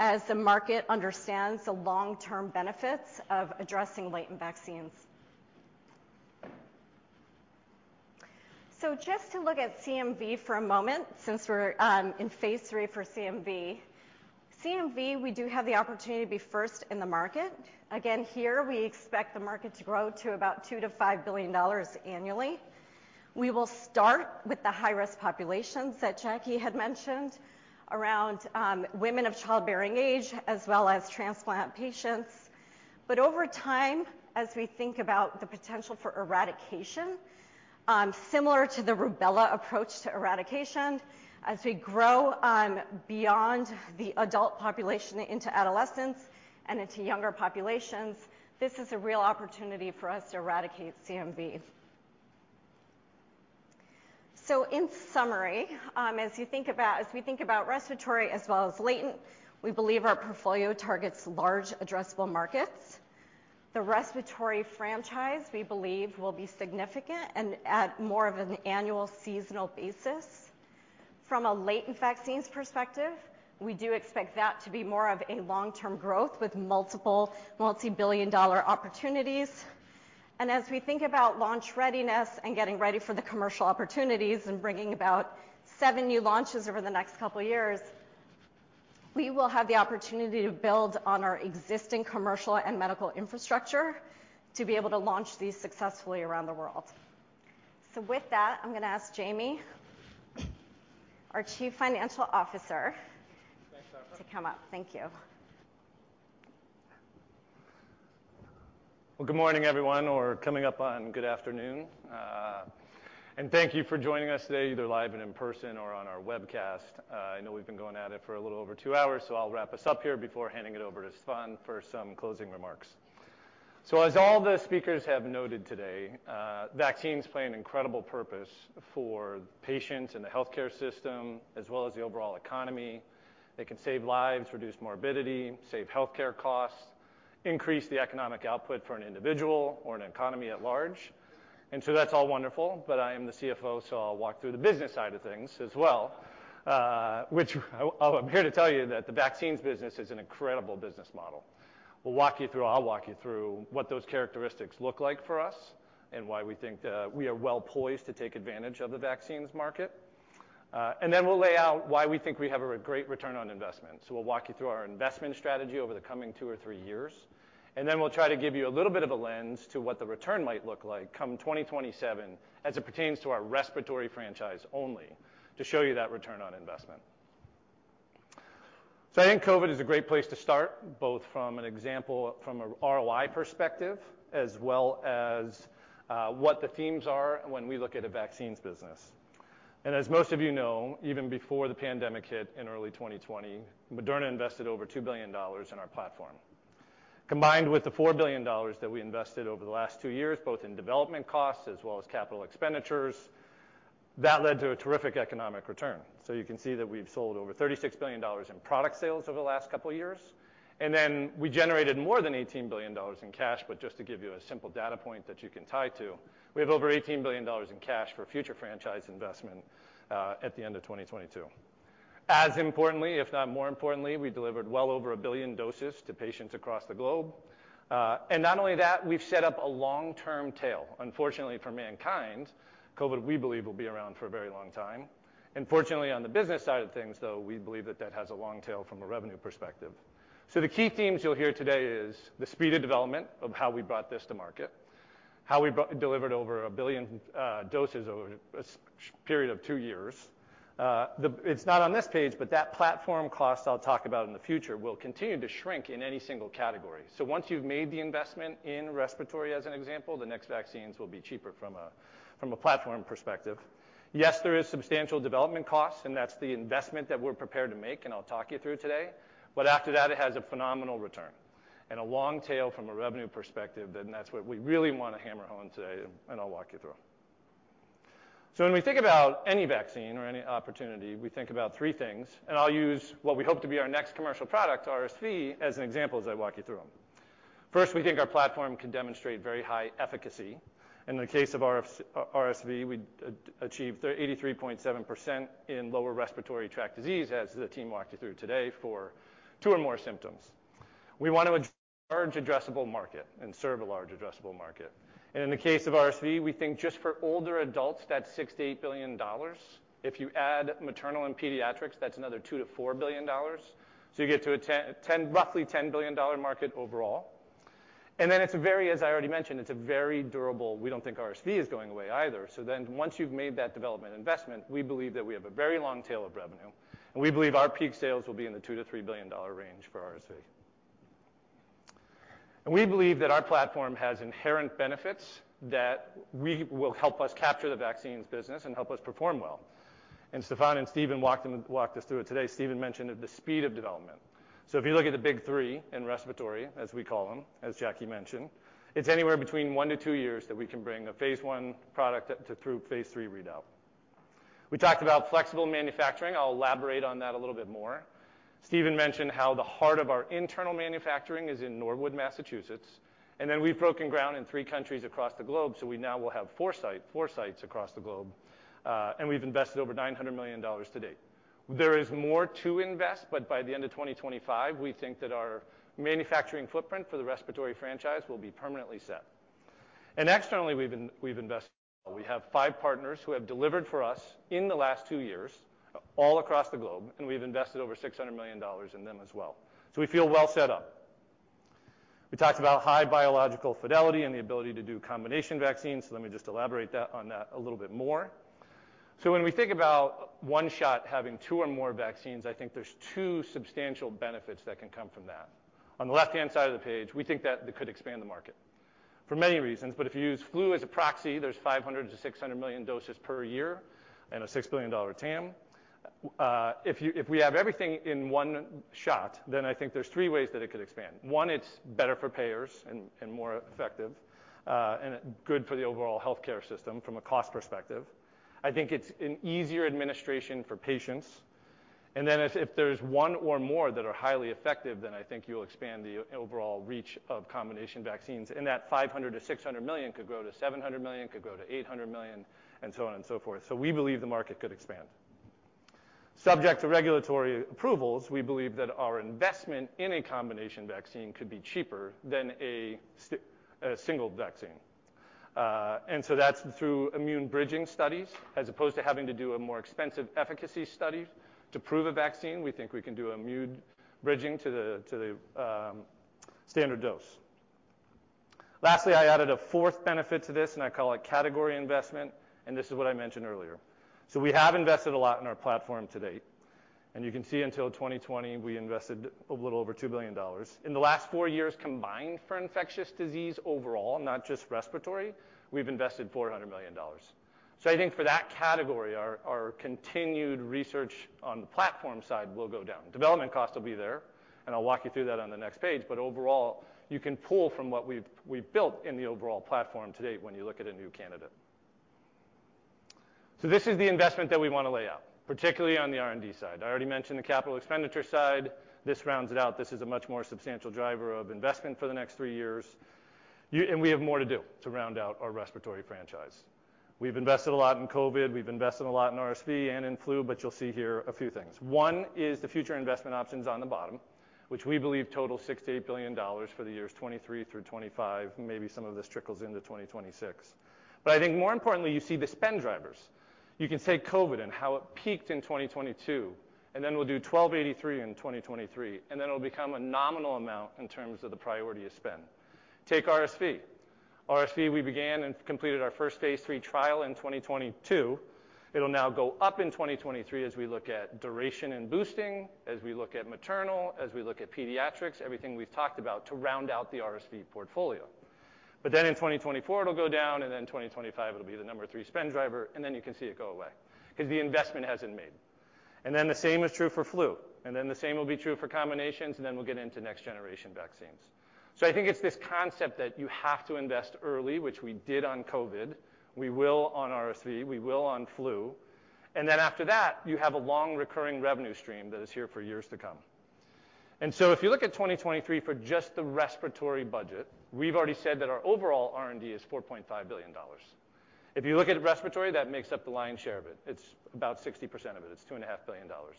as the market understands the long-term benefits of addressing latent vaccines. Just to look at CMV for a moment, since we're in phase III for CMV. CMV, we do have the opportunity to be first in the market. Again, here we expect the market to grow to about $2 billion-$5 billion annually. We will start with the high-risk populations that Jackie had mentioned around women of childbearing age as well as transplant patients. Over time, as we think about the potential for eradication, similar to the rubella approach to eradication, as we grow beyond the adult population into adolescence and into younger populations, this is a real opportunity for us to eradicate CMV. In summary, as we think about respiratory as well as latent, we believe our portfolio targets large addressable markets. The respiratory franchise, we believe will be significant and at more of an annual seasonal basis. From a latent vaccines perspective, we do expect that to be more of a long-term growth with multiple multi-billion dollar opportunities. As we think about launch readiness and getting ready for the commercial opportunities and bringing about seven new launches over the next couple of years, we will have the opportunity to build on our existing commercial and medical infrastructure to be able to launch these successfully around the world. With that, I'm going to ask Jamey, our Chief Financial Officer... Thanks, Arpa. To come up. Thank you. Well, good morning, everyone, or coming up on good afternoon. Thank you for joining us today, either live and in person or on our webcast. I know we've been going at it for a little over two hours, I'll wrap us up here before handing it over to Stéphane for some closing remarks. As all the speakers have noted today, vaccines play an incredible purpose for patients in the healthcare system, as well as the overall economy. They can save lives, reduce morbidity, save healthcare costs, increase the economic output for an individual or an economy at large. That's all wonderful, but I am the CFO, so I'll walk through the business side of things as well, which I'm here to tell you that the vaccines business is an incredible business model. I'll walk you through what those characteristics look like for us and why we think that we are well-poised to take advantage of the vaccines market. We'll lay out why we think we have a great return on investment. We'll walk you through our investment strategy over the coming two or three years, we'll try to give you a little bit of a lens to what the return might look like come 2027 as it pertains to our respiratory franchise only to show you that return on investment. I think COVID is a great place to start, both from an example from a ROI perspective as well as what the themes are when we look at a vaccines business. As most of you know, even before the pandemic hit in early 2020, Moderna invested over $2 billion in our platform. Combined with the $4 billion that we invested over the last two years, both in development costs as well as capital expenditures, that led to a terrific economic return. You can see that we've sold over $36 billion in product sales over the last couple of years. Then we generated more than $18 billion in cash, just to give you a simple data point that you can tie to, we have over $18 billion in cash for future franchise investment, at the end of 2022. As importantly, if not more importantly, we delivered well over 1 billion doses to patients across the globe. Not only that, we've set up a long-term tail. Unfortunately for mankind, COVID, we believe, will be around for a very long time. Fortunately, on the business side of things, though, we believe that that has a long tail from a revenue perspective. The key themes you'll hear today is the speed of development of how we brought this to market, how we delivered over 1 billion doses over a period of two years. It's not on this page, but that platform cost I'll talk about in the future will continue to shrink in any single category. Once you've made the investment in respiratory as an example, the next vaccines will be cheaper from a platform perspective. There is substantial development costs, and that's the investment that we're prepared to make, and I'll talk you through today. After that, it has a phenomenal return and a long tail from a revenue perspective, and that's what we really want to hammer home today, and I'll walk you through. When we think about any vaccine or any opportunity, we think about three things, and I'll use what we hope to be our next commercial product, RSV, as an example as I walk you through them. First, we think our platform can demonstrate very high efficacy. In the case of RSV, we achieved 83.7% in lower respiratory tract disease as the team walked you through today for two or more symptoms. We want a large addressable market and serve a large addressable market. In the case of RSV, we think just for older adults, that's $6 billion-$8 billion. If you add maternal and pediatrics, that's another $2 billion-$4 billion. You get to a roughly $10 billion market overall. It's a very, as I already mentioned, it's a very durable. We don't think RSV is going away either. Once you've made that development investment, we believe that we have a very long tail of revenue, and we believe our peak sales will be in the $2 billion-$3 billion range for RSV. We believe that our platform has inherent benefits that will help us capture the vaccines business and help us perform well. Stéphane and Stephen walked us through it today. Stephen mentioned the speed of development. If you look at the big three in respiratory, as we call them, as Jackie mentioned, it's anywhere between one to two years that we can bring a phase I product to through phase III readout. We talked about flexible manufacturing. I'll elaborate on that a little bit more. Stéphane mentioned how the heart of our internal manufacturing is in Norwood, Massachusetts. Then we've broken ground in three countries across the globe, so we now will have four sites across the globe. We've invested over $900 million to date. There is more to invest, but by the end of 2025, we think that our manufacturing footprint for the respiratory franchise will be permanently set. Externally, we've invested. We have five partners who have delivered for us in the last two years all across the globe, and we've invested over $600 million in them as well. We feel well set up. We talked about high biological fidelity and the ability to do combination vaccines. Let me just elaborate on that a little bit more. When we think about one shot having two or more vaccines, I think there's two substantial benefits that can come from that. On the left-hand side of the page, we think that it could expand the market for many reasons, but if you use flu as a proxy, there's 500 million-600 million doses per year and a $6 billion TAM. If we have everything in one shot, I think there's three ways that it could expand. One, it's better for payers and more effective and good for the overall healthcare system from a cost perspective. I think it's an easier administration for patients. If there's one or more that are highly effective, then I think you'll expand the overall reach of combination vaccines, and that $500 million-$600 million could grow to $700 million, could grow to $800 million, and so on and so forth. We believe the market could expand. Subject to regulatory approvals, we believe that our investment in a combination vaccine could be cheaper than a single vaccine. That's through immune bridging studies as opposed to having to do a more expensive efficacy study to prove a vaccine. We think we can do immune bridging to the standard dose. Lastly, I added a fourth benefit to this, and I call it category investment, and this is what I mentioned earlier. We have invested a lot in our platform to date. You can see until 2020, we invested a little over $2 billion. In the last four years combined for infectious disease overall, not just respiratory, we've invested $400 million. I think for that category, our continued research on the platform side will go down. Development costs will be there, and I'll walk you through that on the next page, but overall, you can pull from what we've built in the overall platform to date when you look at a new candidate. This is the investment that we wanna lay out, particularly on the R&D side. I already mentioned the capital expenditure side. This rounds it out. This is a much more substantial driver of investment for the next three years. We have more to do to round out our respiratory franchise. We've invested a lot in COVID, we've invested a lot in RSV and in flu. You'll see here a few things. One is the future investment options on the bottom, which we believe total $6 billion-$8 billion for the years 2023 through 2025, maybe some of this trickles into 2026. I think more importantly, you see the spend drivers. You can take COVID and how it peaked in 2022, and then we'll do 1283 in 2023, and then it'll become a nominal amount in terms of the priority you spend. Take RSV. RSV, we began and completed our first phase I trial in 2022. It'll now go up in 2023 as we look at duration and boosting, as we look at maternal, as we look at pediatrics, everything we've talked about to round out the RSV portfolio. In 2024, it'll go down, and in 2025, it'll be the number three spend driver, and then you can see it go away because the investment has been made. The same is true for flu. The same will be true for combinations, and then we'll get into next-generation vaccines. I think it's this concept that you have to invest early, which we did on COVID, we will on RSV, we will on flu. After that, you have a long recurring revenue stream that is here for years to come. If you look at 2023 for just the respiratory budget, we've already said that our overall R&D is $4.5 billion. If you look at respiratory, that makes up the lion's share of it. It's about 60% of it. It's two and a half billion dollars.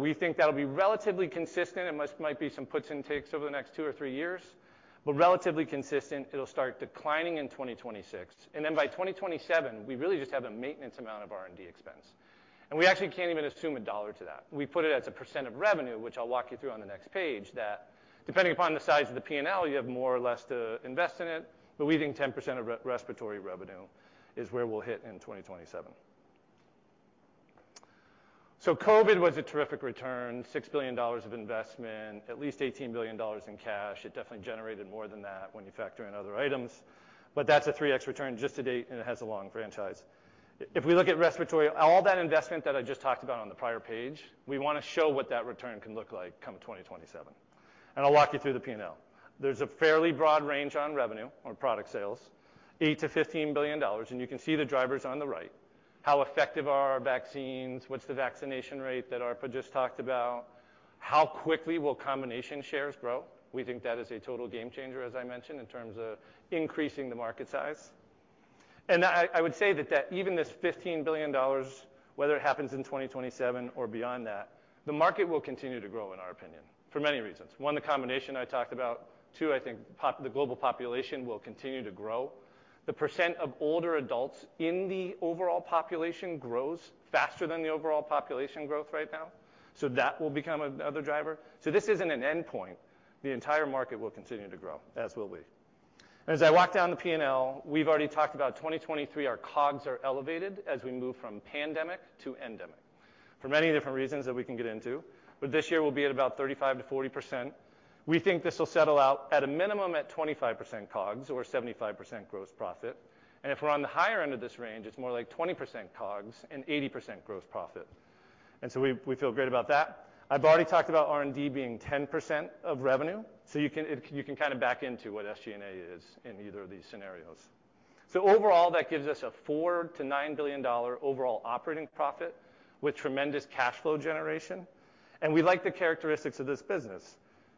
We think that'll be relatively consistent. It might be some puts and takes over the next two or three years, but relatively consistent. It'll start declining in 2026. By 2027, we really just have a maintenance amount of R&D expense. We actually can't even assume a dollar to that. We put it as a percent of revenue, which I'll walk you through on the next page, that depending upon the size of the P&L, you have more or less to invest in it, but we think 10% of respiratory revenue is where we'll hit in 2027. COVID was a terrific return, $6 billion of investment, at least $18 billion in cash. It definitely generated more than that when you factor in other items, but that's a 3x return just to date. It has a long franchise. If we look at respiratory, all that investment that I just talked about on the prior page, we wanna show what that return can look like come 2027. I'll walk you through the P&L. There's a fairly broad range on revenue or product sales, $8 billion-$15 billion. You can see the drivers on the right. How effective are our vaccines? What's the vaccination rate that Arpa just talked about? How quickly will combination shares grow? We think that is a total game changer, as I mentioned, in terms of increasing the market size. I would say that even this $15 billion, whether it happens in 2027 or beyond that, the market will continue to grow, in our opinion, for many reasons. One, the combination I talked about. Two, I think the global population will continue to grow. The % of older adults in the overall population grows faster than the overall population growth right now. That will become another driver. This isn't an endpoint. The entire market will continue to grow, as will we. As I walk down the P&L, we've already talked about 2023, our COGS are elevated as we move from pandemic to endemic for many different reasons that we can get into. This year we'll be at about 35%-40%. We think this will settle out at a minimum at 25% COGS or 75% gross profit. If we're on the higher end of this range, it's more like 20% COGS and 80% gross profit. We feel great about that. I've already talked about R&D being 10% of revenue. You can kind of back into what SG&A is in either of these scenarios. Overall, that gives us a $4 billion-$9 billion overall operating profit with tremendous cash flow generation. We like the characteristics of this business.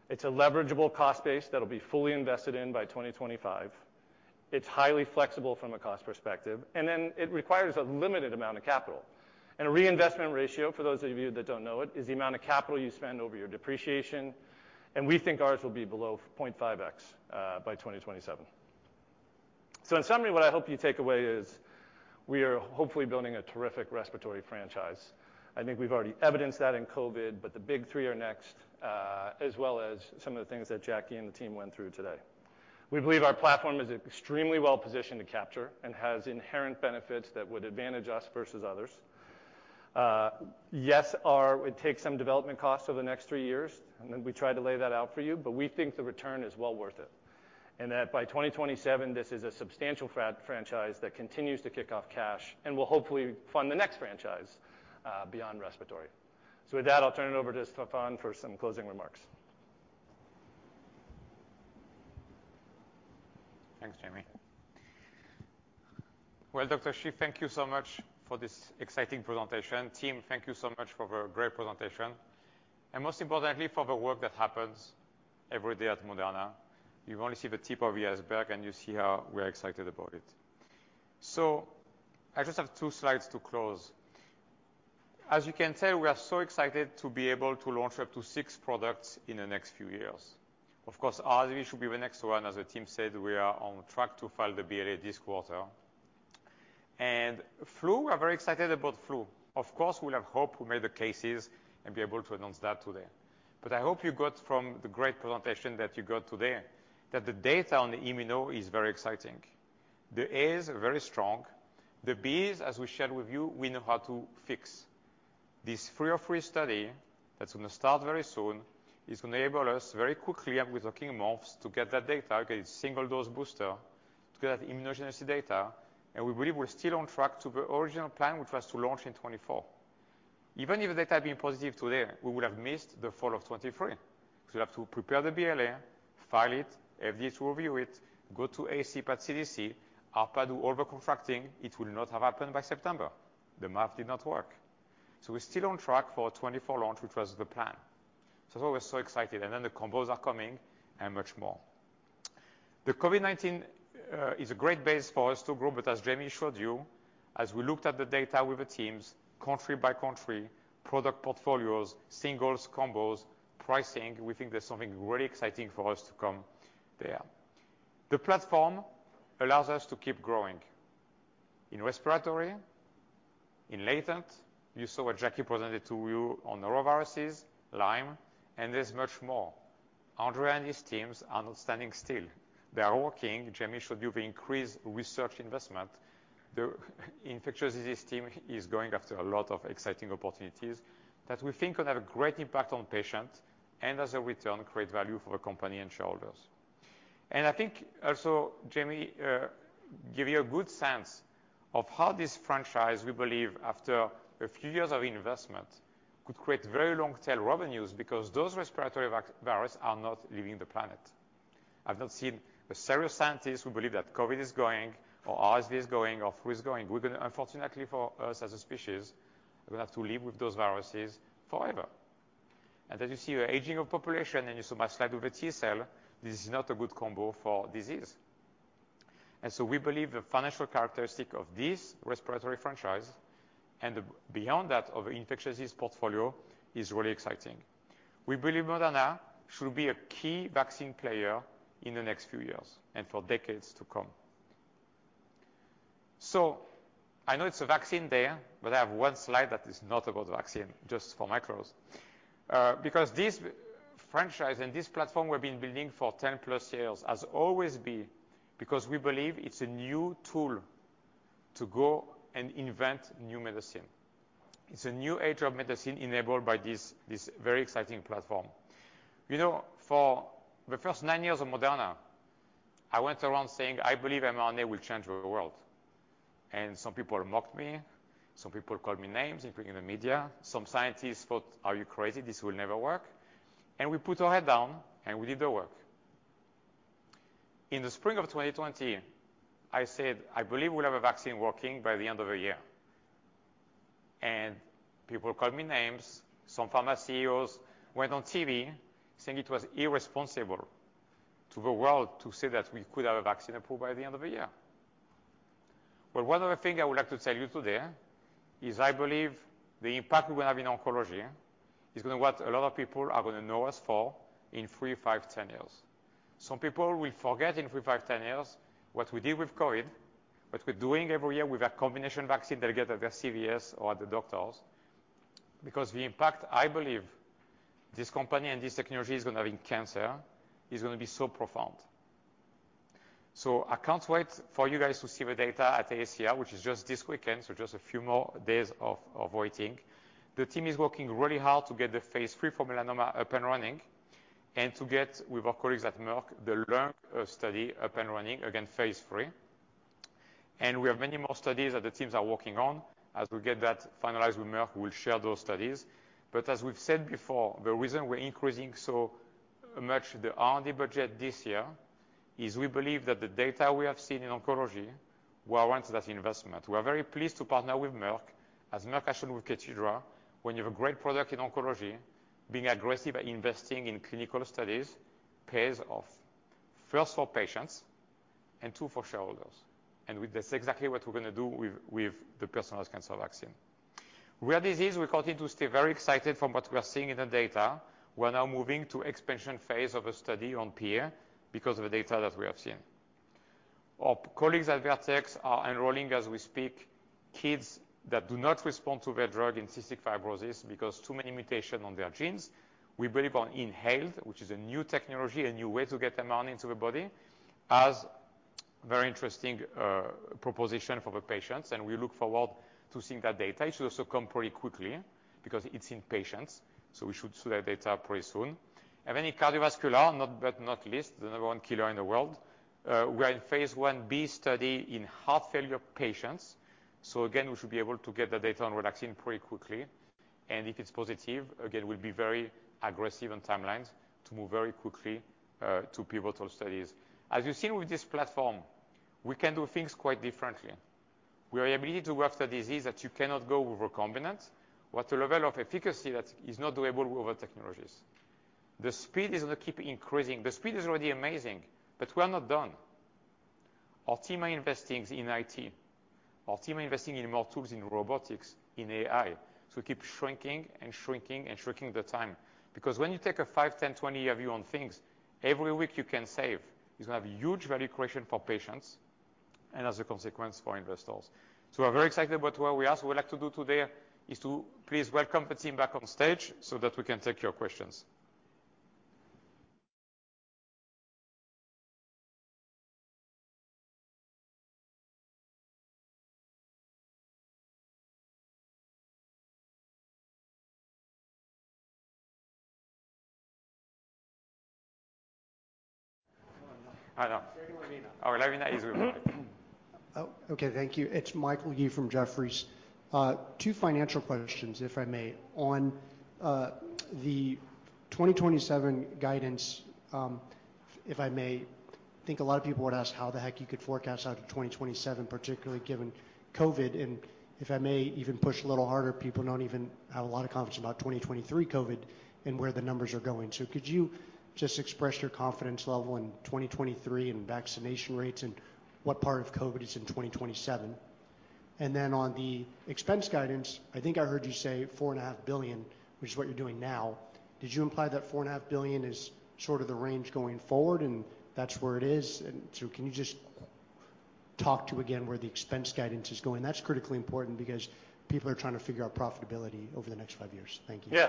It's a leverageable cost base that'll be fully invested in by 2025. It's highly flexible from a cost perspective, and then it requires a limited amount of capital. A reinvestment ratio, for those of you that don't know it, is the amount of capital you spend over your depreciation, and we think ours will be below 0.5x by 2027. In summary, what I hope you take away is we are hopefully building a terrific respiratory franchise. I think we've already evidenced that in COVID, but the big three are next, as well as some of the things that Jackie and the team went through today. We believe our platform is extremely well-positioned to capture and has inherent benefits that would advantage us versus others. Yes, our. It takes some development costs over the next three years, and then we try to lay that out for you, but we think the return is well worth it and that by 2027 this is a substantial franchise that continues to kick off cash and will hopefully fund the next franchise, beyond respiratory. With that, I'll turn it over to Stéphane for some closing remarks. Thanks, Jamey. Dr. Schief, thank you so much for this exciting presentation. Team, thank you so much for the great presentation and most importantly for the work that happens every day at Moderna. You only see the tip of the iceberg, and you see how we're excited about it. I just have two slides to close. As you can tell, we are so excited to be able to launch up to six products in the next few years. Of course, RSV should be the next one. As the team said, we are on track to file the BLA this quarter. Flu, we're very excited about flu. Of course, we'll have hoped we made the cases and be able to announce that today. I hope you got from the great presentation that you got today that the data on the Immuno is very exciting. The A's are very strong. The B's, as we shared with you, we know how to fix. This preapproved study that's going to start very soon is going to enable us very quickly and with working months to get that data, get a single-dose booster, to get that immunogenicity data, and we believe we're still on track to the original plan, which was to launch in 2024. Even if the data had been positive today, we would have missed the fall of 2023 because we have to prepare the BLA, file it, FDA to review it, go to AC at CDC, ARPA-H do all the contracting. It will not have happened by September. The math did not work. We're still on track for a 2024 launch, which was the plan. That's why we're so excited. The combos are coming and much more. The COVID-19 is a great base for us to grow, but as Jamey showed you, as we looked at the data with the teams country by country, product portfolios, singles, combos, pricing, we think there's something really exciting for us to come there. The platform allows us to keep growing in respiratory, in latent. You saw what Jackie presented to you on noroviruses, Lyme, and there's much more. Andrea and his teams are not standing still. They are working. Jamey showed you the increased research investment. The infectious disease team is going after a lot of exciting opportunities that we think could have a great impact on patients and as a return create value for the company and shareholders. I think also Jamey, give you a good sense of how this franchise, we believe after a few years of investment, could create very long tail revenues because those respiratory virus are not leaving the planet. I've not seen a serious scientist who believe that COVID is going or RSV is going or flu is going. Unfortunately for us as a species, we're gonna have to live with those viruses forever. As you see the aging of population, and you saw my slide with the T-cell, this is not a good combo for disease. So we believe the financial characteristic of this respiratory franchise and the beyond that of infectious disease portfolio is really exciting. We believe Moderna should be a key vaccine player in the next few years and for decades to come. I know it's a vaccine day, but I have one slide that is not about vaccine, just for micros. Because this franchise and this platform we've been building for 10+ years has always been because we believe it's a new tool to go and invent new medicine. It's a new age of medicine enabled by this very exciting platform. You know, for the first nine years of Moderna, I went around saying, "I believe mRNA will change the world." Some people mocked me. Some people called me names, including the media. Some scientists thought, "Are you crazy? This will never work." We put our head down, and we did the work. In the spring of 2020, I said, "I believe we'll have a vaccine working by the end of the year." People called me names. Some pharma CEOs went on TV saying it was irresponsible to the world to say that we could have a vaccine approved by the end of the year. One other thing I would like to tell you today is I believe the impact we're gonna have in oncology. What a lot of people are gonna know us for in three, five, 10 years. Some people will forget in three, five, 10 years what we did with COVID, what we're doing every year with a combination vaccine they'll get at their CVS or at the doctors, because the impact I believe this company and this technology is gonna have in cancer is gonna be so profound. I can't wait for you guys to see the data at ASCO, which is just this weekend, just a few more days of waiting. The team is working really hard to get the phase III for melanoma up and running and to get with our colleagues at Merck the LUNG study up and running, again, phase III. We have many more studies that the teams are working on. As we get that finalized with Merck, we'll share those studies. As we've said before, the reason we're increasing so much the R&D budget this year is we believe that the data we have seen in oncology. We'll warrant that investment. We are very pleased to partner with Merck. As Merck has shown with KEYTRUDA, when you have a great product in oncology, being aggressive at investing in clinical studies pays off, first for patients and two, for shareholders. That's exactly what we're gonna do with the personalized cancer vaccine. Rare disease, we continue to stay very excited from what we are seeing in the data. We're now moving to expansion phase of a study on PA because of the data that we have seen. Our colleagues at Vertex are enrolling, as we speak, kids that do not respond to their drug in cystic fibrosis because too many mutation on their genes. We believe on inhaled, which is a new technology, a new way to get amount into the body, as very interesting proposition for the patients, and we look forward to seeing that data. It should also come pretty quickly because it's in patients, so we should see that data pretty soon. In cardiovascular, not but not least, the number one killer in the world, we are in phase Ib study in heart failure patients. Again, we should be able to get the data on Relaxin pretty quickly. If it's positive, again, we'll be very aggressive on timelines to move very quickly to pivotal studies. As you've seen with this platform, we can do things quite differently. We have ability to work the disease that you cannot go with recombinant, with a level of efficacy that is not doable with other technologies. The speed is gonna keep increasing. The speed is already amazing, we are not done. Our team are investing in IT. Our team are investing in more tools in robotics, in AI, to keep shrinking and shrinking and shrinking the time. When you take a five, 10, 20-year view on things, every week you can save is gonna have a huge value creation for patients and as a consequence for investors. We're very excited about where we are. We'd like to do today is to please welcome the team back on stage so that we can take your questionsI know. Oh, starting at you. Okay. Thank you. It's Michael Yee from Jefferies. Two financial questions, if I may. On the 2027 guidance, if I may, I think a lot of people would ask how the heck you could forecast out to 2027, particularly given COVID. If I may even push a little harder, people don't even have a lot of confidence about 2023 COVID and where the numbers are going. Could you just express your confidence level in 2023 and vaccination rates and what part of COVID is in 2027? On the expense guidance, I think I heard you say $4.5 billion, which is what you're doing now. Did you imply that $4.5 billion is sort of the range going forward, and that's where it is? Can you just talk to again where the expense guidance is going? That's critically important because people are trying to figure out profitability over the next five years. Thank you. Yeah.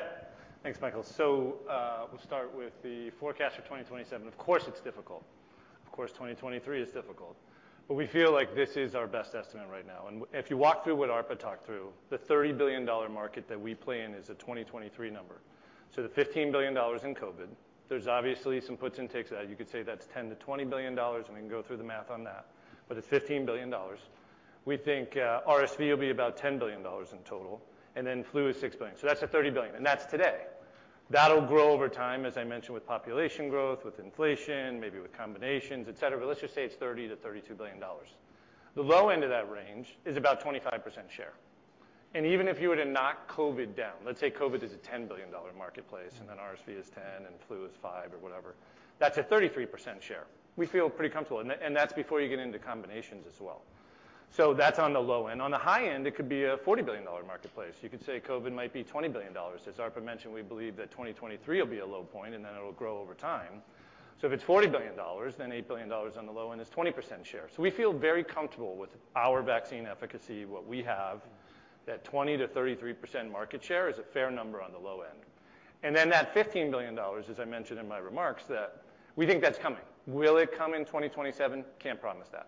Thanks, Michael. We'll start with the forecast for 2027. Of course, it's difficult. Of course, 2023 is difficult, but we feel like this is our best estimate right now. If you walk through what Arpa talked through, the $30 billion market that we play in is a 2023 number. The $15 billion in COVID, there's obviously some puts and takes of that. You could say that's $10 billion-$20 billion, and we can go through the math on that, but it's $15 billion. We think RSV will be about $10 billion in total, and then flu is $6 billion. That's at $30 billion, and that's today. That'll grow over time, as I mentioned, with population growth, with inflation, maybe with combinations, et cetera, but let's just say it's $30 billion-$32 billion. The low end of that range is about 25% share. Even if you were to knock COVID down, let's say COVID is a $10 billion marketplace, RSV is $10 billion, and flu is $5 billion or whatever, that's a 33% share. We feel pretty comfortable. That's before you get into combinations as well. That's on the low end. On the high end, it could be a $40 billion marketplace. You could say COVID might be $20 billion. As Arpa mentioned, we believe that 2023 will be a low point, and then it'll grow over time. If it's $40 billion, then $8 billion on the low end is 20% share. We feel very comfortable with our vaccine efficacy, what we have, that 20%-33% market share is a fair number on the low end. That $15 billion, as I mentioned in my remarks, that we think that's coming. Will it come in 2027? Can't promise that.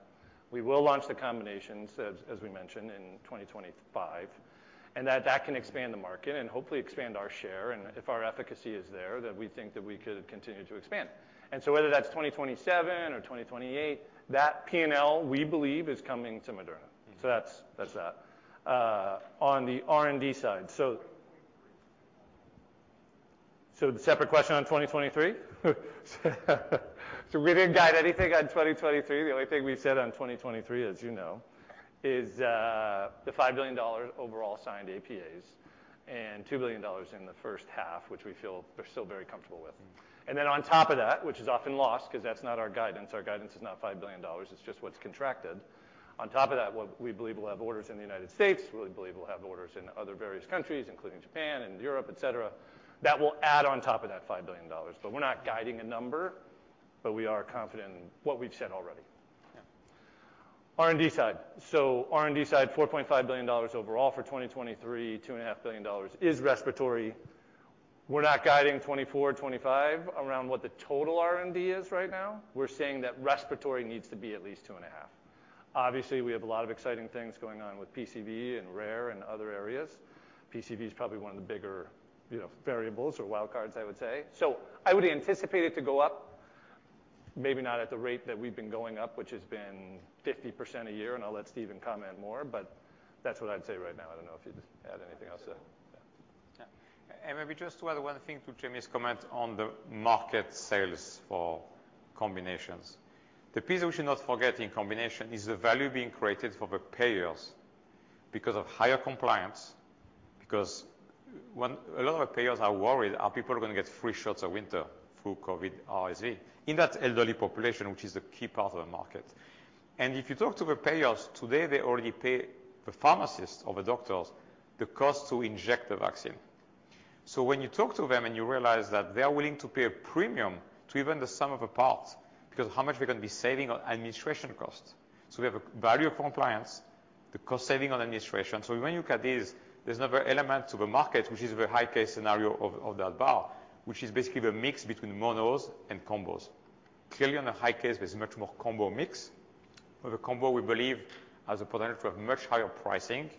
We will launch the combinations as we mentioned, in 2025, and that can expand the market and hopefully expand our share, and if our efficacy is there, then we think that we could continue to expand. Whether that's 2027 or 2028, that P&L, we believe, is coming to Moderna. That's that. On the R&D side. 2023. The separate question on 2023? We didn't guide anything on 2023. The only thing we've said on 2023, as you know, is, the $5 billion overall signed APAs and $2 billion in the first half, which we feel we're still very comfortable with. Mm-hmm. On top of that, which is often lost because that's not our guidance, our guidance is not $5 billion, it's just what's contracted. On top of that, what we believe we'll have orders in the United States, we believe we'll have orders in other various countries, including Japan and Europe, et cetera. That will add on top of that $5 billion. We're not guiding a number, but we are confident in what we've said already. Yeah. R&D side. R&D side, $4.5 billion overall for 2023, $2.5 billion is respiratory. We're not guiding 2024, 2025 around what the total R&D is right now. We're saying that respiratory needs to be at least two and a half. Obviously, we have a lot of exciting things going on with PCV and rare and other areas. PCV is probably one of the bigger, you know, variables or wild cards, I would say. I would anticipate it to go up, maybe not at the rate that we've been going up, which has been 50% a year, and I'll let Stéphane comment more, but that's what I'd say right now. I don't know if you'd add anything else to that. Yeah. Maybe just to add one thing to Jamey's comment on the market sales for combinations. The piece we should not forget in combination is the value being created for the payers because of higher compliance. A lot of our payers are worried, are people gonna get three shots of winter flu, COVID, RSV in that elderly population, which is the key part of the market. If you talk to the payers, today they already pay the pharmacist or the doctors the cost to inject the vaccine. When you talk to them and you realize that they are willing to pay a premium to even the sum of a part, because how much we're gonna be saving on administration costs. We have a value of compliance, the cost saving on administration. When you look at this, there's another element to the market, which is the high case scenario of that bar, which is basically the mix between monos and combos. Clearly, on the high case, there's much more combo mix. With the combo, we believe has the potential to have much higher pricing.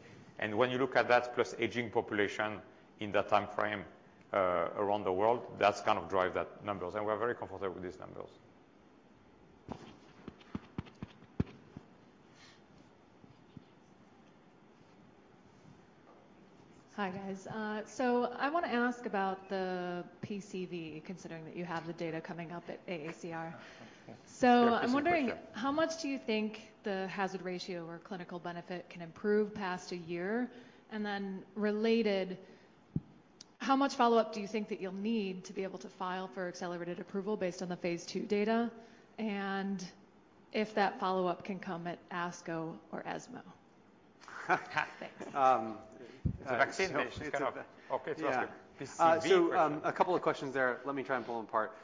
When you look at that plus aging population in that timeframe, around the world, that's kind of drive that numbers. We're very comfortable with these numbers. Hi, guys. I wanna ask about the PCV, considering that you have the data coming up at AACR. Yeah. I'm wondering- Great question. How much do you think the hazard ratio or clinical benefit can improve past a year? Then related, how much follow-up do you think that you'll need to be able to file for accelerated approval based on the phase II data? If that follow-up can come at ASCO or ESMO? Thanks. Um- It's a vaccine question. It's kind of... Okay, ask it. Yeah. PCV question. A couple of questions there. Let me try and pull them apart.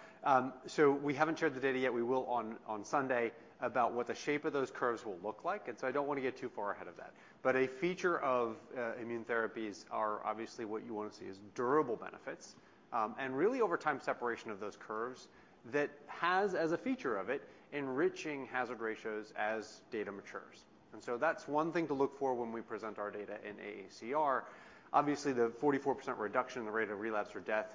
We haven't shared the data yet. We will on Sunday about what the shape of those curves will look like. I don't wanna get too far ahead of that. A feature of immune therapies are obviously what you wanna see is durable benefits, and really over time, separation of those curves that has as a feature of it, enriching hazard ratios as data matures. That's one thing to look for when we present our data in AACR. Obviously, the 44% reduction in the rate of relapse or death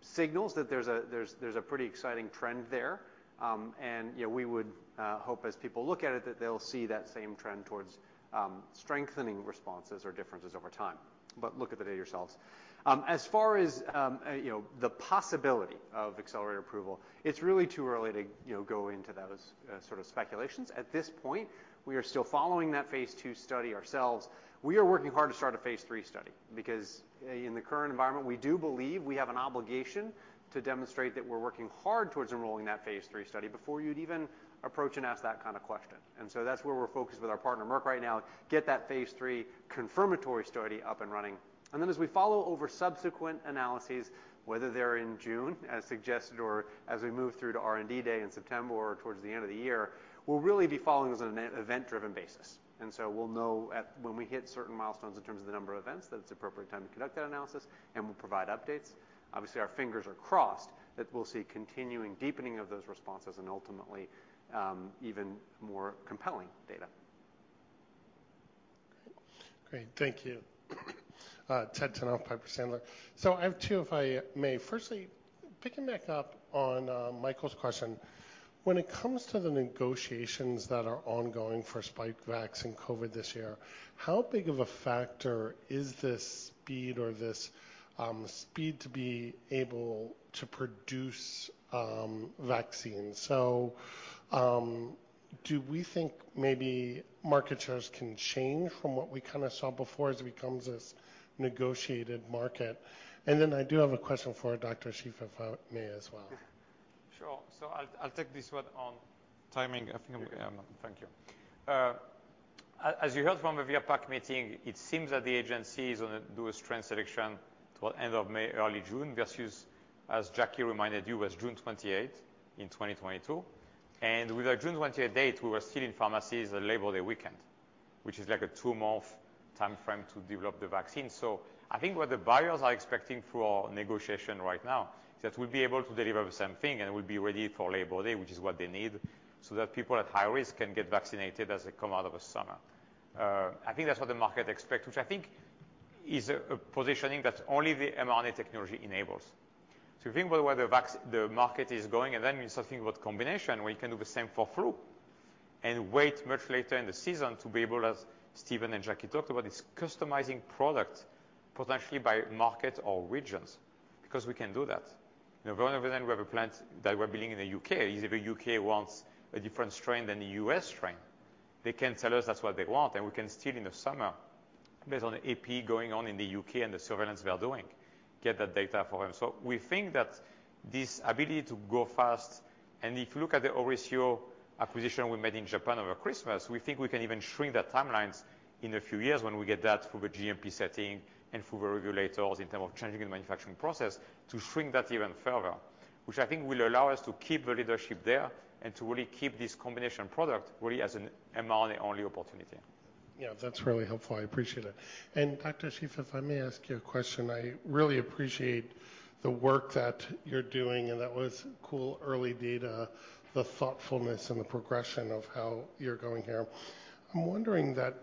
signals that there's a pretty exciting trend there. You know, we would hope as people look at it, that they'll see that same trend towards strengthening responses or differences over time. Look at the data yourselves. As far as, you know, the possibility of accelerated approval, it's really too early to, you know, go into those sort of speculations. At this point, we are still following that phase II study ourselves. We are working hard to start a phase III study because in the current environment, we do believe we have an obligation to demonstrate that we're working hard towards enrolling that phase III study before you'd even approach and ask that kind of question. That's where we're focused with our partner, Merck, right now, get that phase III confirmatory study up and running. As we follow over subsequent analyses, whether they're in June as suggested or as we move through to R&D day in September or towards the end of the year, we'll really be following this on an e-event driven basis. We'll know when we hit certain milestones in terms of the number of events, that it's appropriate time to conduct that analysis, and we'll provide updates. Obviously, our fingers are crossed that we'll see continuing deepening of those responses and ultimately, even more compelling data. Great. Thank you. Ted Tenthoff, Piper Sandler. I have two, if I may. Firstly, picking back up on Michael Yee's question. When it comes to the negotiations that are ongoing for Spikevax and COVID this year, how big of a factor is this speed or this speed to be able to produce vaccines? Do we think maybe market shares can change from what we kinda saw before as it becomes this negotiated market? Then I do have a question for Dr. Schief, if I may as well. Sure. I'll take this one on timing. Thank you. As you heard from the VRBPAC meeting, it seems that the agency is gonna do a strain selection toward end of May, early June, versus, as Jackie reminded you, was June 28th in 2022. With our June 28th date, we were still in pharmacies label the weekend, which is like a two-month timeframe to develop the vaccine. I think what the buyers are expecting for negotiation right now is that we'll be able to deliver the same thing, and we'll be ready for label day, which is what they need, so that people at high risk can get vaccinated as they come out of the summer. I think that's what the market expects, which I think is a positioning that only the mRNA technology enables. think about where the market is going, you start think about combination, where you can do the same for flu and wait much later in the season to be able, as Stéphane and Jackie talked about, is customizing product potentially by market or regions, because we can do that. You know, going over we have a plant that we're building in the U.K. If the U.K. wants a different strain than the U.S. strain, they can tell us that's what they want, and we can still in the summer, based on the EP going on in the U.K. and the surveillance we are doing, get that data for them. We think that this ability to go fast, and if you look at the OriCiro acquisition we made in Japan over Christmas, we think we can even shrink the timelines in a few years when we get that through the GMP setting and through the regulators in terms of changing the manufacturing process to shrink that even further. I think will allow us to keep the leadership there and to really keep this combination product really as an mRNA-only opportunity. Yeah. That's really helpful. I appreciate it. Dr. Schief, if I may ask you a question. I really appreciate the work that you're doing, and that was cool early data, the thoughtfulness and the progression of how you're going here. I'm wondering that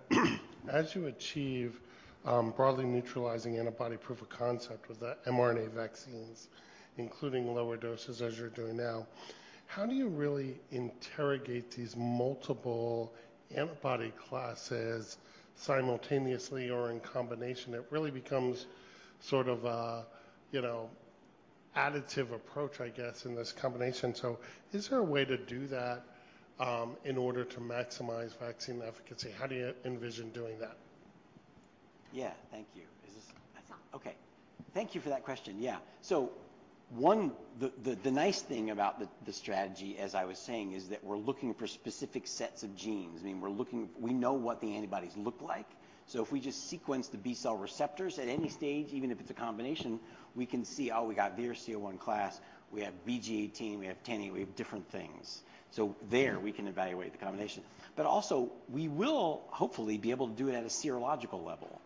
as you achieve broadly neutralizing antibody proof of concept with the mRNA vaccines, including lower doses as you're doing now How do you really interrogate these multiple antibody classes simultaneously or in combination? It really becomes sort of a, you know, additive approach, I guess, in this combination. Is there a way to do that in order to maximize vaccine efficacy? How do you envision doing that? Yeah. Thank you. Is this.. Okay. Thank you for that question. The nice thing about the strategy, as I was saying, is that we're looking for specific sets of genes. I mean, we know what the antibodies look like, so if we just sequence the B-cell receptors at any stage, even if it's a combination, we can see, oh, we got VRC01 class, we have BG18, we have 10E8, we have different things. There we can evaluate the combination. Also, we will hopefully be able to do it at a serological level.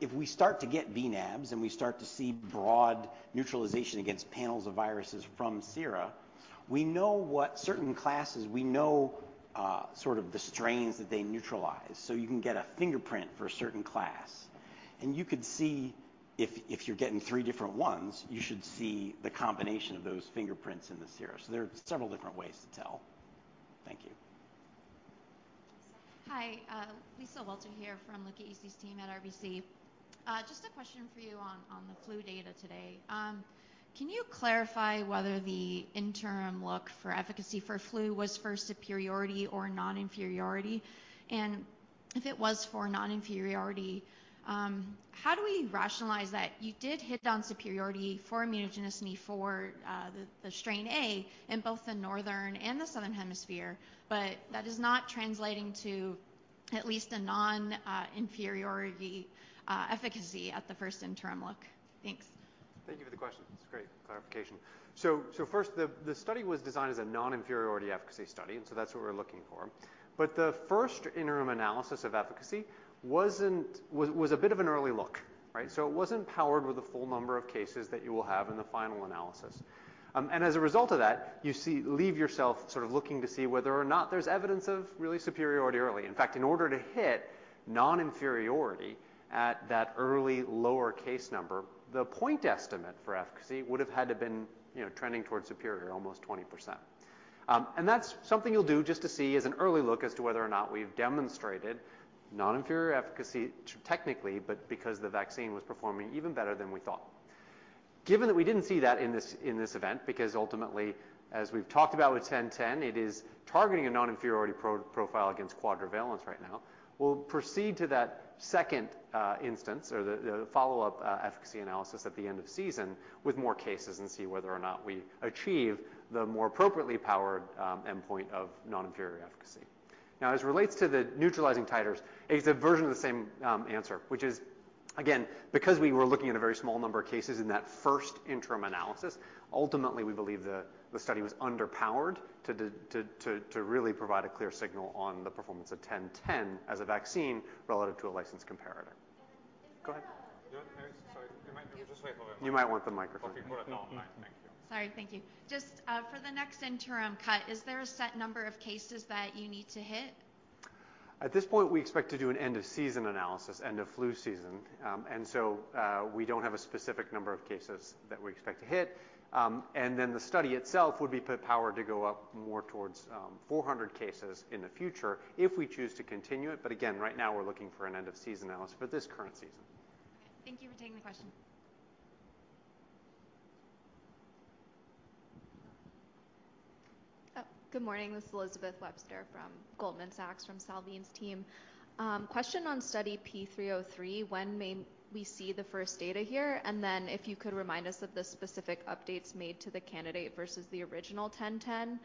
If we start to get bNAbs, and we start to see broad neutralization against panels of viruses from sera, we know what certain classes, we know, sort of the strains that they neutralize. You can get a fingerprint for a certain class. You could see if you're getting three different ones, you should see the combination of those fingerprints in the sera. There are several different ways to tell. Thank you. Hi, Lisa Walter here from Luca Issi's team at RBC. Just a question for you on the flu data today. Can you clarify whether the interim look for efficacy for flu was for superiority or non-inferiority? If it was for non-inferiority, how do we rationalize that you did hit on superiority for immunogenicity for the strain A in both the Northern and the Southern Hemisphere, but that is not translating to at least a non-inferiority efficacy at the first interim look? Thanks. Thank you for the question. It's great clarification. First, the study was designed as a non-inferiority efficacy study, and so that's what we're looking for. The first interim analysis of efficacy was a bit of an early look, right? It wasn't powered with the full number of cases that you will have in the final analysis. As a result of that, you leave yourself sort of looking to see whether or not there's evidence of really superiority early. In fact, in order to hit non-inferiority at that early lower case number, the point estimate for efficacy would have had to been, you know, trending towards superior, almost 20%. That's something you'll do just to see as an early look as to whether or not we've demonstrated non-inferior efficacy technically, but because the vaccine was performing even better than we thought. Given that we didn't see that in this, in this event, because ultimately, as we've talked about with 10/10, it is targeting a non-inferiority profile against quadrivalence right now, we'll proceed to that second instance or the follow-up efficacy analysis at the end of season with more cases and see whether or not we achieve the more appropriately powered endpoint of non-inferior efficacy. As it relates to the neutralizing titers, it's a version of the same answer, which is, again, because we were looking at a very small number of cases in that first interim analysis, ultimately, we believe the study was underpowered to really provide a clear signal on the performance of mRNA-1010 as a vaccine relative to a licensed comparator. Is there. Go ahead. Sorry. You might just wait for a microphone. You might want the microphone. Okay. No, I'm fine. Thank you. Sorry. Thank you. Just for the next interim cut, is there a set number of cases that you need to hit? At this point, we expect to do an end of season analysis, end of flu season. We don't have a specific number of cases that we expect to hit. The study itself would be put powered to go up more towards 400 cases in the future if we choose to continue it. Again, right now we're looking for an end of season analysis for this current season. Okay. Thank you for taking the question. Good morning. This is Elizabeth Webster from Goldman Sachs, from Salveen's team. Question on study P303. When may we see the first data here? If you could remind us of the specific updates made to the candidate versus the original mRNA-1010.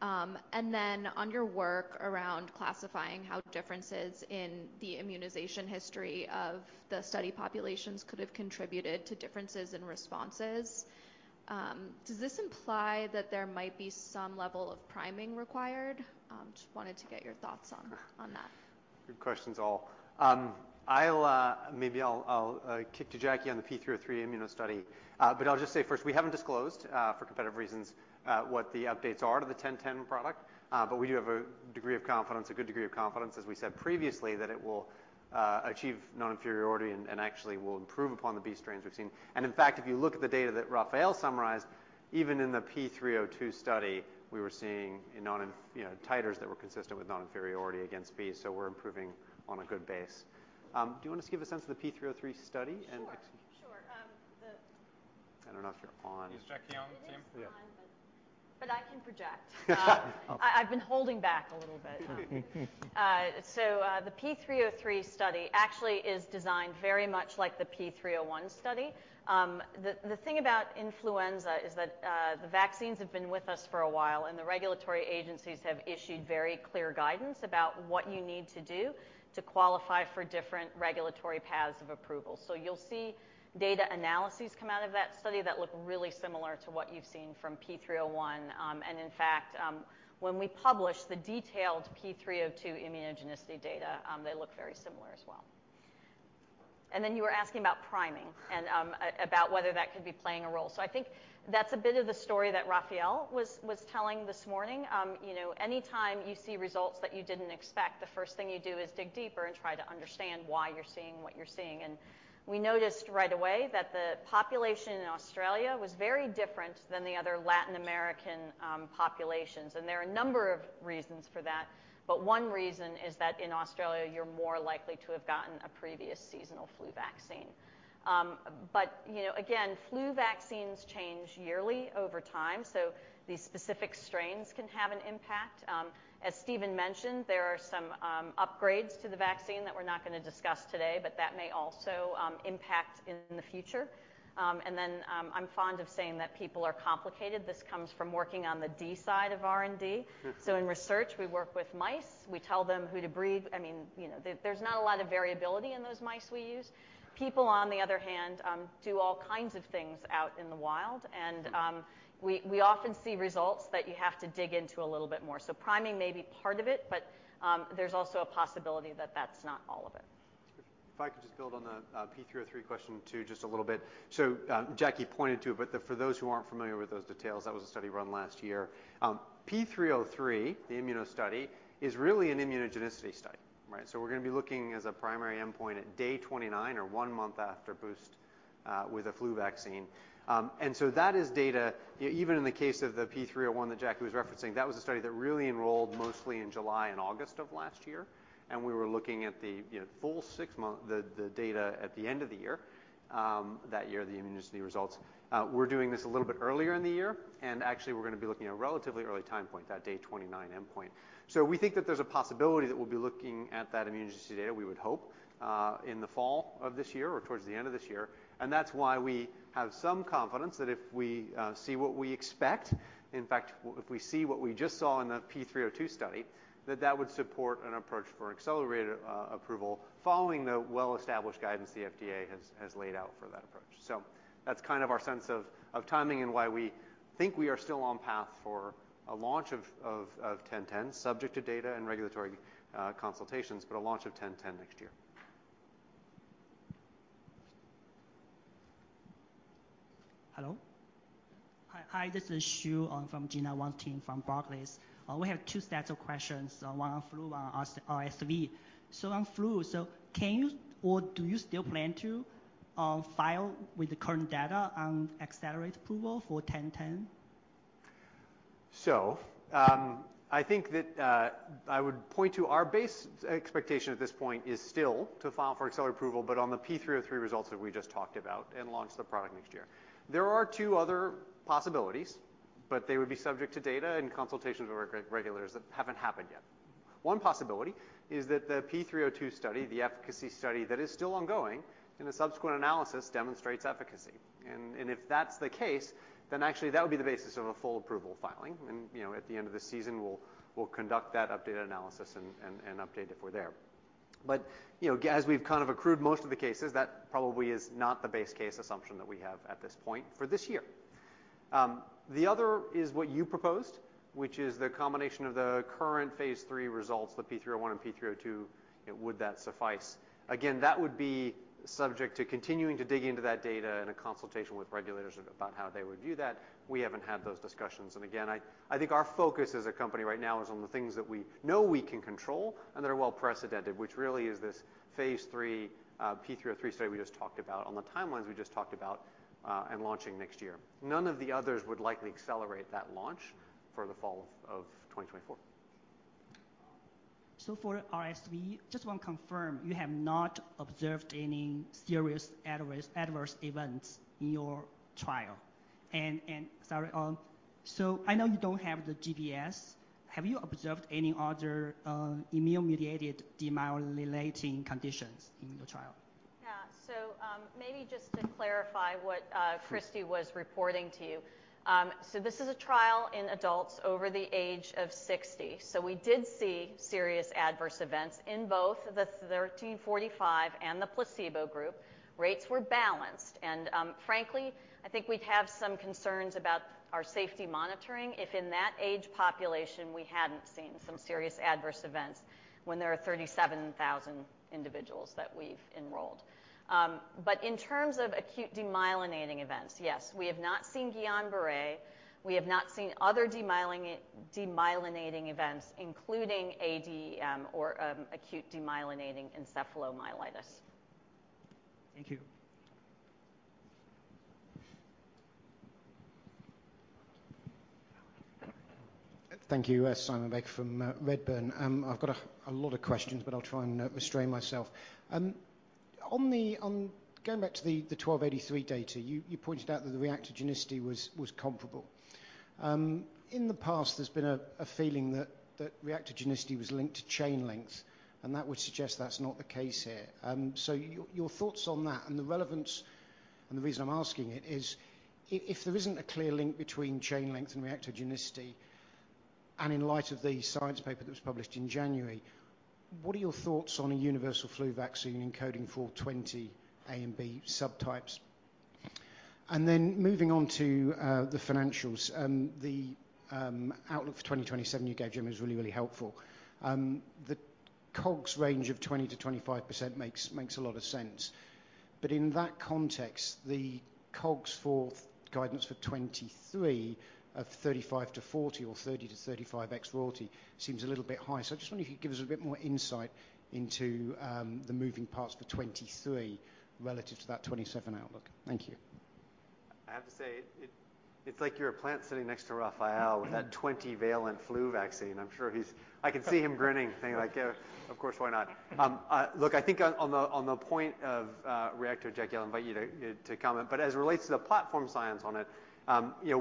On your work around classifying how differences in the immunization history of the study populations could have contributed to differences in responses, does this imply that there might be some level of priming required? Just wanted to get your thoughts on that. Good questions all. I'll kick to Jackie on the P303 immuno study. I'll just say first, we haven't disclosed for competitive reasons what the updates are to the 10/10 product. We do have a degree of confidence, a good degree of confidence, as we said previously, that it will achieve non-inferiority and actually will improve upon the B strains we've seen. In fact, if you look at the data that Raphael summarized, even in the P302 study, we were seeing you know, titers that were consistent with non-inferiority against B, so we're improving on a good base. Do you want to just give a sense of the P303 study. Sure. Sure. I don't know if you're on. Is Jackie on the team? It is on. Yeah. I can project. I've been holding back a little bit. The P303 study actually is designed very much like the P301 study. The thing about influenza is that the vaccines have been with us for a while, and the regulatory agencies have issued very clear guidance about what you need to do to qualify for different regulatory paths of approval. You'll see data analyses come out of that study that look really similar to what you've seen from P301. In fact, when we publish the detailed P302 immunogenicity data, they look very similar as well. You were asking about priming and about whether that could be playing a role. I think that's a bit of the story that Raphael was telling this morning. You know, anytime you see results that you didn't expect, the first thing you do is dig deeper and try to understand why you're seeing what you're seeing. We noticed right away that the population in Australia was very different than the other Latin American populations. There are a number of reasons for that, but one reason is that in Australia you're more likely to have gotten a previous seasonal flu vaccine. You know, again, flu vaccines change yearly over time, so these specific strains can have an impact. As Stéphane mentioned, there are some upgrades to the vaccine that we're not gonna discuss today, but that may also impact in the future. I'm fond of saying that people are complicated. This comes from working on the D side of R&D. In research we work with mice. We tell them who to breed. I mean, you know, there's not a lot of variability in those mice we use. People on the other hand, do all kinds of things out in the wild. We often see results that you have to dig into a little bit more. Priming may be part of it, but there's also a possibility that that's not all of it. I could just build on the P303 question too, just a little bit. Jackie pointed to, for those who aren't familiar with those details, that was a study run last year. P303, the immuno study, is really an immunogenicity study, right? We're gonna be looking as a primary endpoint at day 29 or one month after boost with a flu vaccine. That is data in the case of the P301 that Jackie was referencing, that was a study that really enrolled mostly in July and August of last year, and we were looking at the, you know, full six-month, the data at the end of the year, that year, the immunogenicity results. We're doing this a little bit earlier in the year, actually we're gonna be looking at a relatively early time point, that day 29 endpoint. We think that there's a possibility that we'll be looking at that immunogenicity data, we would hope, in the fall of this year or towards the end of this year. That's why we have some confidence that if we see what we expect, in fact, if we see what we just saw in the P302 study, that that would support an approach for an accelerated approval following the well-established guidance the FDA has laid out for that approach. That's kind of our sense of timing and why we think we are still on path for a launch of ten-ten subject to data and regulatory consultations, but a launch of ten-ten next year. Hello. Hi. Hi. This is Xu on from Gena Wang team from Barclays. We have two sets of questions, one on flu, one on RSV. On flu, can you or do you still plan to file with the current data on accelerated approval for ten-ten? I think that I would point to our base expectation at this point is still to file for accelerated approval on the P303 results that we just talked about and launch the product next year. There are two other possibilities. They would be subject to data and consultations with regulators that haven't happened yet. One possibility is that the P302 study, the efficacy study that is still ongoing in a subsequent analysis demonstrates efficacy. If that's the case, then actually that would be the basis of a full approval filing. You know, at the end of the season we'll conduct that updated analysis and update if we're there. You know, as we've kind of accrued most of the cases, that probably is not the base case assumption that we have at this point for this year. The other is what you proposed, which is the combination of the current phase III results, the P301 and P302, would that suffice? Again, that would be subject to continuing to dig into that data in a consultation with regulators about how they would view that. We haven't had those discussions, and again, I think our focus as a company right now is on the things that we know we can control and that are well precedented, which really is this phase III, P303 study we just talked about on the timelines we just talked about, and launching next year. None of the others would likely accelerate that launch for the fall of 2024. For RSV, just want to confirm, you have not observed any serious adverse events in your trial. Sorry, I know you don't have the GBS. Have you observed any other immune-mediated demyelinating conditions in the trial? Maybe just to clarify what Christi was reporting to you. This is a trial in adults over the age of 60. We did see serious adverse events in both the mRNA-1345 and the placebo group. Rates were balanced, frankly, I think we'd have some concerns about our safety monitoring if in that age population we hadn't seen some serious adverse events when there are 37,000 individuals that we've enrolled. In terms of acute demyelinating events, yes, we have not seen Guillain-Barré, we have not seen other demyelinating events, including ADEM, or Acute Disseminated Encephalomyelitis. Thank you. Thank you. Simon Baker from Redburn. I've got a lot of questions, but I'll try and restrain myself. Going back to the mRNA-1283 data, you pointed out that the reactogenicity was comparable. In the past there's been a feeling that reactogenicity was linked to chain length, and that would suggest that's not the case here. Your thoughts on that and the relevance, and the reason I'm asking it is if there isn't a clear link between chain length and reactogenicity, and in light of the science paper that was published in January, what are your thoughts on a universal flu vaccine encoding for 20 A and B subtypes? Moving on to the financials. The outlook for 2027 you gave Jim is really helpful. The COGS range of 20%-25% makes a lot of sense. In that context, the COGS for guidance for 2023 of 35%-40% or 30%-35% ex royalty seems a little bit high. I just wonder if you could give us a bit more insight into the moving parts for 2023 relative to that 2027 outlook. Thank you. I have to say, it's like you're a plant sitting next to Raphael with that 20-valent flu vaccine. I'm sure he's... I can see him grinning, thinking like, "Of course, why not?" Look, I think on the, on the point of, react to Jackie, I'll invite you to comment, but as it relates to the platform science on it, you know,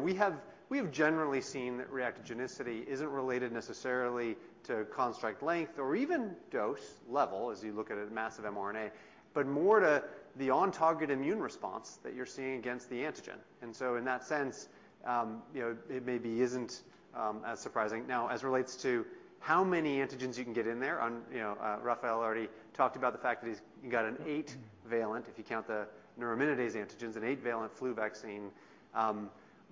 we have, we have generally seen that reactogenicity isn't related necessarily to construct length or even dose level as you look at a massive mRNA, but more to the on target immune response that you're seeing against the antigen. In that sense, you know, it maybe isn't, as surprising. As it relates to how many antigens you can get in there on, you know, Raphael already talked about the fact that he's got an 8 valent, if you count the neuraminidase antigens, an 8 valent flu vaccine.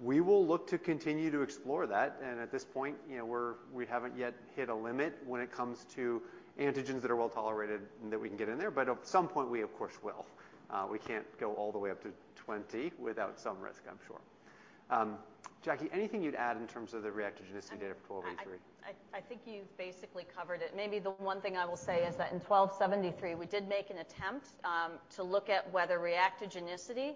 We will look to continue to explore that. At this point, you know, we haven't yet hit a limit when it comes to antigens that are well-tolerated that we can get in there. At some point, we of course will. We can't go all the way up to 20 without some risk, I'm sure. Jackie, anything you'd add in terms of the reactogenicity data for mRNA-1283? I think you've basically covered it. Maybe the one thing I will say is that in mRNA-1273, we did make an attempt to look at whether reactogenicity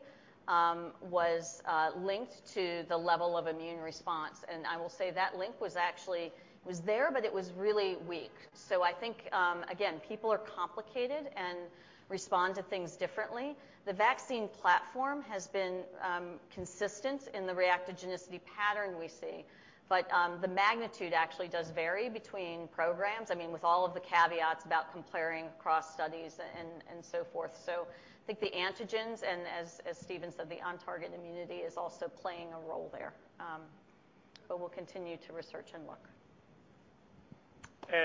was linked to the level of immune response. I will say that link was actually there, but it was really weak. I think, again, people are complicated and respond to things differently. The vaccine platform has been consistent in the reactogenicity pattern we see. The magnitude actually does vary between programs. I mean, with all of the caveats about comparing cross studies and so forth. I think the antigens and as Stéphane said, the on target immunity is also playing a role there. We'll continue to research and look.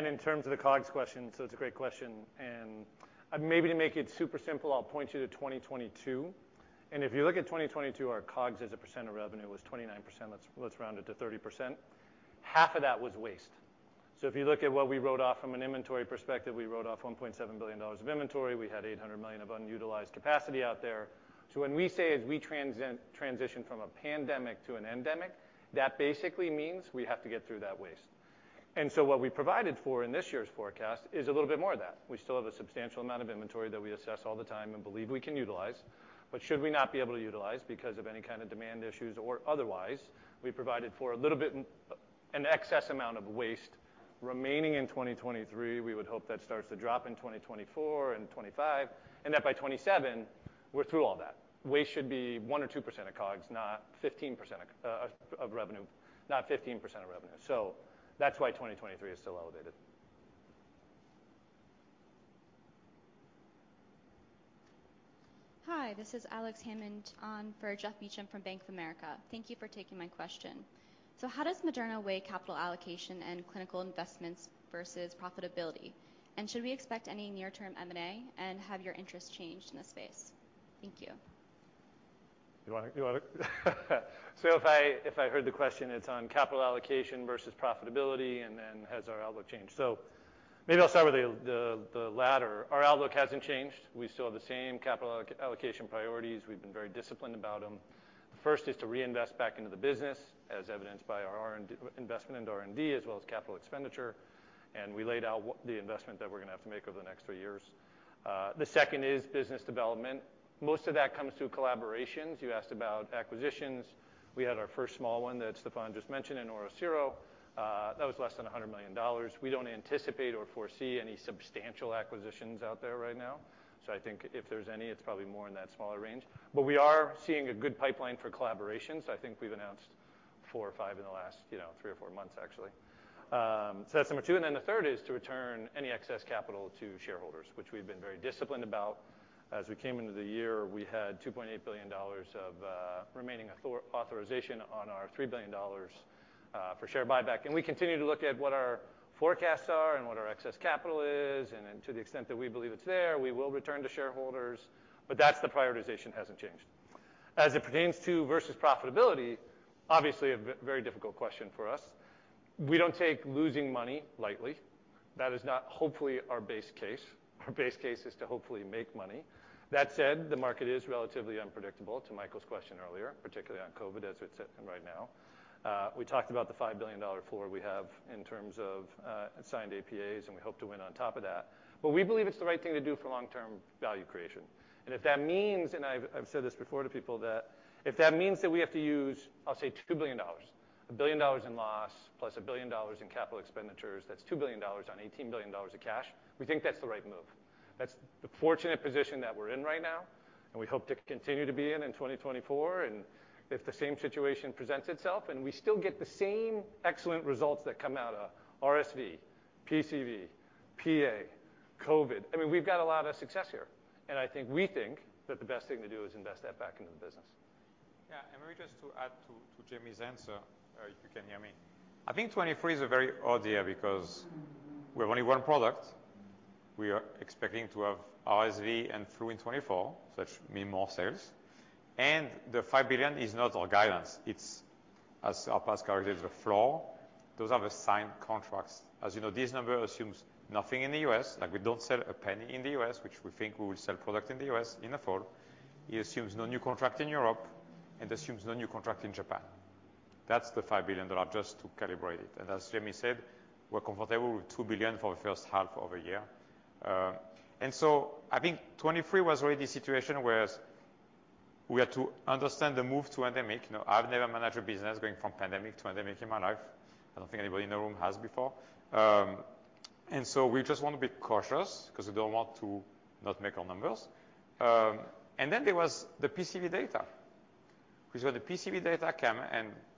In terms of the COGS question, it's a great question. Maybe to make it super simple, I'll point you to 2022. If you look at 2022, our COGS as a percent of revenue was 29%. Let's round it to 30%. Half of that was waste. If you look at what we wrote off from an inventory perspective, we wrote off $1.7 billion of inventory. We had $800 million of unutilized capacity out there. When we say as we transition from a pandemic to an endemic, that basically means we have to get through that waste. What we provided for in this year's forecast is a little bit more of that. We still have a substantial amount of inventory that we assess all the time and believe we can utilize. Should we not be able to utilize because of any kind of demand issues or otherwise, we provided for a little bit, an excess amount of waste remaining in 2023. We would hope that starts to drop in 2024 and 2025, and that by 2027, we're through all that. Waste should be 1% or 2% of COGS, not 15% of revenue, not 15% of revenue. That's why 2023 is still elevated. Hi, this is Alex Hammond on for Geoff Meacham from Bank of America. Thank you for taking my question. How does Moderna weigh capital allocation and clinical investments versus profitability? Should we expect any near-term M&A, and have your interest changed in this space? Thank you. You wanna. If I heard the question, it's on capital allocation versus profitability, and then has our outlook changed? Maybe I'll start with the latter. Our outlook hasn't changed. We still have the same capital allocation priorities. We've been very disciplined about them. First is to reinvest back into the business, as evidenced by our R&D, investment into R&D, as well as capital expenditure. We laid out what the investment that we're gonna have to make over the next three years. The second is business development. Most of that comes through collaborations. You asked about acquisitions. We had our first small one that Stéphane just mentioned in OriCiro. That was less than $100 million. We don't anticipate or foresee any substantial acquisitions out there right now. I think if there's any, it's probably more in that smaller range. We are seeing a good pipeline for collaborations. I think we've announced four or five in the last, you know, three or four months actually. That's number two. The third is to return any excess capital to shareholders, which we've been very disciplined about. As we came into the year, we had $2.8 billion of remaining authorization on our $3 billion for share buyback. We continue to look at what our forecasts are and what our excess capital is, to the extent that we believe it's there, we will return to shareholders. That's the prioritization hasn't changed. As it pertains to versus profitability, obviously a very difficult question for us. We don't take losing money lightly. That is not hopefully our base case. Our base case is to hopefully make money. That said, the market is relatively unpredictable, to Michael's question earlier, particularly on COVID as it's sitting right now. We talked about the $5 billion floor we have in terms of assigned APAs, and we hope to win on top of that. We believe it's the right thing to do for long-term value creation. If that means, I've said this before to people, that if that means that we have to use, I'll say $2 billion, $1 billion in loss plus $1 billion in capital expenditures, that's $2 billion on $18 billion of cash, we think that's the right move. That's the fortunate position that we're in right now, and we hope to continue to be in in 2024. If the same situation presents itself and we still get the same excellent results that come out of RSV, PCV, PA, COVID, I mean, we've got a lot of success here. I think we think that the best thing to do is invest that back into the business. Yeah. Maybe just to add to Jamey's answer, if you can hear me. I think 2023 is a very odd year because we have only one product We are expecting to have RSV and flu in 2024, such mean more sales. The $5 billion is not our guidance. It's, as our past quarter, the floor. Those are the signed contracts. As you know, this number assumes nothing in the U.S., like we don't sell a $0.01 in the U.S., which we think we will sell product in the U.S. in the fall. It assumes no new contract in Europe and assumes no new contract in Japan. That's the $5 billion just to calibrate it. As Jamey said, we're comfortable with $2 billion for the first half of the year. I think 2023 was really the situation whereas we had to understand the move to endemic. You know, I've never managed a business going from pandemic to endemic in my life. I don't think anybody in the room has before. We just wanna be cautious 'cause we don't want to not make our numbers. There was the PCV data. When the PCV data came,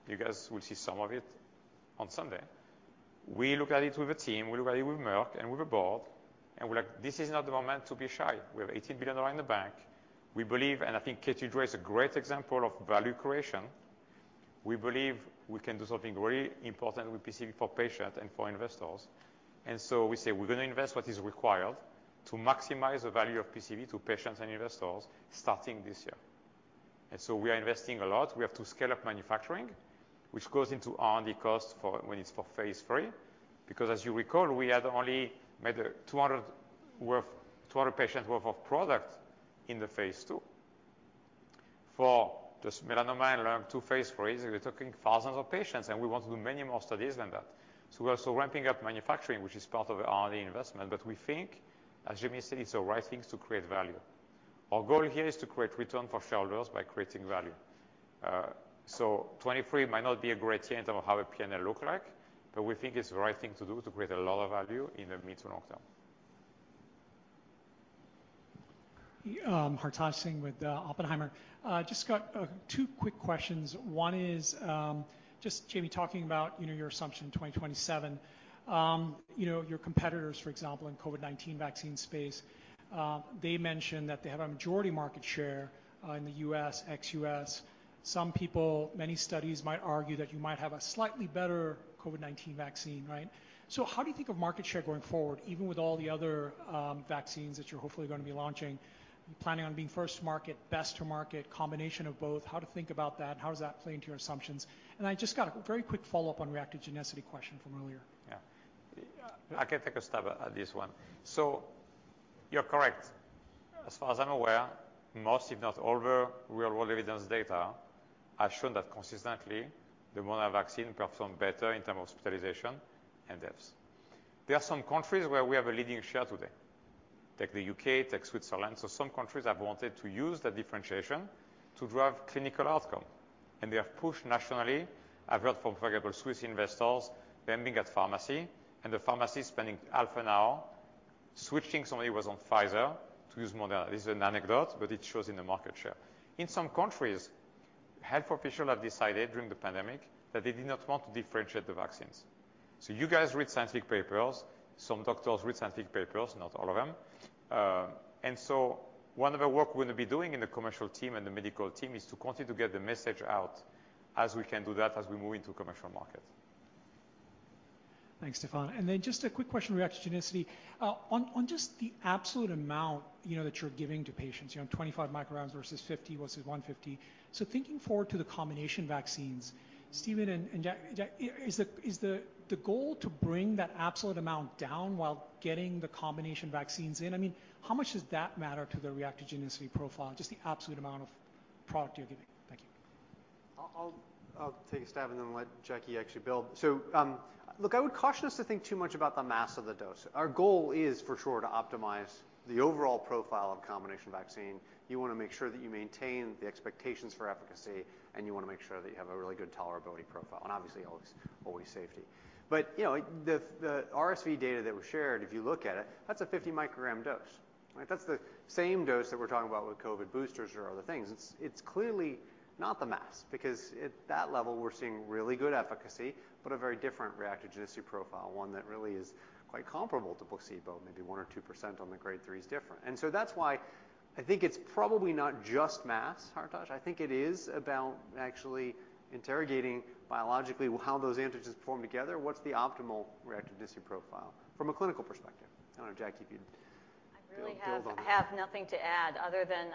you guys will see some of it on Sunday, we look at it with the team, we look at it with Merck and with the board, we're like, "This is not the moment to be shy." We have $18 billion in the bank. We believe, I think KEYTRUDA is a great example of value creation. We believe we can do something very important with PCV for patients and for investors. We say we're gonna invest what is required to maximize the value of PCV to patients and investors starting this year. We are investing a lot. We have to scale up manufacturing, which goes into R&D costs for when it's for phase III. As you recall, we had only made 200 worth, 200 patients worth of product in the phase II. For just melanoma and two phase III, we're talking thousands of patients, and we want to do many more studies than that. We're also ramping up manufacturing, which is part of the R&D investment. We think, as Jimmy said, it's the right thing to create value. Our goal here is to create return for shareholders by creating value. 2023 might not be a great year in terms of how our P&L look like, but we think it's the right thing to do to create a lot of value in the mid to long term. Yeah, Hartaj Singh with Oppenheimer. Just got two quick questions. One is, just Jamey talking about, you know, your assumption in 2027. You know, your competitors, for example, in COVID-19 vaccine space, they mentioned that they have a majority market share in the U.S., ex-U.S. Some people, many studies might argue that you might have a slightly better COVID-19 vaccine, right? How do you think of market share going forward, even with all the other vaccines that you're hopefully gonna be launching? You planning on being first to market, best to market, combination of both? How to think about that? How does that play into your assumptions? I just got a very quick follow-up on reactogenicity question from earlier. Yeah. I can take a stab at this one. You're correct. As far as I'm aware, most, if not all the real-world evidence data have shown that consistently the Moderna vaccine performed better in terms of hospitalization and deaths. There are some countries where we have a leading share today, take the U.K., take Switzerland. Some countries have wanted to use that differentiation to drive clinical outcome, and they have pushed nationally. I've heard from, for example, Swiss investors, them being at pharmacy and the pharmacy spending half an hour switching somebody who was on Pfizer to use Moderna. This is an anecdote, but it shows in the market share. In some countries, health officials have decided during the pandemic that they did not want to differentiate the vaccines. You guys read scientific papers, some doctors read scientific papers, not all of them. One of the work we're gonna be doing in the commercial team and the medical team is to continue to get the message out as we can do that as we move into commercial markets. Thanks, Stéphane. Just a quick question on reactogenicity. on just the absolute amount, you know, that you're giving to patients. You know, 25 micrograms versus 50 versus 150. Thinking forward to the combination vaccines, Stephen and Jackie, is the goal to bring that absolute amount down while getting the combination vaccines in? I mean, how much does that matter to the reactogenicity profile? Just the absolute amount of product you're giving. Thank you. I'll take a stab and then let Jackie actually build. Look, I would caution us to think too much about the mass of the dose. Our goal is for sure to optimize the overall profile of combination vaccine. You wanna make sure that you maintain the expectations for efficacy, and you wanna make sure that you have a really good tolerability profile and obviously always safety. You know, the RSV data that was shared, if you look at it, that's a 50-microgram dose, right? That's the same dose that we're talking about with COVID boosters or other things. It's clearly not the mass because at that level we're seeing really good efficacy, but a very different reactogenicity profile, one that really is quite comparable to placebo, maybe 1% or 2% on the grade three is different. That's why I think it's probably not just mass, Hartaj. I think it is about actually interrogating biologically how those antigens form together. What's the optimal reactogenicity profile from a clinical perspective? I don't know, Jackie, if you'd build on that. I really have nothing to add other than,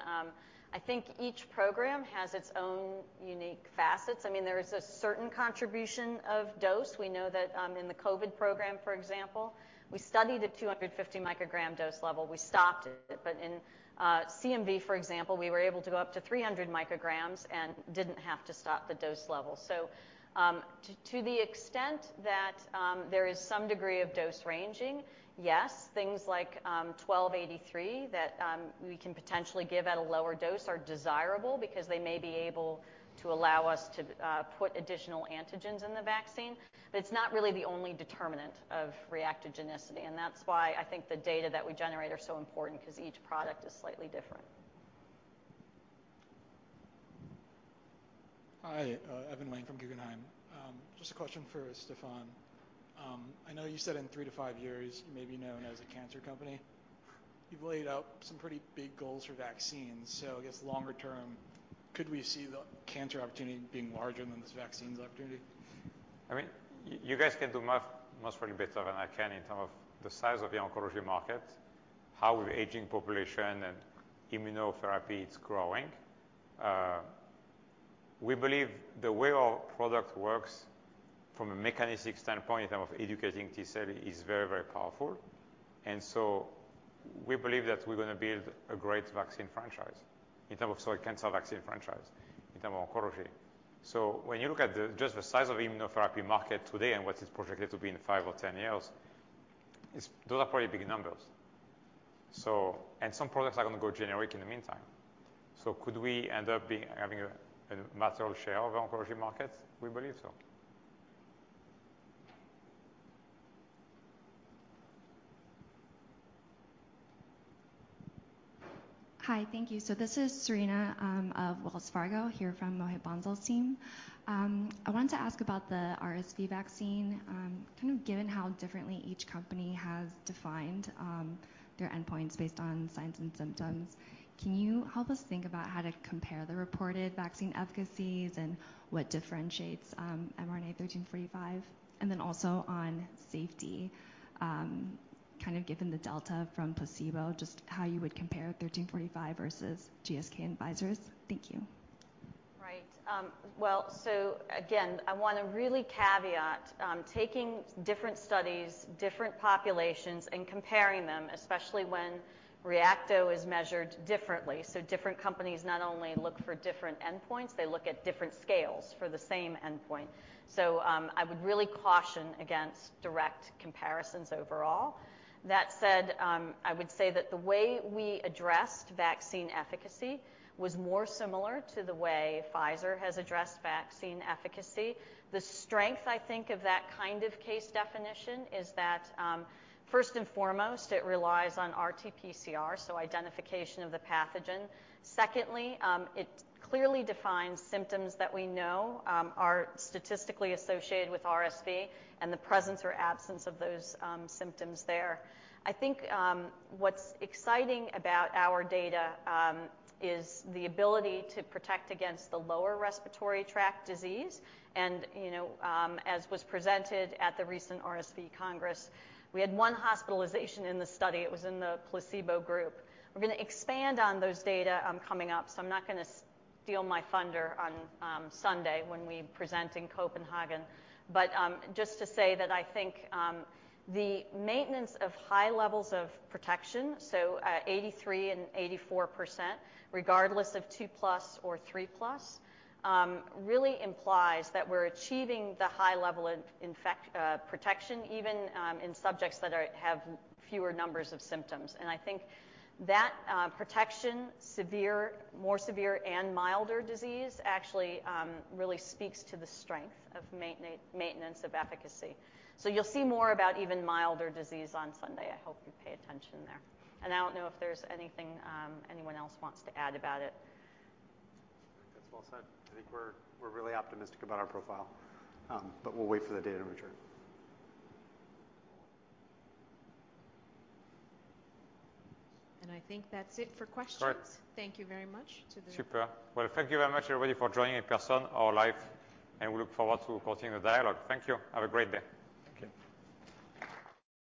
I think each program has its own unique facets. I mean, there is a certain contribution of dose. We know that, in the COVID program, for example, we studied a 250 microgram dose level. We stopped it. In CMV, for example, we were able to go up to 300 micrograms and didn't have to stop the dose level. To the extent that there is some degree of dose ranging, yes, things like mRNA-1283 that we can potentially give at a lower dose are desirable because they may be able to allow us to put additional antigens in the vaccine. It's not really the only determinant of reactogenicity, and that's why I think the data that we generate are so important 'cause each product is slightly different. Hi, Evan Wang from Guggenheim. Just a question for Stéphane. I know you said in three to five years you may be known as a cancer company. You've laid out some pretty big goals for vaccines. I guess longer term, could we see the cancer opportunity being larger than this vaccines opportunity? I mean, you guys can do math much better than I can in terms of the size of the oncology market, how the aging population and immunotherapy, it's growing. We believe the way our product works from a mechanistic standpoint in terms of educating T-cell is very, very powerful. We believe that we're going to build a great vaccine franchise in terms of a cancer vaccine franchise in terms of oncology. When you look at the just the size of immunotherapy market today and what is projected to be in five or 10 years, those are pretty big numbers. Some products are going to go generic in the meantime. Could we end up having a material share of oncology markets? We believe so. Hi. Thank you. This is Serena, of Wells Fargo here from Mohit Bansal's team. I wanted to ask about the RSV vaccine. kind of given how differently each company has defined, their endpoints based on signs and symptoms, can you help us think about how to compare the reported vaccine efficacies and what differentiates, mRNA-1345? Also on safety, kind of given the delta from placebo, just how you would compare 1345 versus GSK and Pfizer's? Thank you. Right. Well, again, I want to really caveat taking different studies, different populations, and comparing them, especially when Reacto is measured differently. Different companies not only look for different endpoints, they look at different scales for the same endpoint. I would really caution against direct comparisons overall. That said, I would say that the way we addressed vaccine efficacy was more similar to the way Pfizer has addressed vaccine efficacy. The strength, I think, of that kind of case definition is that, first and foremost, it relies on RT-PCR, so identification of the pathogen. Secondly, it clearly defines symptoms that we know are statistically associated with RSV and the presence or absence of those symptoms there. I think, what's exciting about our data, is the ability to protect against the lower respiratory tract disease and, you know, as was presented at the recent RSV Congress, we had one hospitalization in the study. It was in the placebo group. We're going to expand on those data, coming up. I'm not going to steal my thunder on Sunday when we present in Copenhagen. Just to say that I think, the maintenance of high levels of protection, so, 83 and 84%, regardless of 2+ or 3+, really implies that we're achieving the high level of protection even in subjects that have fewer numbers of symptoms. I think that, protection, severe, more severe and milder disease actually, really speaks to the strength of maintenance of efficacy. You'll see more about even milder disease on Sunday. I hope you pay attention there. I don't know if there's anything anyone else wants to add about it. That's well said. I think we're really optimistic about our profile, but we'll wait for the data in return. I think that's it for questions. Great. Thank you very much to the. Super. Well, thank you very much, everybody, for joining in person or live. We look forward to continuing the dialogue. Thank you. Have a great day. Thank you.